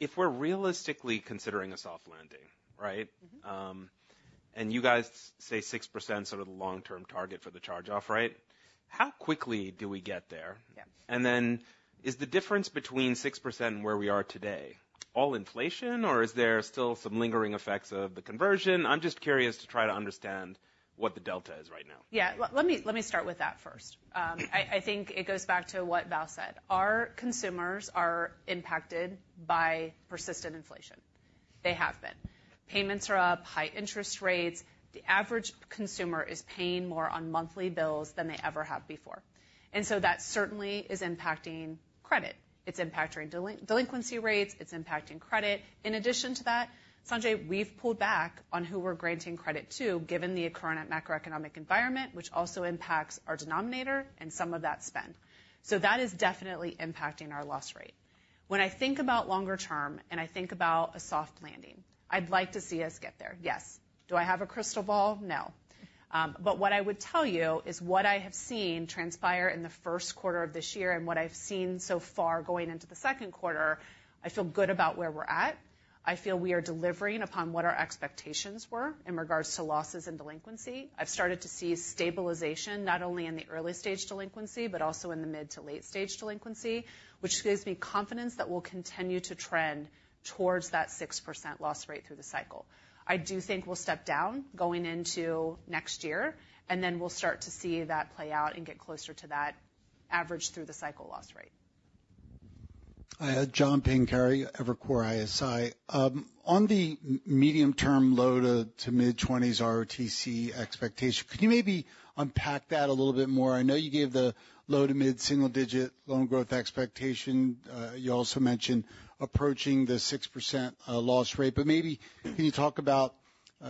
if we're realistically considering a soft landing, right? Mm-hmm. And, you guys say 6% is sort of the long-term target for the charge-off, right? How quickly do we get there? Yeah. And then, is the difference between 6% and where we are today all inflation, or is there still some lingering effects of the conversion? I'm just curious to try to understand what the delta is right now. Yeah. Let me, let me start with that first. I think it goes back to what Val said. Our consumers are impacted by persistent inflation. They have been. Payments are up, high interest rates. The average consumer is paying more on monthly bills than they ever have before, and so that certainly is impacting credit. It's impacting delinquency rates, it's impacting credit. In addition to that, Sanjay, we've pulled back on who we're granting credit to, given the current macroeconomic environment, which also impacts our denominator and some of that spend. So that is definitely impacting our loss rate. When I think about longer term, and I think about a soft landing, I'd like to see us get there. Yes. Do I have a crystal ball? No. But what I would tell you is what I have seen transpire in the first quarter of this year and what I've seen so far going into the second quarter, I feel good about where we're at. I feel we are delivering upon what our expectations were in regards to losses and delinquency. I've started to see stabilization, not only in the early stage delinquency, but also in the mid- to late-stage delinquency, which gives me confidence that we'll continue to trend towards that 6% loss rate through the cycle. I do think we'll step down going into next year, and then we'll start to see that play out and get closer to that average through the cycle loss rate.... I had John Pancari, Evercore ISI. On the medium-term low- to mid-20s ROTCE expectation, could you maybe unpack that a little bit more? I know you gave the low- to mid-single-digit loan growth expectation. You also mentioned approaching the 6%, loss rate, but maybe can you talk about,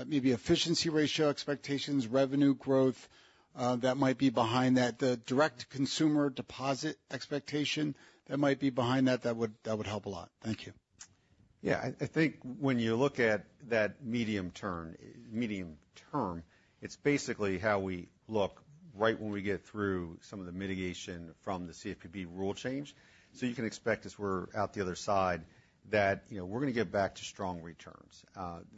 maybe efficiency ratio expectations, revenue growth, that might be behind that, the direct consumer deposit expectation that might be behind that? That would, that would help a lot. Thank you. Yeah, I think when you look at that medium term, medium term, it's basically how we look right when we get through some of the mitigation from the CFPB rule change. So you can expect, as we're out the other side, that, you know, we're gonna get back to strong returns.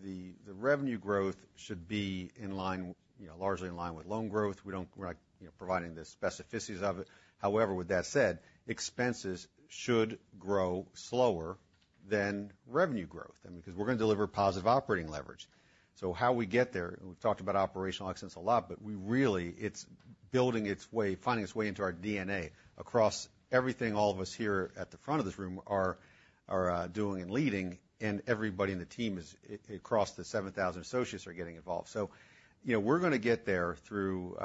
The revenue growth should be in line, you know, largely in line with loan growth. We're not, you know, providing the specificities of it. However, with that said, expenses should grow slower than revenue growth. I mean, because we're gonna deliver positive operating leverage. So how we get there, we've talked about operational excellence a lot, but we really, it's building its way, finding its way into our DNA, across everything all of us here at the front of this room are doing and leading, and everybody in the team is across the 7,000 associates getting involved. So, you know, we're gonna get there through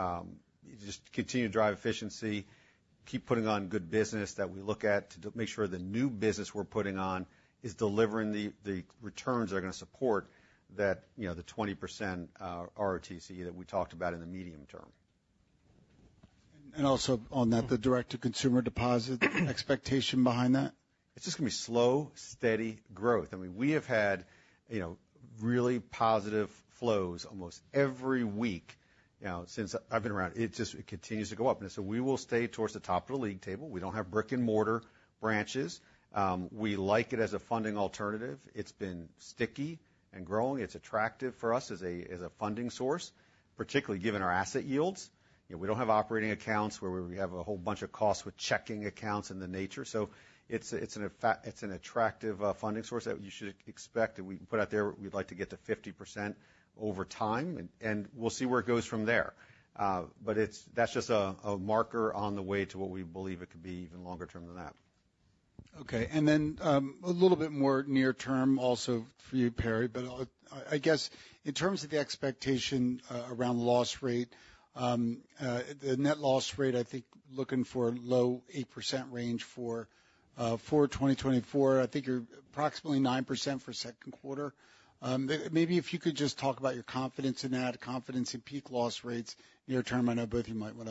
just continue to drive efficiency, keep putting on good business that we look at, to make sure the new business we're putting on is delivering the returns that are gonna support that, you know, the 20% ROTCE that we talked about in the medium term. Also on that, the direct-to-consumer deposit expectation behind that? It's just gonna be slow, steady growth. I mean, we have had, you know, really positive flows almost every week, you know, since I've been around. It just, it continues to go up. And so we will stay towards the top of the league table. We don't have brick-and-mortar branches. We like it as a funding alternative. It's been sticky and growing. It's attractive for us as a funding source, particularly given our asset yields. You know, we don't have operating accounts where we have a whole bunch of costs with checking accounts and the nature. So it's an attractive funding source that you should expect, and we put out there, we'd like to get to 50% over time, and we'll see where it goes from there. But that's just a marker on the way to what we believe it could be even longer term than that. Okay. And then, a little bit more near term also for you, Perry, but I guess, in terms of the expectation, around loss rate, the net loss rate, I think looking for low 8% range for 2024. I think you're approximately 9% for second quarter. Maybe if you could just talk about your confidence in that, confidence in peak loss rates near term. I know both of you might want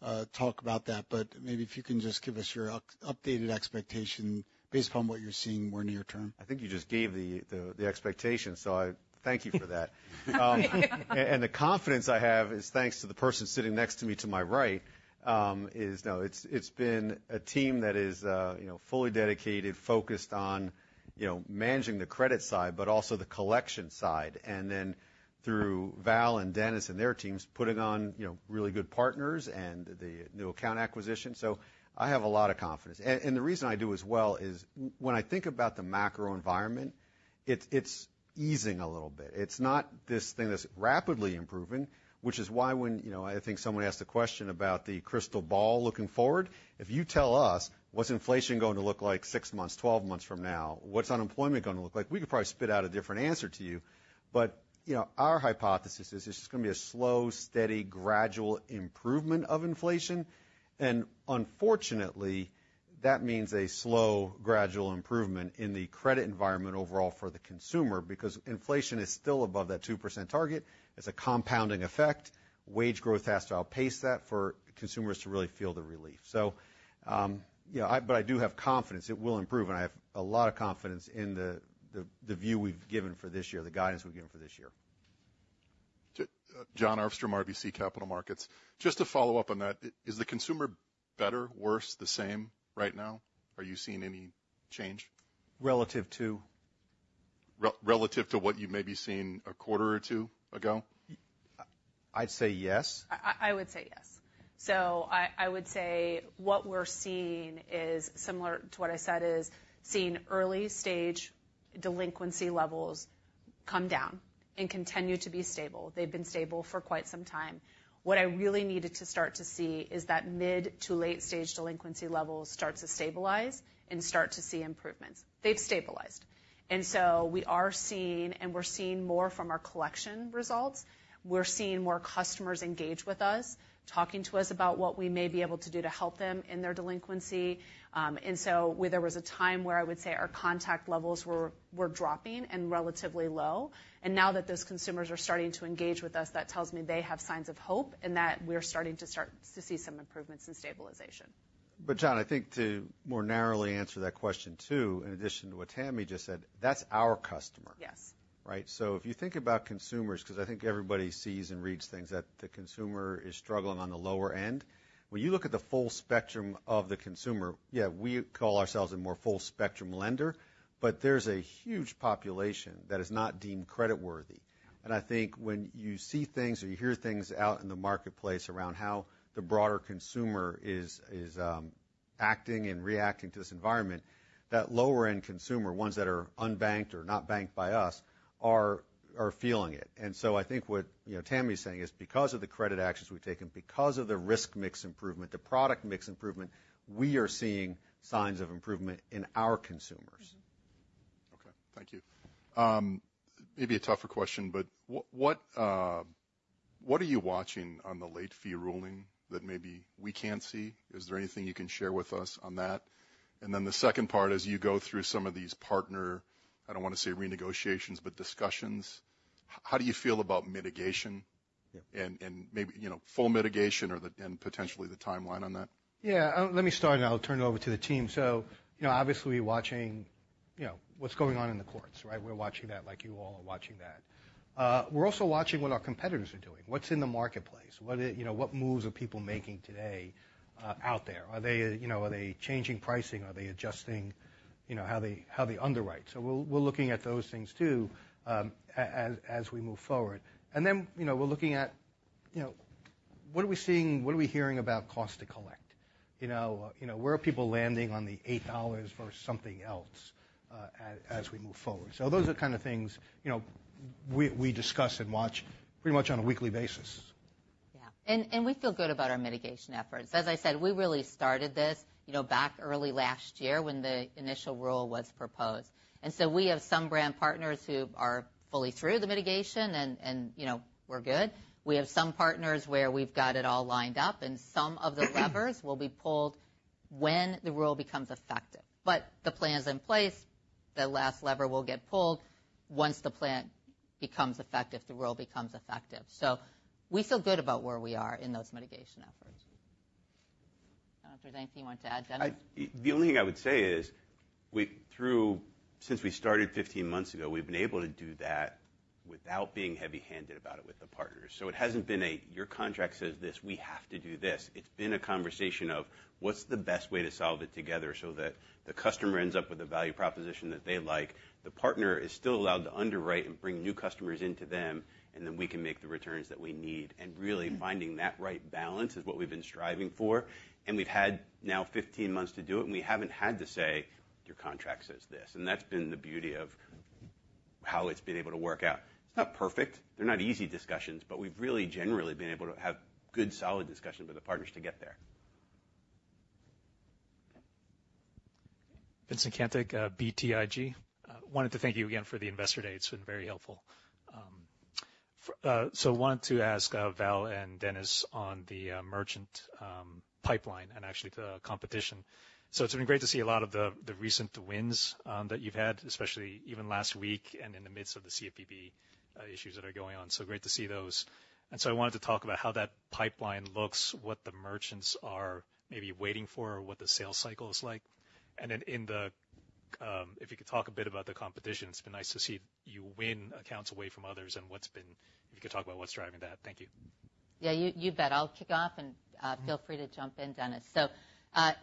to talk about that, but maybe if you can just give us your updated expectation based upon what you're seeing more near term. I think you just gave the expectation, so I thank you for that. And the confidence I have is thanks to the person sitting next to me to my right. No, it's been a team that is, you know, fully dedicated, focused on, you know, managing the credit side, but also the collection side, and then through Val and Dennis and their teams, putting on, you know, really good partners and the new account acquisition. So I have a lot of confidence. And the reason I do as well is when I think about the macro environment, it's easing a little bit. It's not this thing that's rapidly improving, which is why when, you know, I think someone asked a question about the crystal ball looking forward. If you tell us, what's inflation going to look like six months, twelve months from now? What's unemployment gonna look like? We could probably spit out a different answer to you, but, you know, our hypothesis is it's just gonna be a slow, steady, gradual improvement of inflation. And unfortunately, that means a slow, gradual improvement in the credit environment overall for the consumer, because inflation is still above that 2% target. It's a compounding effect. Wage growth has to outpace that for consumers to really feel the relief. So, you know, but I do have confidence it will improve, and I have a lot of confidence in the, the, the view we've given for this year, the guidance we've given for this year. Jon Arfstrom, RBC Capital Markets. Just to follow up on that, is the consumer better, worse, the same right now? Are you seeing any change? Relative to? Relative to what you may be seeing a quarter or two ago. I'd say yes. I would say yes. So I would say what we're seeing is similar to what I said, seeing early-stage delinquency levels come down and continue to be stable. They've been stable for quite some time. What I really needed to start to see is that mid- to late-stage delinquency levels start to stabilize and start to see improvements. They've stabilized, and so we're seeing more from our collection results. We're seeing more customers engage with us, talking to us about what we may be able to do to help them in their delinquency. And so where there was a time where I would say our contact levels were dropping and relatively low, and now that those consumers are starting to engage with us, that tells me they have signs of hope and that we're starting to see some improvements and stabilization. But, John, I think to more narrowly answer that question, too, in addition to what Tammy just said, that's our customer. Yes. Right? So if you think about consumers, because I think everybody sees and reads things, that the consumer is struggling on the lower end. When you look at the full spectrum of the consumer, yeah, we call ourselves a more full-spectrum lender, but there's a huge population that is not deemed creditworthy. And I think when you see things or you hear things out in the marketplace around how the broader consumer is acting and reacting to this environment, that lower-end consumer, ones that are unbanked or not banked by us, are feeling it. And so I think what, you know, Tammy's saying is because of the credit actions we've taken, because of the risk mix improvement, the product mix improvement, we are seeing signs of improvement in our consumers... Thank you. Maybe a tougher question, but what are you watching on the late fee ruling that maybe we can't see? Is there anything you can share with us on that? And then the second part, as you go through some of these partner, I don't want to say renegotiations, but discussions, how do you feel about mitigation and maybe, you know, full mitigation or, and potentially the timeline on that? Yeah, let me start, and I'll turn it over to the team. So you know, obviously, watching, you know, what's going on in the courts, right? We're watching that, like you all are watching that. We're also watching what our competitors are doing, what's in the marketplace, what it—you know, what moves are people making today, out there. Are they, you know, are they changing pricing? Are they adjusting, you know, how they, how they underwrite? So we're, we're looking at those things, too, as, as we move forward. And then, you know, we're looking at, you know, what are we seeing? What are we hearing about cost to collect? You know, you know, where are people landing on the $8 for something else, as, as we move forward? Those are the kind of things, you know, we discuss and watch pretty much on a weekly basis. Yeah. And we feel good about our mitigation efforts. As I said, we really started this, you know, back early last year when the initial rule was proposed. And so we have some brand partners who are fully through the mitigation and, you know, we're good. We have some partners where we've got it all lined up, and some of the levers will be pulled when the rule becomes effective. But the plan is in place. The last lever will get pulled once the plan becomes effective, the rule becomes effective. So we feel good about where we are in those mitigation efforts. I don't know if there's anything you want to add, Dennis? The only thing I would say is, we through—since we started 15 months ago, we've been able to do that without being heavy-handed about it with the partners. So it hasn't been a, "Your contract says this, we have to do this." It's been a conversation of what's the best way to solve it together so that the customer ends up with a value proposition that they like. The partner is still allowed to underwrite and bring new customers into them, and then we can make the returns that we need. And really, finding that right balance is what we've been striving for, and we've had now 15 months to do it, and we haven't had to say, "Your contract says this," and that's been the beauty of how it's been able to work out. It's not perfect. They're not easy discussions, but we've really generally been able to have good, solid discussions with the partners to get there. Vincent Caintic, BTIG. Wanted to thank you again for the investor day. It's been very helpful. So wanted to ask Val and Dennis on the merchant pipeline and actually the competition. So it's been great to see a lot of the recent wins that you've had, especially even last week and in the midst of the CFPB issues that are going on. So great to see those. And so I wanted to talk about how that pipeline looks, what the merchants are maybe waiting for, or what the sales cycle is like. And then, if you could talk a bit about the competition, it's been nice to see you win accounts away from others and what's been driving that. Thank you. Yeah, you bet. I'll kick off and, feel free to jump in, Dennis. So,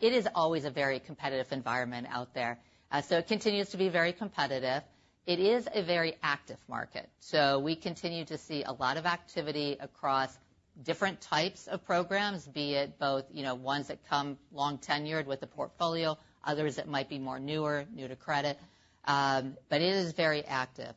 it is always a very competitive environment out there, so it continues to be very competitive. It is a very active market, so we continue to see a lot of activity across different types of programs, be it both, you know, ones that come long tenured with a portfolio, others that might be more newer, new to credit, but it is very active.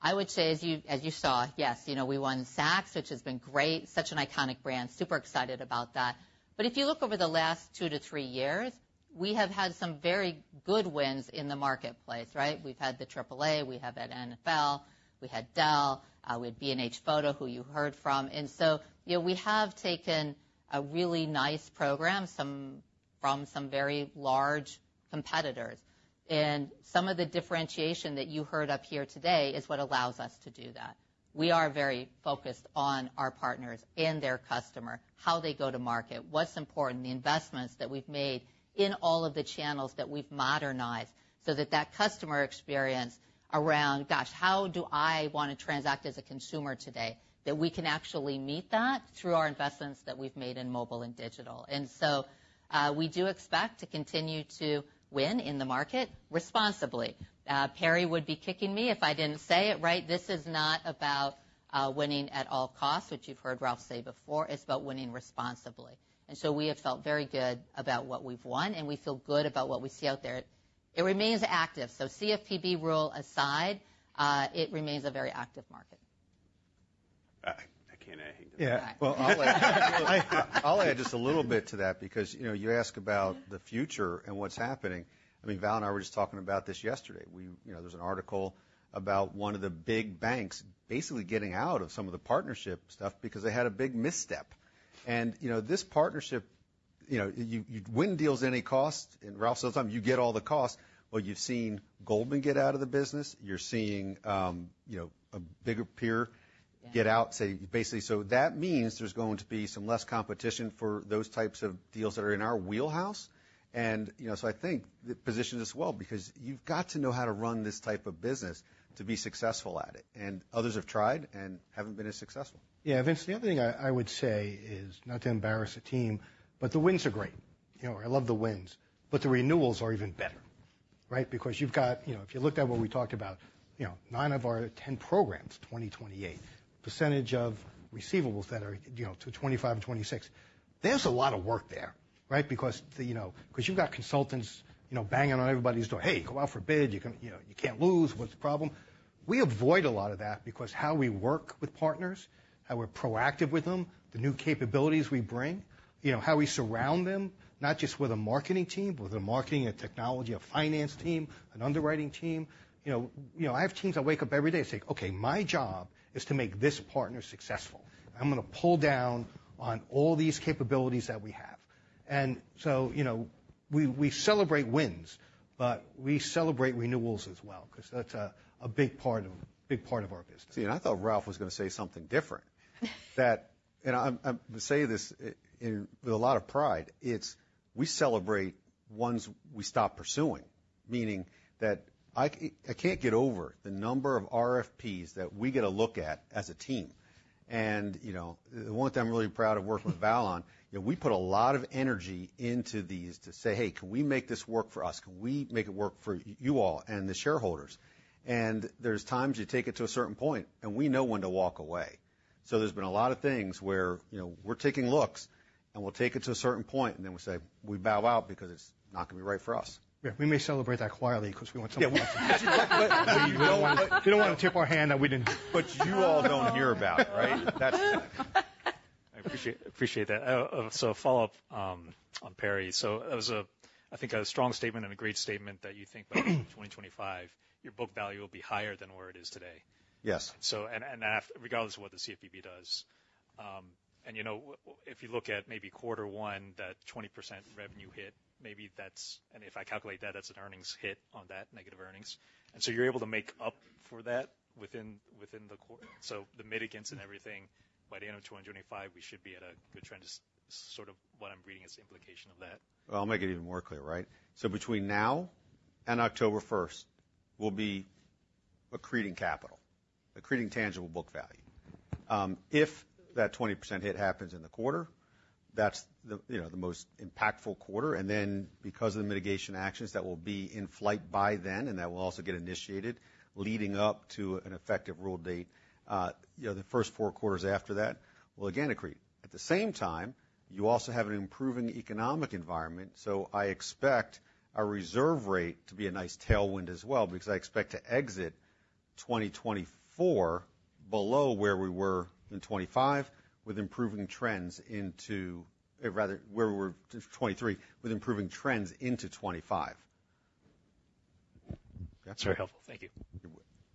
I would say, as you saw, you know, we won Saks, which has been great, such an iconic brand, super excited about that. But if you look over the last two to three years, we have had some very good wins in the marketplace, right? We've had the AAA, we have had NFL, we had Dell, we had B&H Photo, who you heard from. And so, you know, we have taken a really nice program, some from some very large competitors, and some of the differentiation that you heard up here today is what allows us to do that. We are very focused on our partners and their customer, how they go to market, what's important, the investments that we've made in all of the channels that we've modernized, so that that customer experience around, gosh, how do I want to transact as a consumer today, that we can actually meet that through our investments that we've made in mobile and digital. And so, we do expect to continue to win in the market responsibly. Perry would be kicking me if I didn't say it right. This is not about, winning at all costs, which you've heard Ralph say before. It's about winning responsibly. We have felt very good about what we've won, and we feel good about what we see out there. It remains active. CFPB rule aside, it remains a very active market. I can't add anything to that. Yeah. Well, I'll add, I'll add just a little bit to that, because, you know, you ask about the future and what's happening. I mean, Val and I were just talking about this yesterday. We, you know, there was an article about one of the big banks basically getting out of some of the partnership stuff because they had a big misstep. And, you know, this partnership, you know, you, you win deals at any cost, and Ralph says sometimes you get all the costs, or you've seen Goldman get out of the business, you're seeing, you know, a bigger peer get out, say, basically. So that means there's going to be some less competition for those types of deals that are in our wheelhouse. You know, so I think it positions us well because you've got to know how to run this type of business to be successful at it. Others have tried and haven't been as successful. Yeah, Vince, the other thing I would say is, not to embarrass the team, but the wins are great. You know, I love the wins, but the renewals are even better, right? Because you've got, you know, if you looked at what we talked about, you know, 9 of our 10 programs, 20, 28% of receivables that are, you know, to 2025 and 2026, there's a lot of work there, right? Because, you know, because you've got consultants, you know, banging on everybody's door, "Hey, go out for a bid. You can, you know, you can't lose. What's the problem?"... We avoid a lot of that because how we work with partners, how we're proactive with them, the new capabilities we bring, you know, how we surround them, not just with a marketing team, but with a marketing, a technology, a finance team, an underwriting team. You know, I have teams that wake up every day and say, "Okay, my job is to make this partner successful. I'm going to pull down on all these capabilities that we have." And so, you know, we celebrate wins, but we celebrate renewals as well, because that's a big part of our business. See, I thought Ralph was going to say something different. That, and I'm saying this with a lot of pride, it's we celebrate ones we stop pursuing, meaning that I can't get over the number of RFPs that we get a look at as a team. And, you know, one thing I'm really proud of working with Val on, you know, we put a lot of energy into these to say, "Hey, can we make this work for us? Can we make it work for you all and the shareholders?" And there's times you take it to a certain point, and we know when to walk away. So there's been a lot of things where, you know, we're taking looks, and we'll take it to a certain point, and then we say, "We bow out because it's not going to be right for us. Yeah. We may celebrate that quietly because we want someone- Yeah. We don't want to tip our hand that we didn't. You all don't hear about, right? That's it. I appreciate, appreciate that. So a follow-up on Perry. So that was a, I think, a strong statement and a great statement that you think by 2025, your book value will be higher than where it is today. Yes. Regardless of what the CFPB does, and you know, if you look at maybe quarter one, that 20% revenue hit, maybe that's, and if I calculate that, that's an earnings hit on that negative earnings. And so you're able to make up for that within the quarter, so the mitigants and everything, by the end of 2025, we should be at a good trend, is sort of what I'm reading as the implication of that? Well, I'll make it even more clear, right? So between now and October first, we'll be accreting capital, accreting tangible book value. If that 20% hit happens in the quarter, that's the, you know, the most impactful quarter, and then because of the mitigation actions that will be in flight by then, and that will also get initiated, leading up to an effective rule date, you know, the first four quarters after that will again accrete. At the same time, you also have an improving economic environment, so I expect our reserve rate to be a nice tailwind as well, because I expect to exit 2024 below where we were in 25, with improving trends into... Rather, where we were in 2023, with improving trends into 2025. Yeah. That's very helpful. Thank you. You're welcome.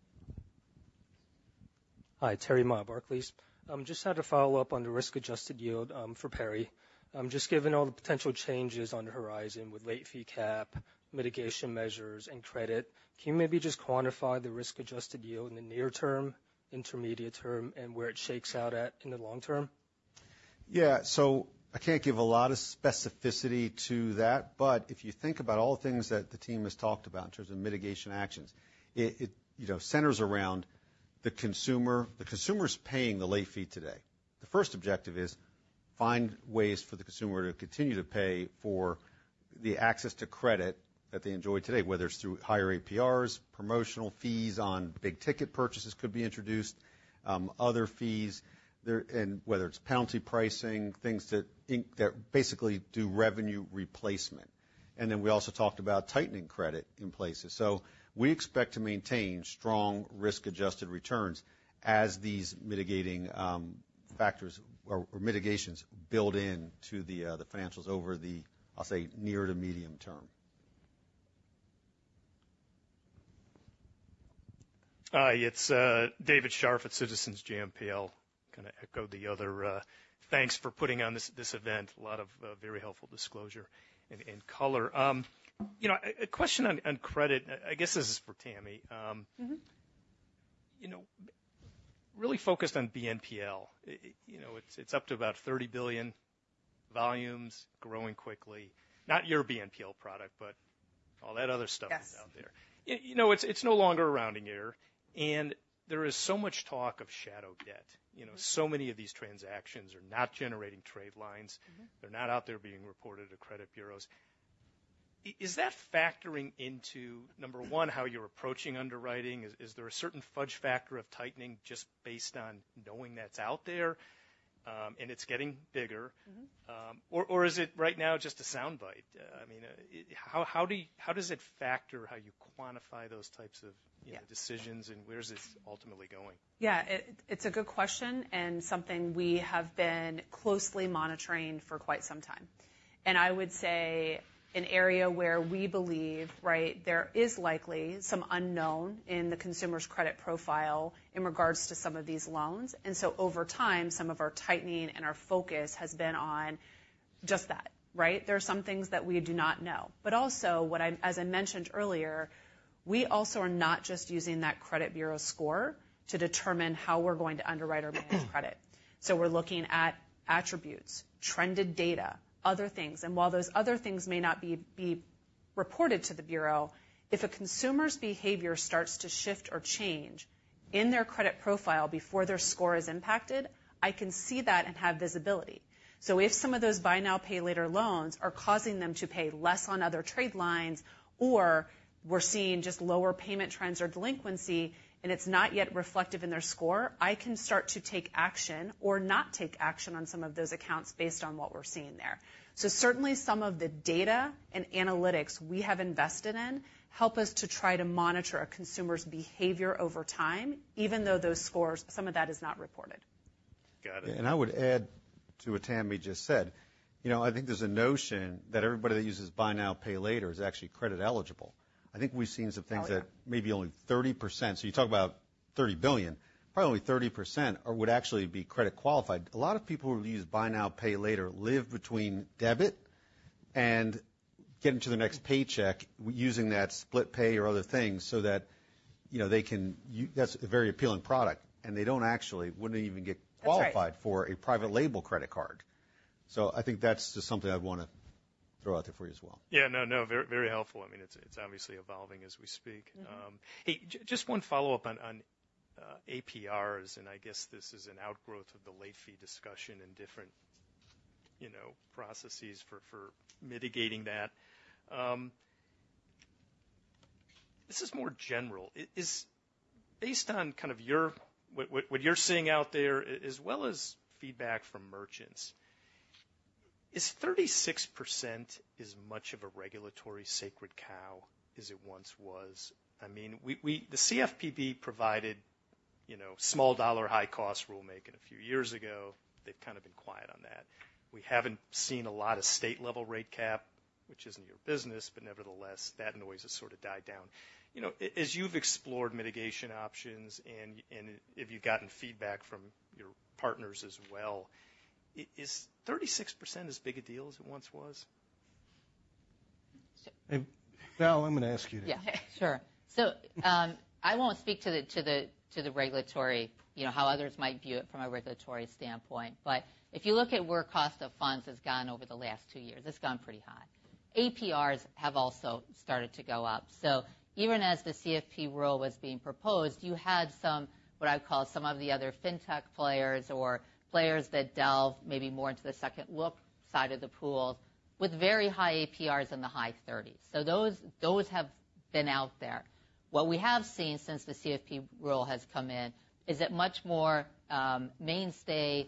Hi, Terry Ma, Barclays. Just had to follow up on the risk-adjusted yield for Perry. Just given all the potential changes on the horizon with late fee cap, mitigation measures, and credit, can you maybe just quantify the risk-adjusted yield in the near term, intermediate term, and where it shakes out at in the long term? Yeah. So I can't give a lot of specificity to that, but if you think about all the things that the team has talked about in terms of mitigation actions, it you know, centers around the consumer. The consumer's paying the late fee today. The first objective is find ways for the consumer to continue to pay for the access to credit that they enjoy today, whether it's through higher APRs, promotional fees on big ticket purchases could be introduced, other fees there, and whether it's penalty pricing, things that basically do revenue replacement. And then we also talked about tightening credit in places. So we expect to maintain strong risk-adjusted returns as these mitigating factors or mitigations build into the financials over the, I'll say, near to medium term. Hi, it's David Scharf at Citizens JMP. Kind of echo the other thanks for putting on this event. A lot of very helpful disclosure and color. You know, a question on credit. I guess this is for Tammy. Mm-hmm. You know, really focused on BNPL. You know, it's up to about $30 billion, volumes growing quickly. Not your BNPL product, but all that other stuff- Yes. out there. You know, it's, it's no longer a rounding error, and there is so much talk of shadow debt. Mm-hmm. You know, so many of these transactions are not generating trade lines. Mm-hmm. They're not out there being reported to credit bureaus. Is that factoring into, number one, how you're approaching underwriting? Is there a certain fudge factor of tightening just based on knowing that's out there, and it's getting bigger? Mm-hmm. Or is it right now just a soundbite? I mean, how does it factor how you quantify those types of- Yeah... decisions, and where is this ultimately going? Yeah, it's a good question, and something we have been closely monitoring for quite some time. And I would say an area where we believe, right, there is likely some unknown in the consumer's credit profile in regards to some of these loans, and so over time, some of our tightening and our focus has been on just that, right? There are some things that we do not know. But also, what I'm, as I mentioned earlier, we also are not just using that credit bureau score to determine how we're going to underwrite or manage credit. So we're looking at attributes, trended data, other things. And while those other things may not be reported to the bureau, if a consumer's behavior starts to shift or change in their credit profile before their score is impacted, I can see that and have visibility. So if some of those buy now, pay later loans are causing them to pay less on other trade lines, or we're seeing just lower payment trends or delinquency, and it's not yet reflective in their score, I can start to take action or not take action on some of those accounts based on what we're seeing there. Certainly, some of the data and analytics we have invested in help us to try to monitor a consumer's behavior over time, even though those scores, some of that is not reported.... I would add to what Tammy just said. You know, I think there's a notion that everybody that uses buy now, pay later is actually credit eligible. I think we've seen some things that- Oh, yeah. Maybe only 30%. So you talk about $30 billion, probably only 30% are would actually be credit qualified. A lot of people who use buy now, pay later, live between debit and getting to their next paycheck, using that SplitPay or other things so that, you know, they can. That's a very appealing product, and they don't actually, wouldn't even get qualified. That's right. for a private label credit card. So I think that's just something I'd wanna throw out there for you as well. Yeah. No, no, very, very helpful. I mean, it's obviously evolving as we speak. Mm-hmm. Hey, just one follow-up on APRs, and I guess this is an outgrowth of the late fee discussion and different, you know, processes for mitigating that. This is more general. Based on kind of your what you're seeing out there, as well as feedback from merchants, is 36% as much of a regulatory sacred cow as it once was? I mean, the CFPB provided, you know, small dollar, high-cost rulemaking a few years ago. They've kind of been quiet on that. We haven't seen a lot of state-level rate cap, which isn't your business, but nevertheless, that noise has sort of died down. You know, as you've explored mitigation options and if you've gotten feedback from your partners as well, is 36% as big a deal as it once was? Val, I'm gonna ask you that. Yeah, sure. So, I won't speak to the regulatory, you know, how others might view it from a regulatory standpoint. But if you look at where cost of funds has gone over the last two years, it's gone pretty high. APRs have also started to go up. So even as the CFP rule was being proposed, you had some, what I would call, some of the other fintech players or players that delve maybe more into the second look side of the pool with very high APRs in the high 30s%. So those have been out there. What we have seen since the CFP rule has come in is that much more mainstay,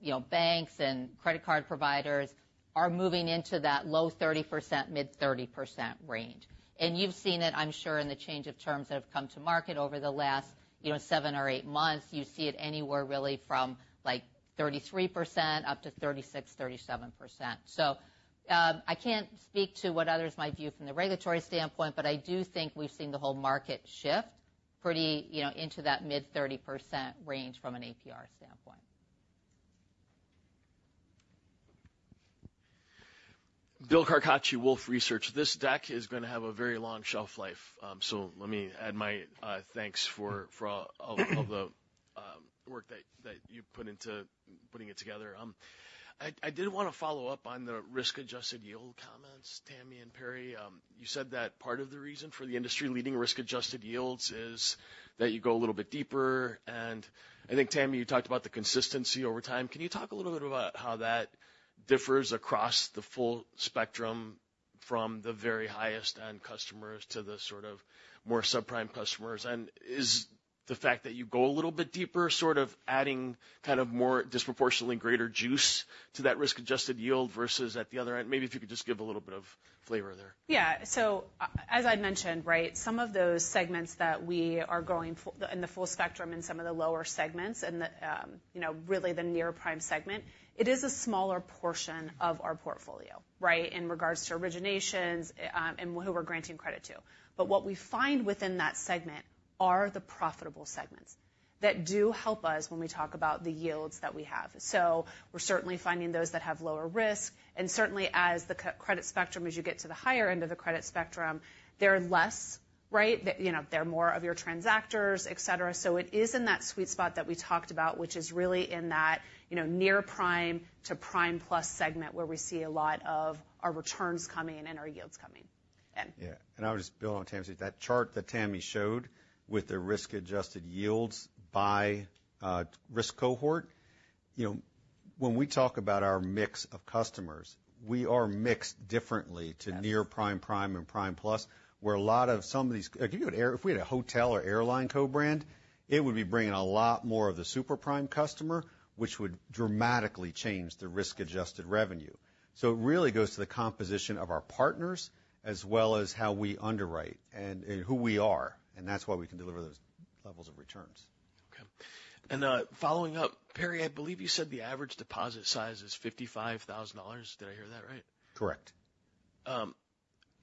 you know, banks and credit card providers are moving into that low 30%, mid 30% range. You've seen it, I'm sure, in the change of terms that have come to market over the last, you know, 7 or 8 months. You see it anywhere really from, like, 33% up to 36%-37%. So, I can't speak to what others might view from the regulatory standpoint, but I do think we've seen the whole market shift pretty, you know, into that mid-30% range from an APR standpoint. Bill Carcache, Wolfe Research. This deck is gonna have a very long shelf life, so let me add my thanks for all the work that you've put into putting it together. I did wanna follow up on the risk-adjusted yield comments, Tammy and Perry. You said that part of the reason for the industry-leading risk-adjusted yields is that you go a little bit deeper, and I think, Tammy, you talked about the consistency over time. Can you talk a little bit about how that differs across the full spectrum from the very highest-end customers to the sort of more subprime customers? And is the fact that you go a little bit deeper, sort of adding kind of more disproportionately greater juice to that risk-adjusted yield versus at the other end? Maybe if you could just give a little bit of flavor there. Yeah. So as I'd mentioned, right, some of those segments that we are growing in the full spectrum in some of the lower segments and the, you know, really the near-prime segment, it is a smaller portion of our portfolio, right, in regards to originations, and who we're granting credit to. But what we find within that segment are the profitable segments that do help us when we talk about the yields that we have. So we're certainly finding those that have lower risk, and certainly as the credit spectrum, as you get to the higher end of the credit spectrum, they're less, right? You know, they're more of your transactors, et cetera. So it is in that sweet spot that we talked about, which is really in that, you know, near prime to prime plus segment, where we see a lot of our returns coming in and our yields coming in. Yeah, and I'll just build on Tammy. That chart that Tammy showed with the risk-adjusted yields by risk cohort, you know, when we talk about our mix of customers, we are mixed differently- Yes... to near prime, prime, and prime plus, where a lot of some of these, if we had a hotel or airline co-brand, it would be bringing a lot more of the super prime customer, which would dramatically change the risk-adjusted revenue. So it really goes to the composition of our partners, as well as how we underwrite and who we are, and that's why we can deliver those levels of returns. Okay. Following up, Perry, I believe you said the average deposit size is $55,000. Did I hear that right? Correct.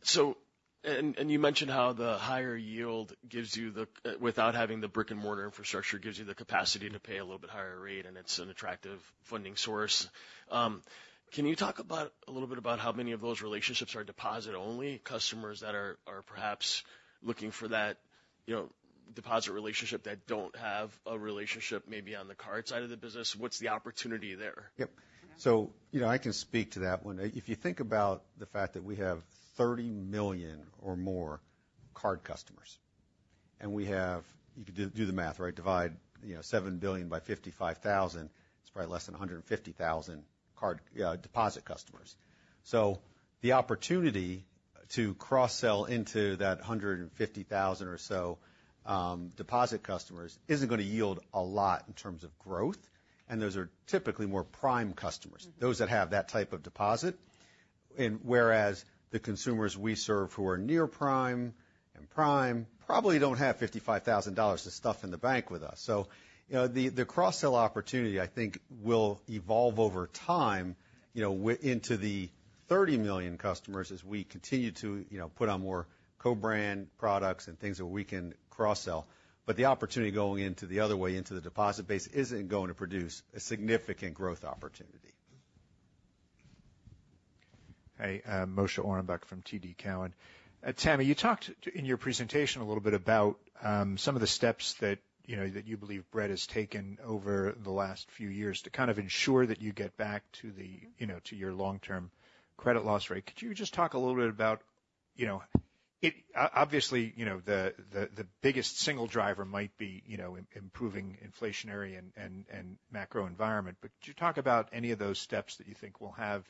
So, you mentioned how the higher yield gives you the, without having the brick-and-mortar infrastructure, gives you the capacity to pay a little bit higher rate, and it's an attractive funding source. Can you talk about a little bit about how many of those relationships are deposit only, customers that are perhaps looking for that, you know, deposit relationship that don't have a relationship maybe on the card side of the business? What's the opportunity there? Yep. So, you know, I can speak to that one. If you think about the fact that we have 30 million or more card customers, and we have... You could do, do the math, right? Divide, you know, $7 billion by $55,000, it's probably less than 150,000 card deposit customers. So the opportunity to cross-sell into that 150,000 or so deposit customers isn't gonna yield a lot in terms of growth, and those are typically more prime customers- Mm-hmm. those that have that type of deposit. And whereas the consumers we serve who are near prime... and Prime probably don't have $55,000 to stuff in the bank with us. So, you know, the, the cross-sell opportunity, I think, will evolve over time, you know, into the 30 million customers as we continue to, you know, put on more co-brand products and things that we can cross-sell. But the opportunity going into the other way, into the deposit base, isn't going to produce a significant growth opportunity. Hey, Moshe Orenbuch from TD Cowen. Tammy, you talked in your presentation a little bit about some of the steps that, you know, that you believe Bread has taken over the last few years to kind of ensure that you get back to the, you know, to your long-term credit loss rate. Could you just talk a little bit about, you know, obviously, you know, the biggest single driver might be, you know, improving inflationary and macro environment. But could you talk about any of those steps that you think will have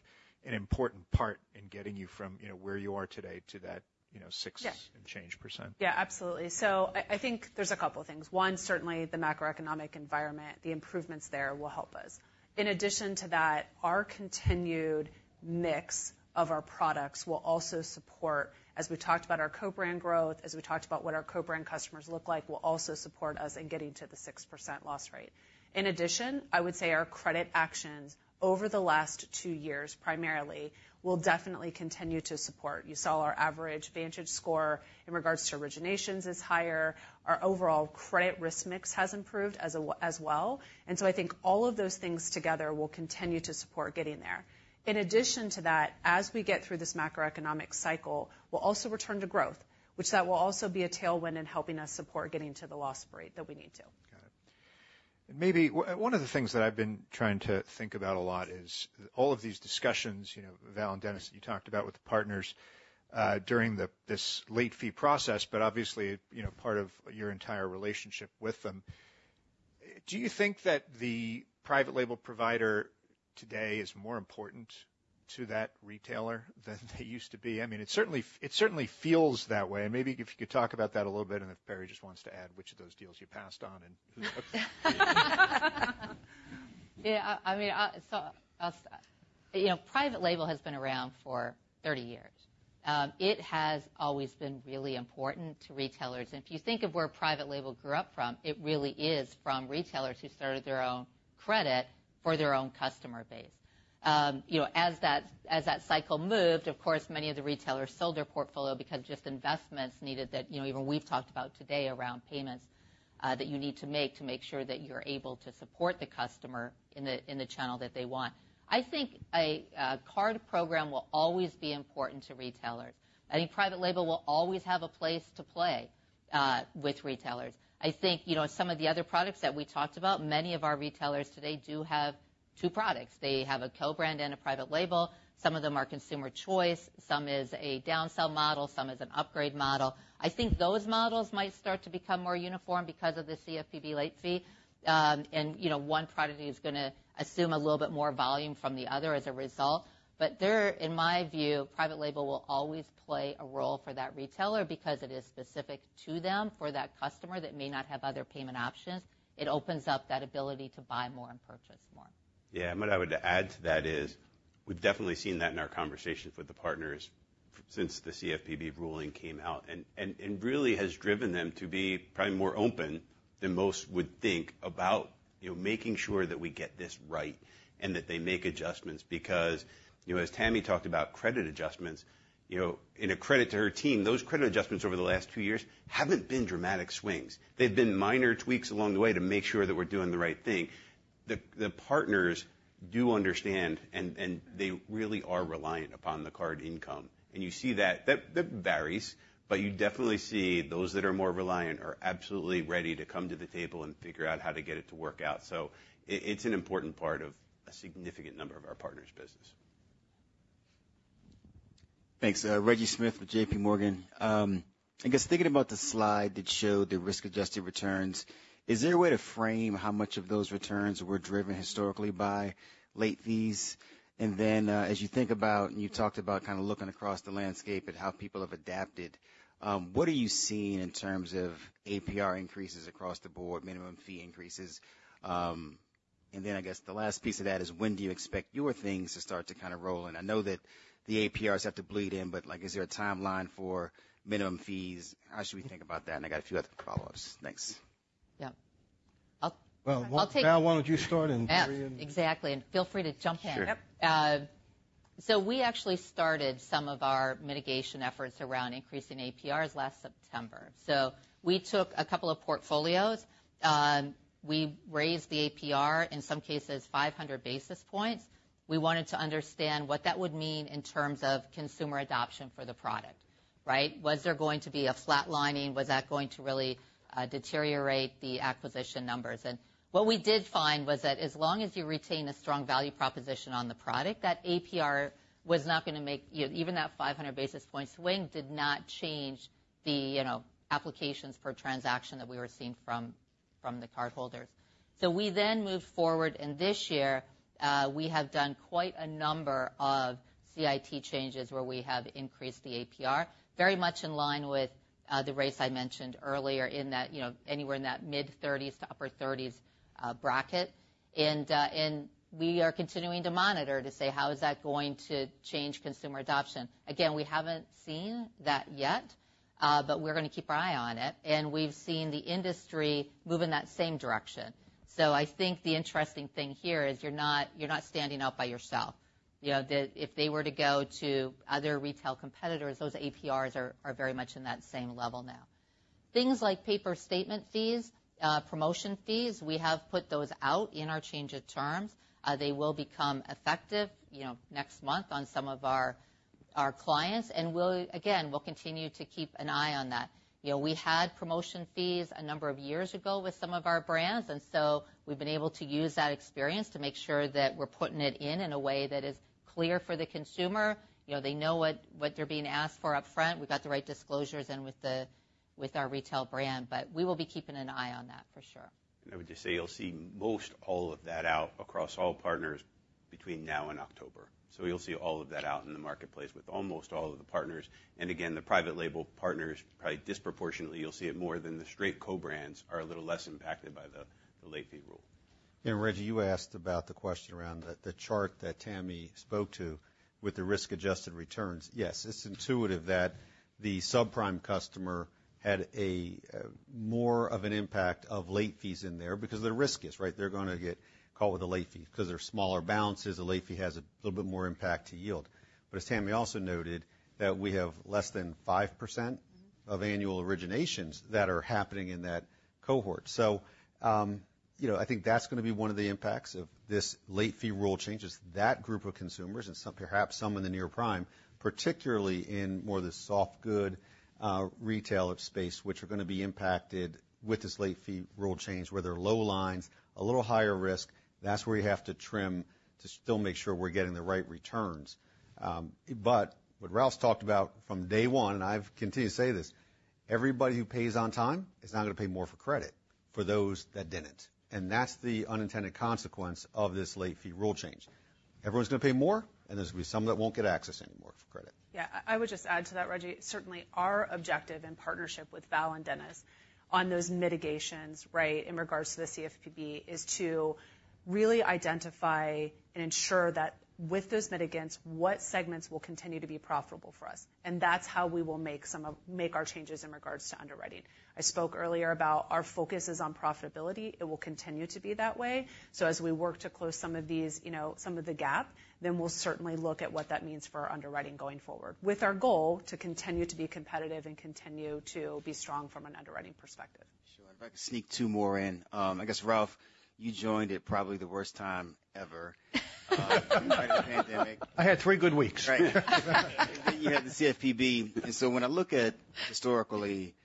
an important part in getting you from, you know, where you are today to that, you know, six- Yeah -and change %? Yeah, absolutely. So I think there's a couple things. One, certainly the macroeconomic environment, the improvements there will help us. In addition to that, our continued mix of our products will also support, as we talked about our co-brand growth, as we talked about what our co-brand customers look like, will also support us in getting to the 6% loss rate. In addition, I would say our credit actions over the last two years, primarily, will definitely continue to support. You saw our average VantageScore in regards to originations is higher. Our overall credit risk mix has improved as well. And so I think all of those things together will continue to support getting there. In addition to that, as we get through this macroeconomic cycle, we'll also return to growth, which will also be a tailwind in helping us support getting to the loss rate that we need to. Got it. Maybe one of the things that I've been trying to think about a lot is all of these discussions, you know, Val and Dennis, you talked about with the partners during this late fee process, but obviously, you know, part of your entire relationship with them. Do you think that the private label provider today is more important to that retailer than they used to be? I mean, it certainly feels that way. Maybe if you could talk about that a little bit, and if Perry just wants to add which of those deals you passed on and who- Yeah, I mean, so I'll say, you know, private label has been around for 30 years. It has always been really important to retailers, and if you think of where private label grew up from, it really is from retailers who started their own credit for their own customer base. You know, as that, as that cycle moved, of course, many of the retailers sold their portfolio because just investments needed that, you know, even we've talked about today around payments, that you need to make to make sure that you're able to support the customer in the, in the channel that they want. I think a card program will always be important to retailers. I think private label will always have a place to play with retailers. I think, you know, some of the other products that we talked about, many of our retailers today do have two products. They have a co-brand and a private label. Some of them are consumer choice, some is a downsell model, some is an upgrade model. I think those models might start to become more uniform because of the CFPB late fee. And, you know, one product is gonna assume a little bit more volume from the other as a result. But there, in my view, private label will always play a role for that retailer because it is specific to them, for that customer that may not have other payment options. It opens up that ability to buy more and purchase more. Yeah, and what I would add to that is, we've definitely seen that in our conversations with the partners since the CFPB ruling came out, and really has driven them to be probably more open than most would think about, you know, making sure that we get this right and that they make adjustments. Because, you know, as Tammy talked about credit adjustments, you know, in a credit to her team, those credit adjustments over the last two years haven't been dramatic swings. They've been minor tweaks along the way to make sure that we're doing the right thing. The partners do understand, and they really are reliant upon the card income. And you see that that varies, but you definitely see those that are more reliant are absolutely ready to come to the table and figure out how to get it to work out. It's an important part of a significant number of our partners' business. Thanks. Reggie Smith with JPMorgan. I guess thinking about the slide that showed the risk-adjusted returns, is there a way to frame how much of those returns were driven historically by late fees? And then, as you think about, and you talked about kind of looking across the landscape at how people have adapted, what are you seeing in terms of APR increases across the board, minimum fee increases? And then I guess the last piece of that is, when do you expect your things to start to kind of roll in? I know that the APRs have to bleed in, but, like, is there a timeline for minimum fees? How should we think about that? And I got a few other follow-ups. Thanks. Yeah. I'll- Well, Val- I'll take- Why don't you start, and Perry and- Yeah. Exactly, and feel free to jump in. Sure. Yep. So we actually started some of our mitigation efforts around increasing APRs last September. So we took a couple of portfolios. We raised the APR, in some cases, 500 basis points. We wanted to understand what that would mean in terms of consumer adoption for the product, right? Was there going to be a flat lining? Was that going to really deteriorate the acquisition numbers? And what we did find was that as long as you retain a strong value proposition on the product, that APR was not gonna make, you know, even that 500 basis point swing did not change the, you know, applications per transaction that we were seeing from the cardholders. So we then moved forward, and this year, we have done quite a number of CIT changes where we have increased the APR, very much in line with, the rates I mentioned earlier in that, you know, anywhere in that mid-30s% to upper 30s% bracket. And, and we are continuing to monitor to say, how is that going to change consumer adoption? Again, we haven't seen that yet, but we're gonna keep our eye on it, and we've seen the industry move in that same direction. So I think the interesting thing here is you're not, you're not standing out by yourself. You know, the- if they were to go to other retail competitors, those APRs are, are very much in that same level now. Things like paper statement fees, promotion fees, we have put those out in our change of terms. They will become effective, you know, next month on some of our clients, and we'll, again, continue to keep an eye on that. You know, we had promotion fees a number of years ago with some of our brands, and so we've been able to use that experience to make sure that we're putting it in a way that is clear for the consumer. You know, they know what they're being asked for upfront. We've got the right disclosures in with our retail brand, but we will be keeping an eye on that for sure. I would just say, you'll see most all of that out across all partners between now and October. You'll see all of that out in the marketplace with almost all of the partners. Again, the private label partners, probably disproportionately, you'll see it more than the straight co-brands are a little less impacted by the late fee rule. And Reggie, you asked about the question around the chart that Tammy spoke to with the risk-adjusted returns. Yes, it's intuitive that the subprime customer had a more of an impact of late fees in there because their risk is, right? They're gonna get caught with a late fee 'cause they're smaller balances, a late fee has a little bit more impact to yield. But as Tammy also noted, that we have less than 5%- Mm-hmm. of annual originations that are happening in that cohort. So, you know, I think that's gonna be one of the impacts of this late fee rule change, is that group of consumers and some, perhaps some in the near prime, particularly in more of the soft good, retail space, which are gonna be impacted with this late fee rule change, where they're low lines, a little higher risk. That's where you have to trim to still make sure we're getting the right returns. But what Ralph talked about from day one, and I've continued to say this, everybody who pays on time is not gonna pay more for credit for those that didn't. And that's the unintended consequence of this late fee rule change. Everyone's gonna pay more, and there's gonna be some that won't get access anymore for credit. Yeah, I, I would just add to that, Reggie, certainly our objective in partnership with Val and Dennis on those mitigations, right, in regards to the CFPB, is to really identify and ensure that with those mitigants, what segments will continue to be profitable for us, and that's how we will make some of... make our changes in regards to underwriting. I spoke earlier about our focus is on profitability. It will continue to be that way. So as we work to close some of these, you know, some of the gap, then we'll certainly look at what that means for our underwriting going forward, with our goal to continue to be competitive and continue to be strong from an underwriting perspective. Sure. If I could sneak two more in. I guess, Ralph, you joined at probably the worst time ever, right at the pandemic. I had three good weeks. Right. You had the CFPB. And so when I look at, historically,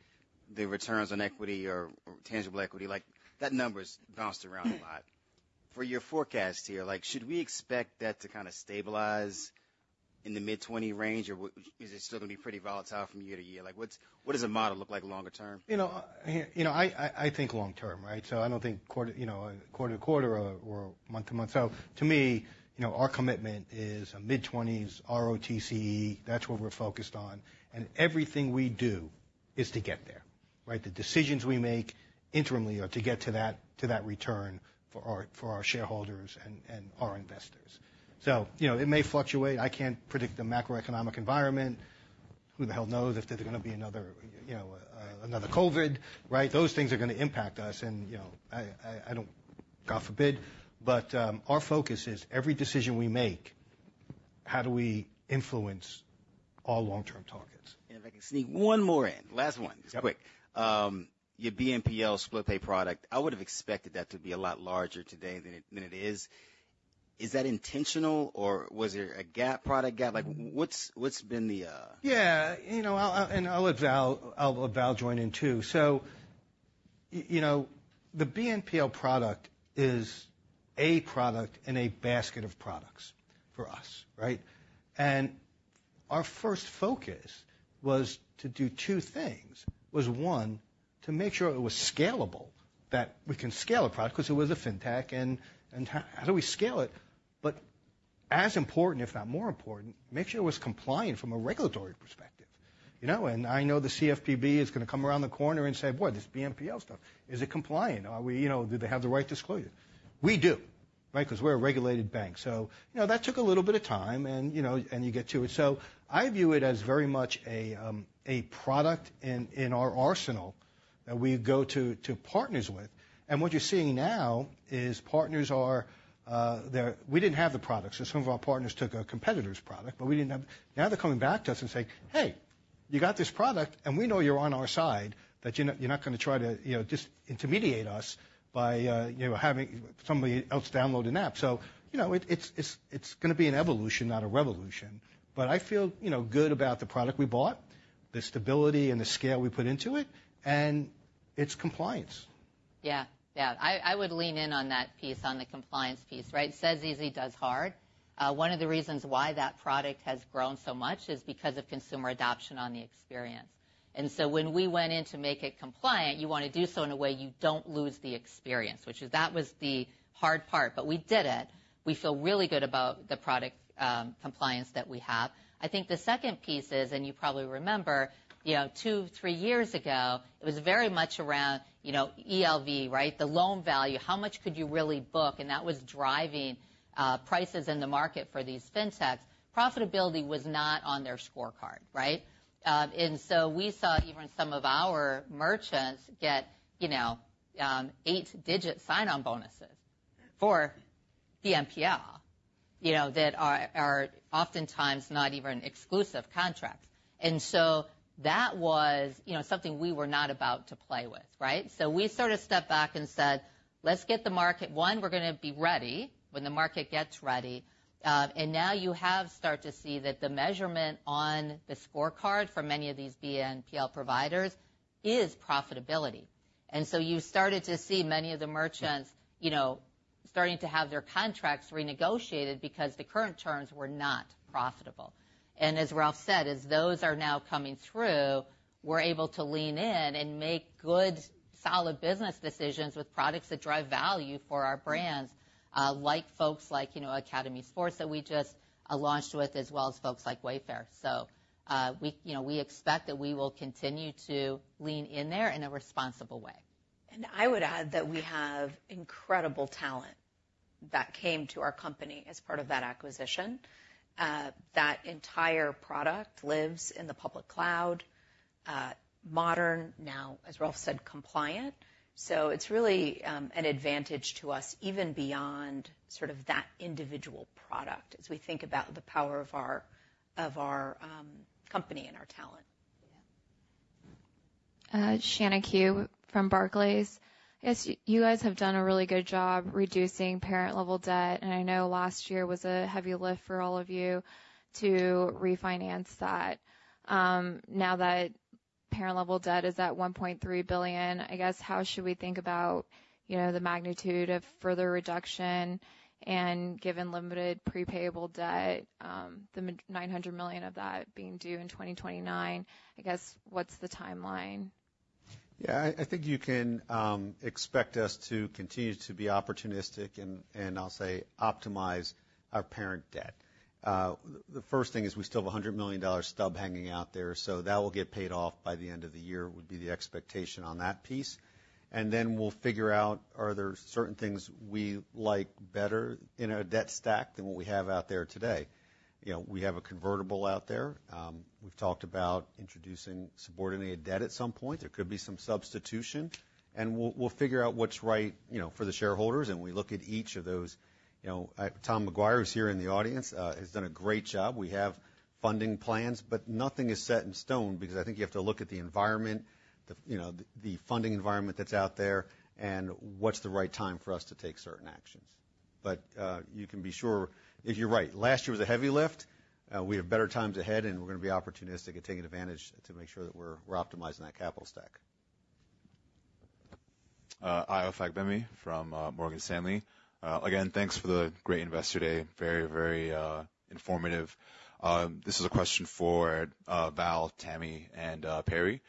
the returns on equity or tangible equity, like, that number's bounced around a lot. For your forecast here, like, should we expect that to kinda stabilize in the mid-20 range, or is it still gonna be pretty volatile from year to year? Like, what's, what does the model look like longer term? You know, I think long term, right? So I don't think quarter, you know, quarter to quarter or month to month. So to me, you know, our commitment is a mid-20s ROTCE. That's what we're focused on, and everything we do is to get there, right? The decisions we make interimly are to get to that, to that return for our shareholders and our investors. So, you know, it may fluctuate. I can't predict the macroeconomic environment. Who the hell knows if there's gonna be another, you know, another COVID, right? Those things are gonna impact us, and, you know, I don't... God forbid, but our focus is every decision we make, how do we influence our long-term targets? And if I can sneak one more in, last one. Yep. Quick. Your BNPL split pay product, I would've expected that to be a lot larger today than it, than it is. Is that intentional, or was it a gap product? Like, what's, what's been the- Yeah, you know, I'll let Val join in, too. So, you know, the BNPL product is a product in a basket of products for us, right? And our first focus was to do two things: one, to make sure it was scalable, that we can scale a product, 'cause it was a fintech, and how do we scale it? But as important, if not more important, make sure it was compliant from a regulatory perspective, you know? And I know the CFPB is gonna come around the corner and say, "Boy, this BNPL stuff, is it compliant? Are we, you know, do they have the right disclosure?" We do, right? 'Cause we're a regulated bank. So, you know, that took a little bit of time, and you get to it. So I view it as very much a product in our arsenal that we go to partners with. And what you're seeing now is partners are, they're... We didn't have the product, so some of our partners took a competitor's product, but we didn't have... Now they're coming back to us and saying, "Hey, you got this product, and we know you're on our side, that, you're not, you're not gonna try to, you know, just intermediate us by, you know, having somebody else download an app." So, you know, it, it's, it's, it's gonna be an evolution, not a revolution, but I feel, you know, good about the product we bought, the stability and the scale we put into it, and it's compliance. Yeah. Yeah, I, I would lean in on that piece, on the compliance piece, right? Says easy, does hard. One of the reasons why that product has grown so much is because of consumer adoption on the experience.... And so when we went in to make it compliant, you want to do so in a way you don't lose the experience, which is, that was the hard part, but we did it. We feel really good about the product, compliance that we have. I think the second piece is, and you probably remember, you know, two, three years ago, it was very much around, you know, GLV, right? The loan value. How much could you really book? And that was driving prices in the market for these fintechs. Profitability was not on their scorecard, right? And so we saw even some of our merchants get, you know, eight-digit sign-on bonuses for BNPL, you know, that are oftentimes not even exclusive contracts. And so that was, you know, something we were not about to play with, right? So we sort of stepped back and said, "Let's get the market—one, we're gonna be ready when the market gets ready." And now you have start to see that the measurement on the scorecard for many of these BNPL providers is profitability. And so you started to see many of the merchants, you know, starting to have their contracts renegotiated because the current terms were not profitable. As Ralph said, as those are now coming through, we're able to lean in and make good, solid business decisions with products that drive value for our brands, like folks like, you know, Academy Sports that we just launched with, as well as folks like Wayfair. So, we, you know, we expect that we will continue to lean in there in a responsible way. I would add that we have incredible talent that came to our company as part of that acquisition. That entire product lives in the public cloud, modern now, as Ralph said, compliant. So it's really an advantage to us, even beyond sort of that individual product, as we think about the power of our company and our talent. Yeah. Shannon Kehoe from Barclays. I guess you guys have done a really good job reducing parent level debt, and I know last year was a heavy lift for all of you to refinance that. Now that parent level debt is at $1.3 billion, I guess how should we think about, you know, the magnitude of further reduction? And given limited payable debt, the $900 million of that being due in 2029, I guess what's the timeline? Yeah, I think you can expect us to continue to be opportunistic and I'll say, optimize our parent debt. The first thing is we still have a $100 million stub hanging out there, so that will get paid off by the end of the year, would be the expectation on that piece. And then we'll figure out, are there certain things we like better in our debt stack than what we have out there today? You know, we have a convertible out there. We've talked about introducing subordinated debt at some point. There could be some substitution, and we'll figure out what's right, you know, for the shareholders, and we look at each of those. You know, Tom McGuire, who's here in the audience, has done a great job. We have funding plans, but nothing is set in stone because I think you have to look at the environment, you know, the funding environment that's out there, and what's the right time for us to take certain actions. But you can be sure... You're right, last year was a heavy lift. We have better times ahead, and we're gonna be opportunistic and taking advantage to make sure that we're optimizing that capital stack. Ayo Fagbemi from Morgan Stanley. Again, thanks for the great Investor Day. Very, very informative. This is a question for Val, Tammy, and Perry.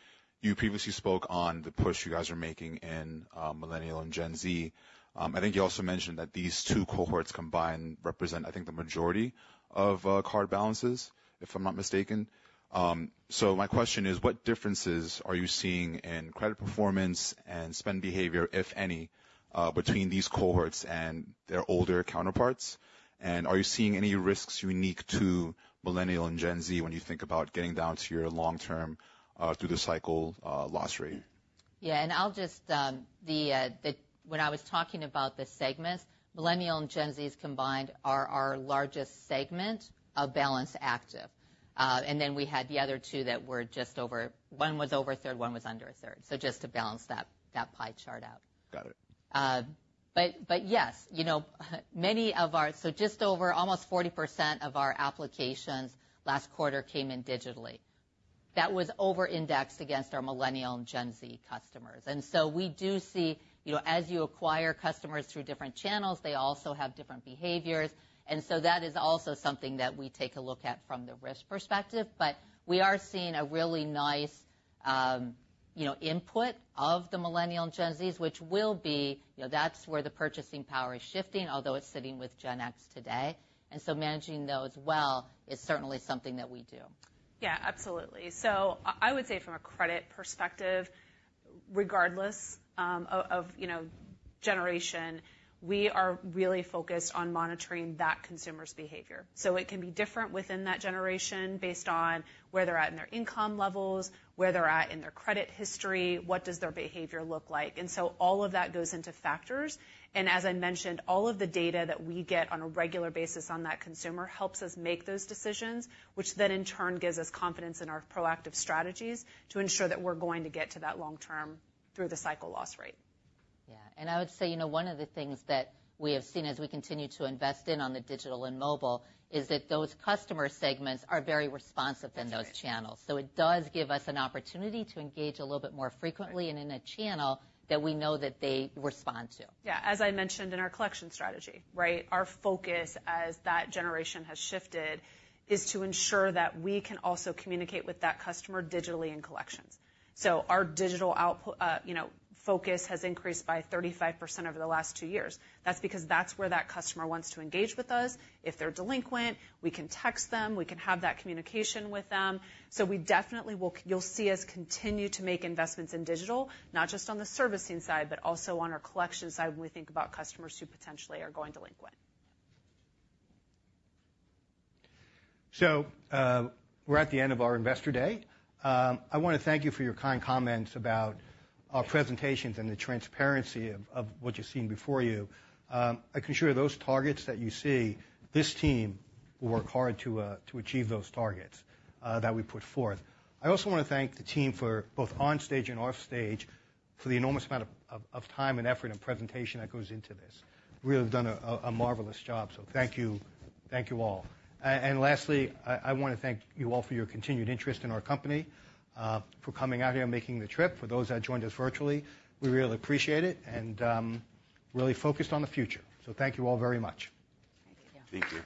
You previously spoke on the push you guys are making in Millennial and Gen Z. I think you also mentioned that these two cohorts combined represent, I think, the majority of card balances, if I'm not mistaken. So my question is, what differences are you seeing in credit performance and spend behavior, if any, between these cohorts and their older counterparts? And are you seeing any risks unique to Millennial and Gen Z when you think about getting down to your long-term, through the cycle, loss rate? Yeah, and I'll just, when I was talking about the segments, Millennial and Gen Zs combined are our largest segment of balance active. And then we had the other two that were just over, one was over a third, one was under a third, so just to balance that, that pie chart out. Got it. But yes, you know, many of our, so just over almost 40% of our applications last quarter came in digitally. That was over indexed against our Millennial and Gen Z customers. And so we do see, you know, as you acquire customers through different channels, they also have different behaviors, and so that is also something that we take a look at from the risk perspective. But we are seeing a really nice, you know, input of the Millennial and Gen Zs, which will be, you know, that's where the purchasing power is shifting, although it's sitting with Gen X today. And so managing those well is certainly something that we do. Yeah, absolutely. So I would say from a credit perspective, regardless of you know generation, we are really focused on monitoring that consumer's behavior. So it can be different within that generation, based on where they're at in their income levels, where they're at in their credit history, what does their behavior look like? And so all of that goes into factors, and as I mentioned, all of the data that we get on a regular basis on that consumer helps us make those decisions, which then, in turn, gives us confidence in our proactive strategies to ensure that we're going to get to that long term through the cycle loss rate. Yeah. I would say, you know, one of the things that we have seen as we continue to invest in on the digital and mobile is that those customer segments are very responsive in those channels. That's right. So it does give us an opportunity to engage a little bit more frequently, and in a channel that we know that they respond to. Yeah, as I mentioned in our collection strategy, right? Our focus as that generation has shifted, is to ensure that we can also communicate with that customer digitally in collections. So our digital output, you know, focus has increased by 35% over the last two years. That's because that's where that customer wants to engage with us. If they're delinquent, we can text them, we can have that communication with them. So we definitely will. You'll see us continue to make investments in digital, not just on the servicing side, but also on our collection side, when we think about customers who potentially are going delinquent. So, we're at the end of our Investor Day. I wanna thank you for your kind comments about our presentations and the transparency of what you've seen before you. I can assure you those targets that you see, this team will work hard to achieve those targets that we put forth. I also wanna thank the team for both on stage and off stage, for the enormous amount of time and effort and presentation that goes into this. Really done a marvelous job, so thank you, thank you all. And lastly, I wanna thank you all for your continued interest in our company, for coming out here and making the trip. For those that joined us virtually, we really appreciate it, and really focused on the future. So thank you all very much. Thank you. Thank you.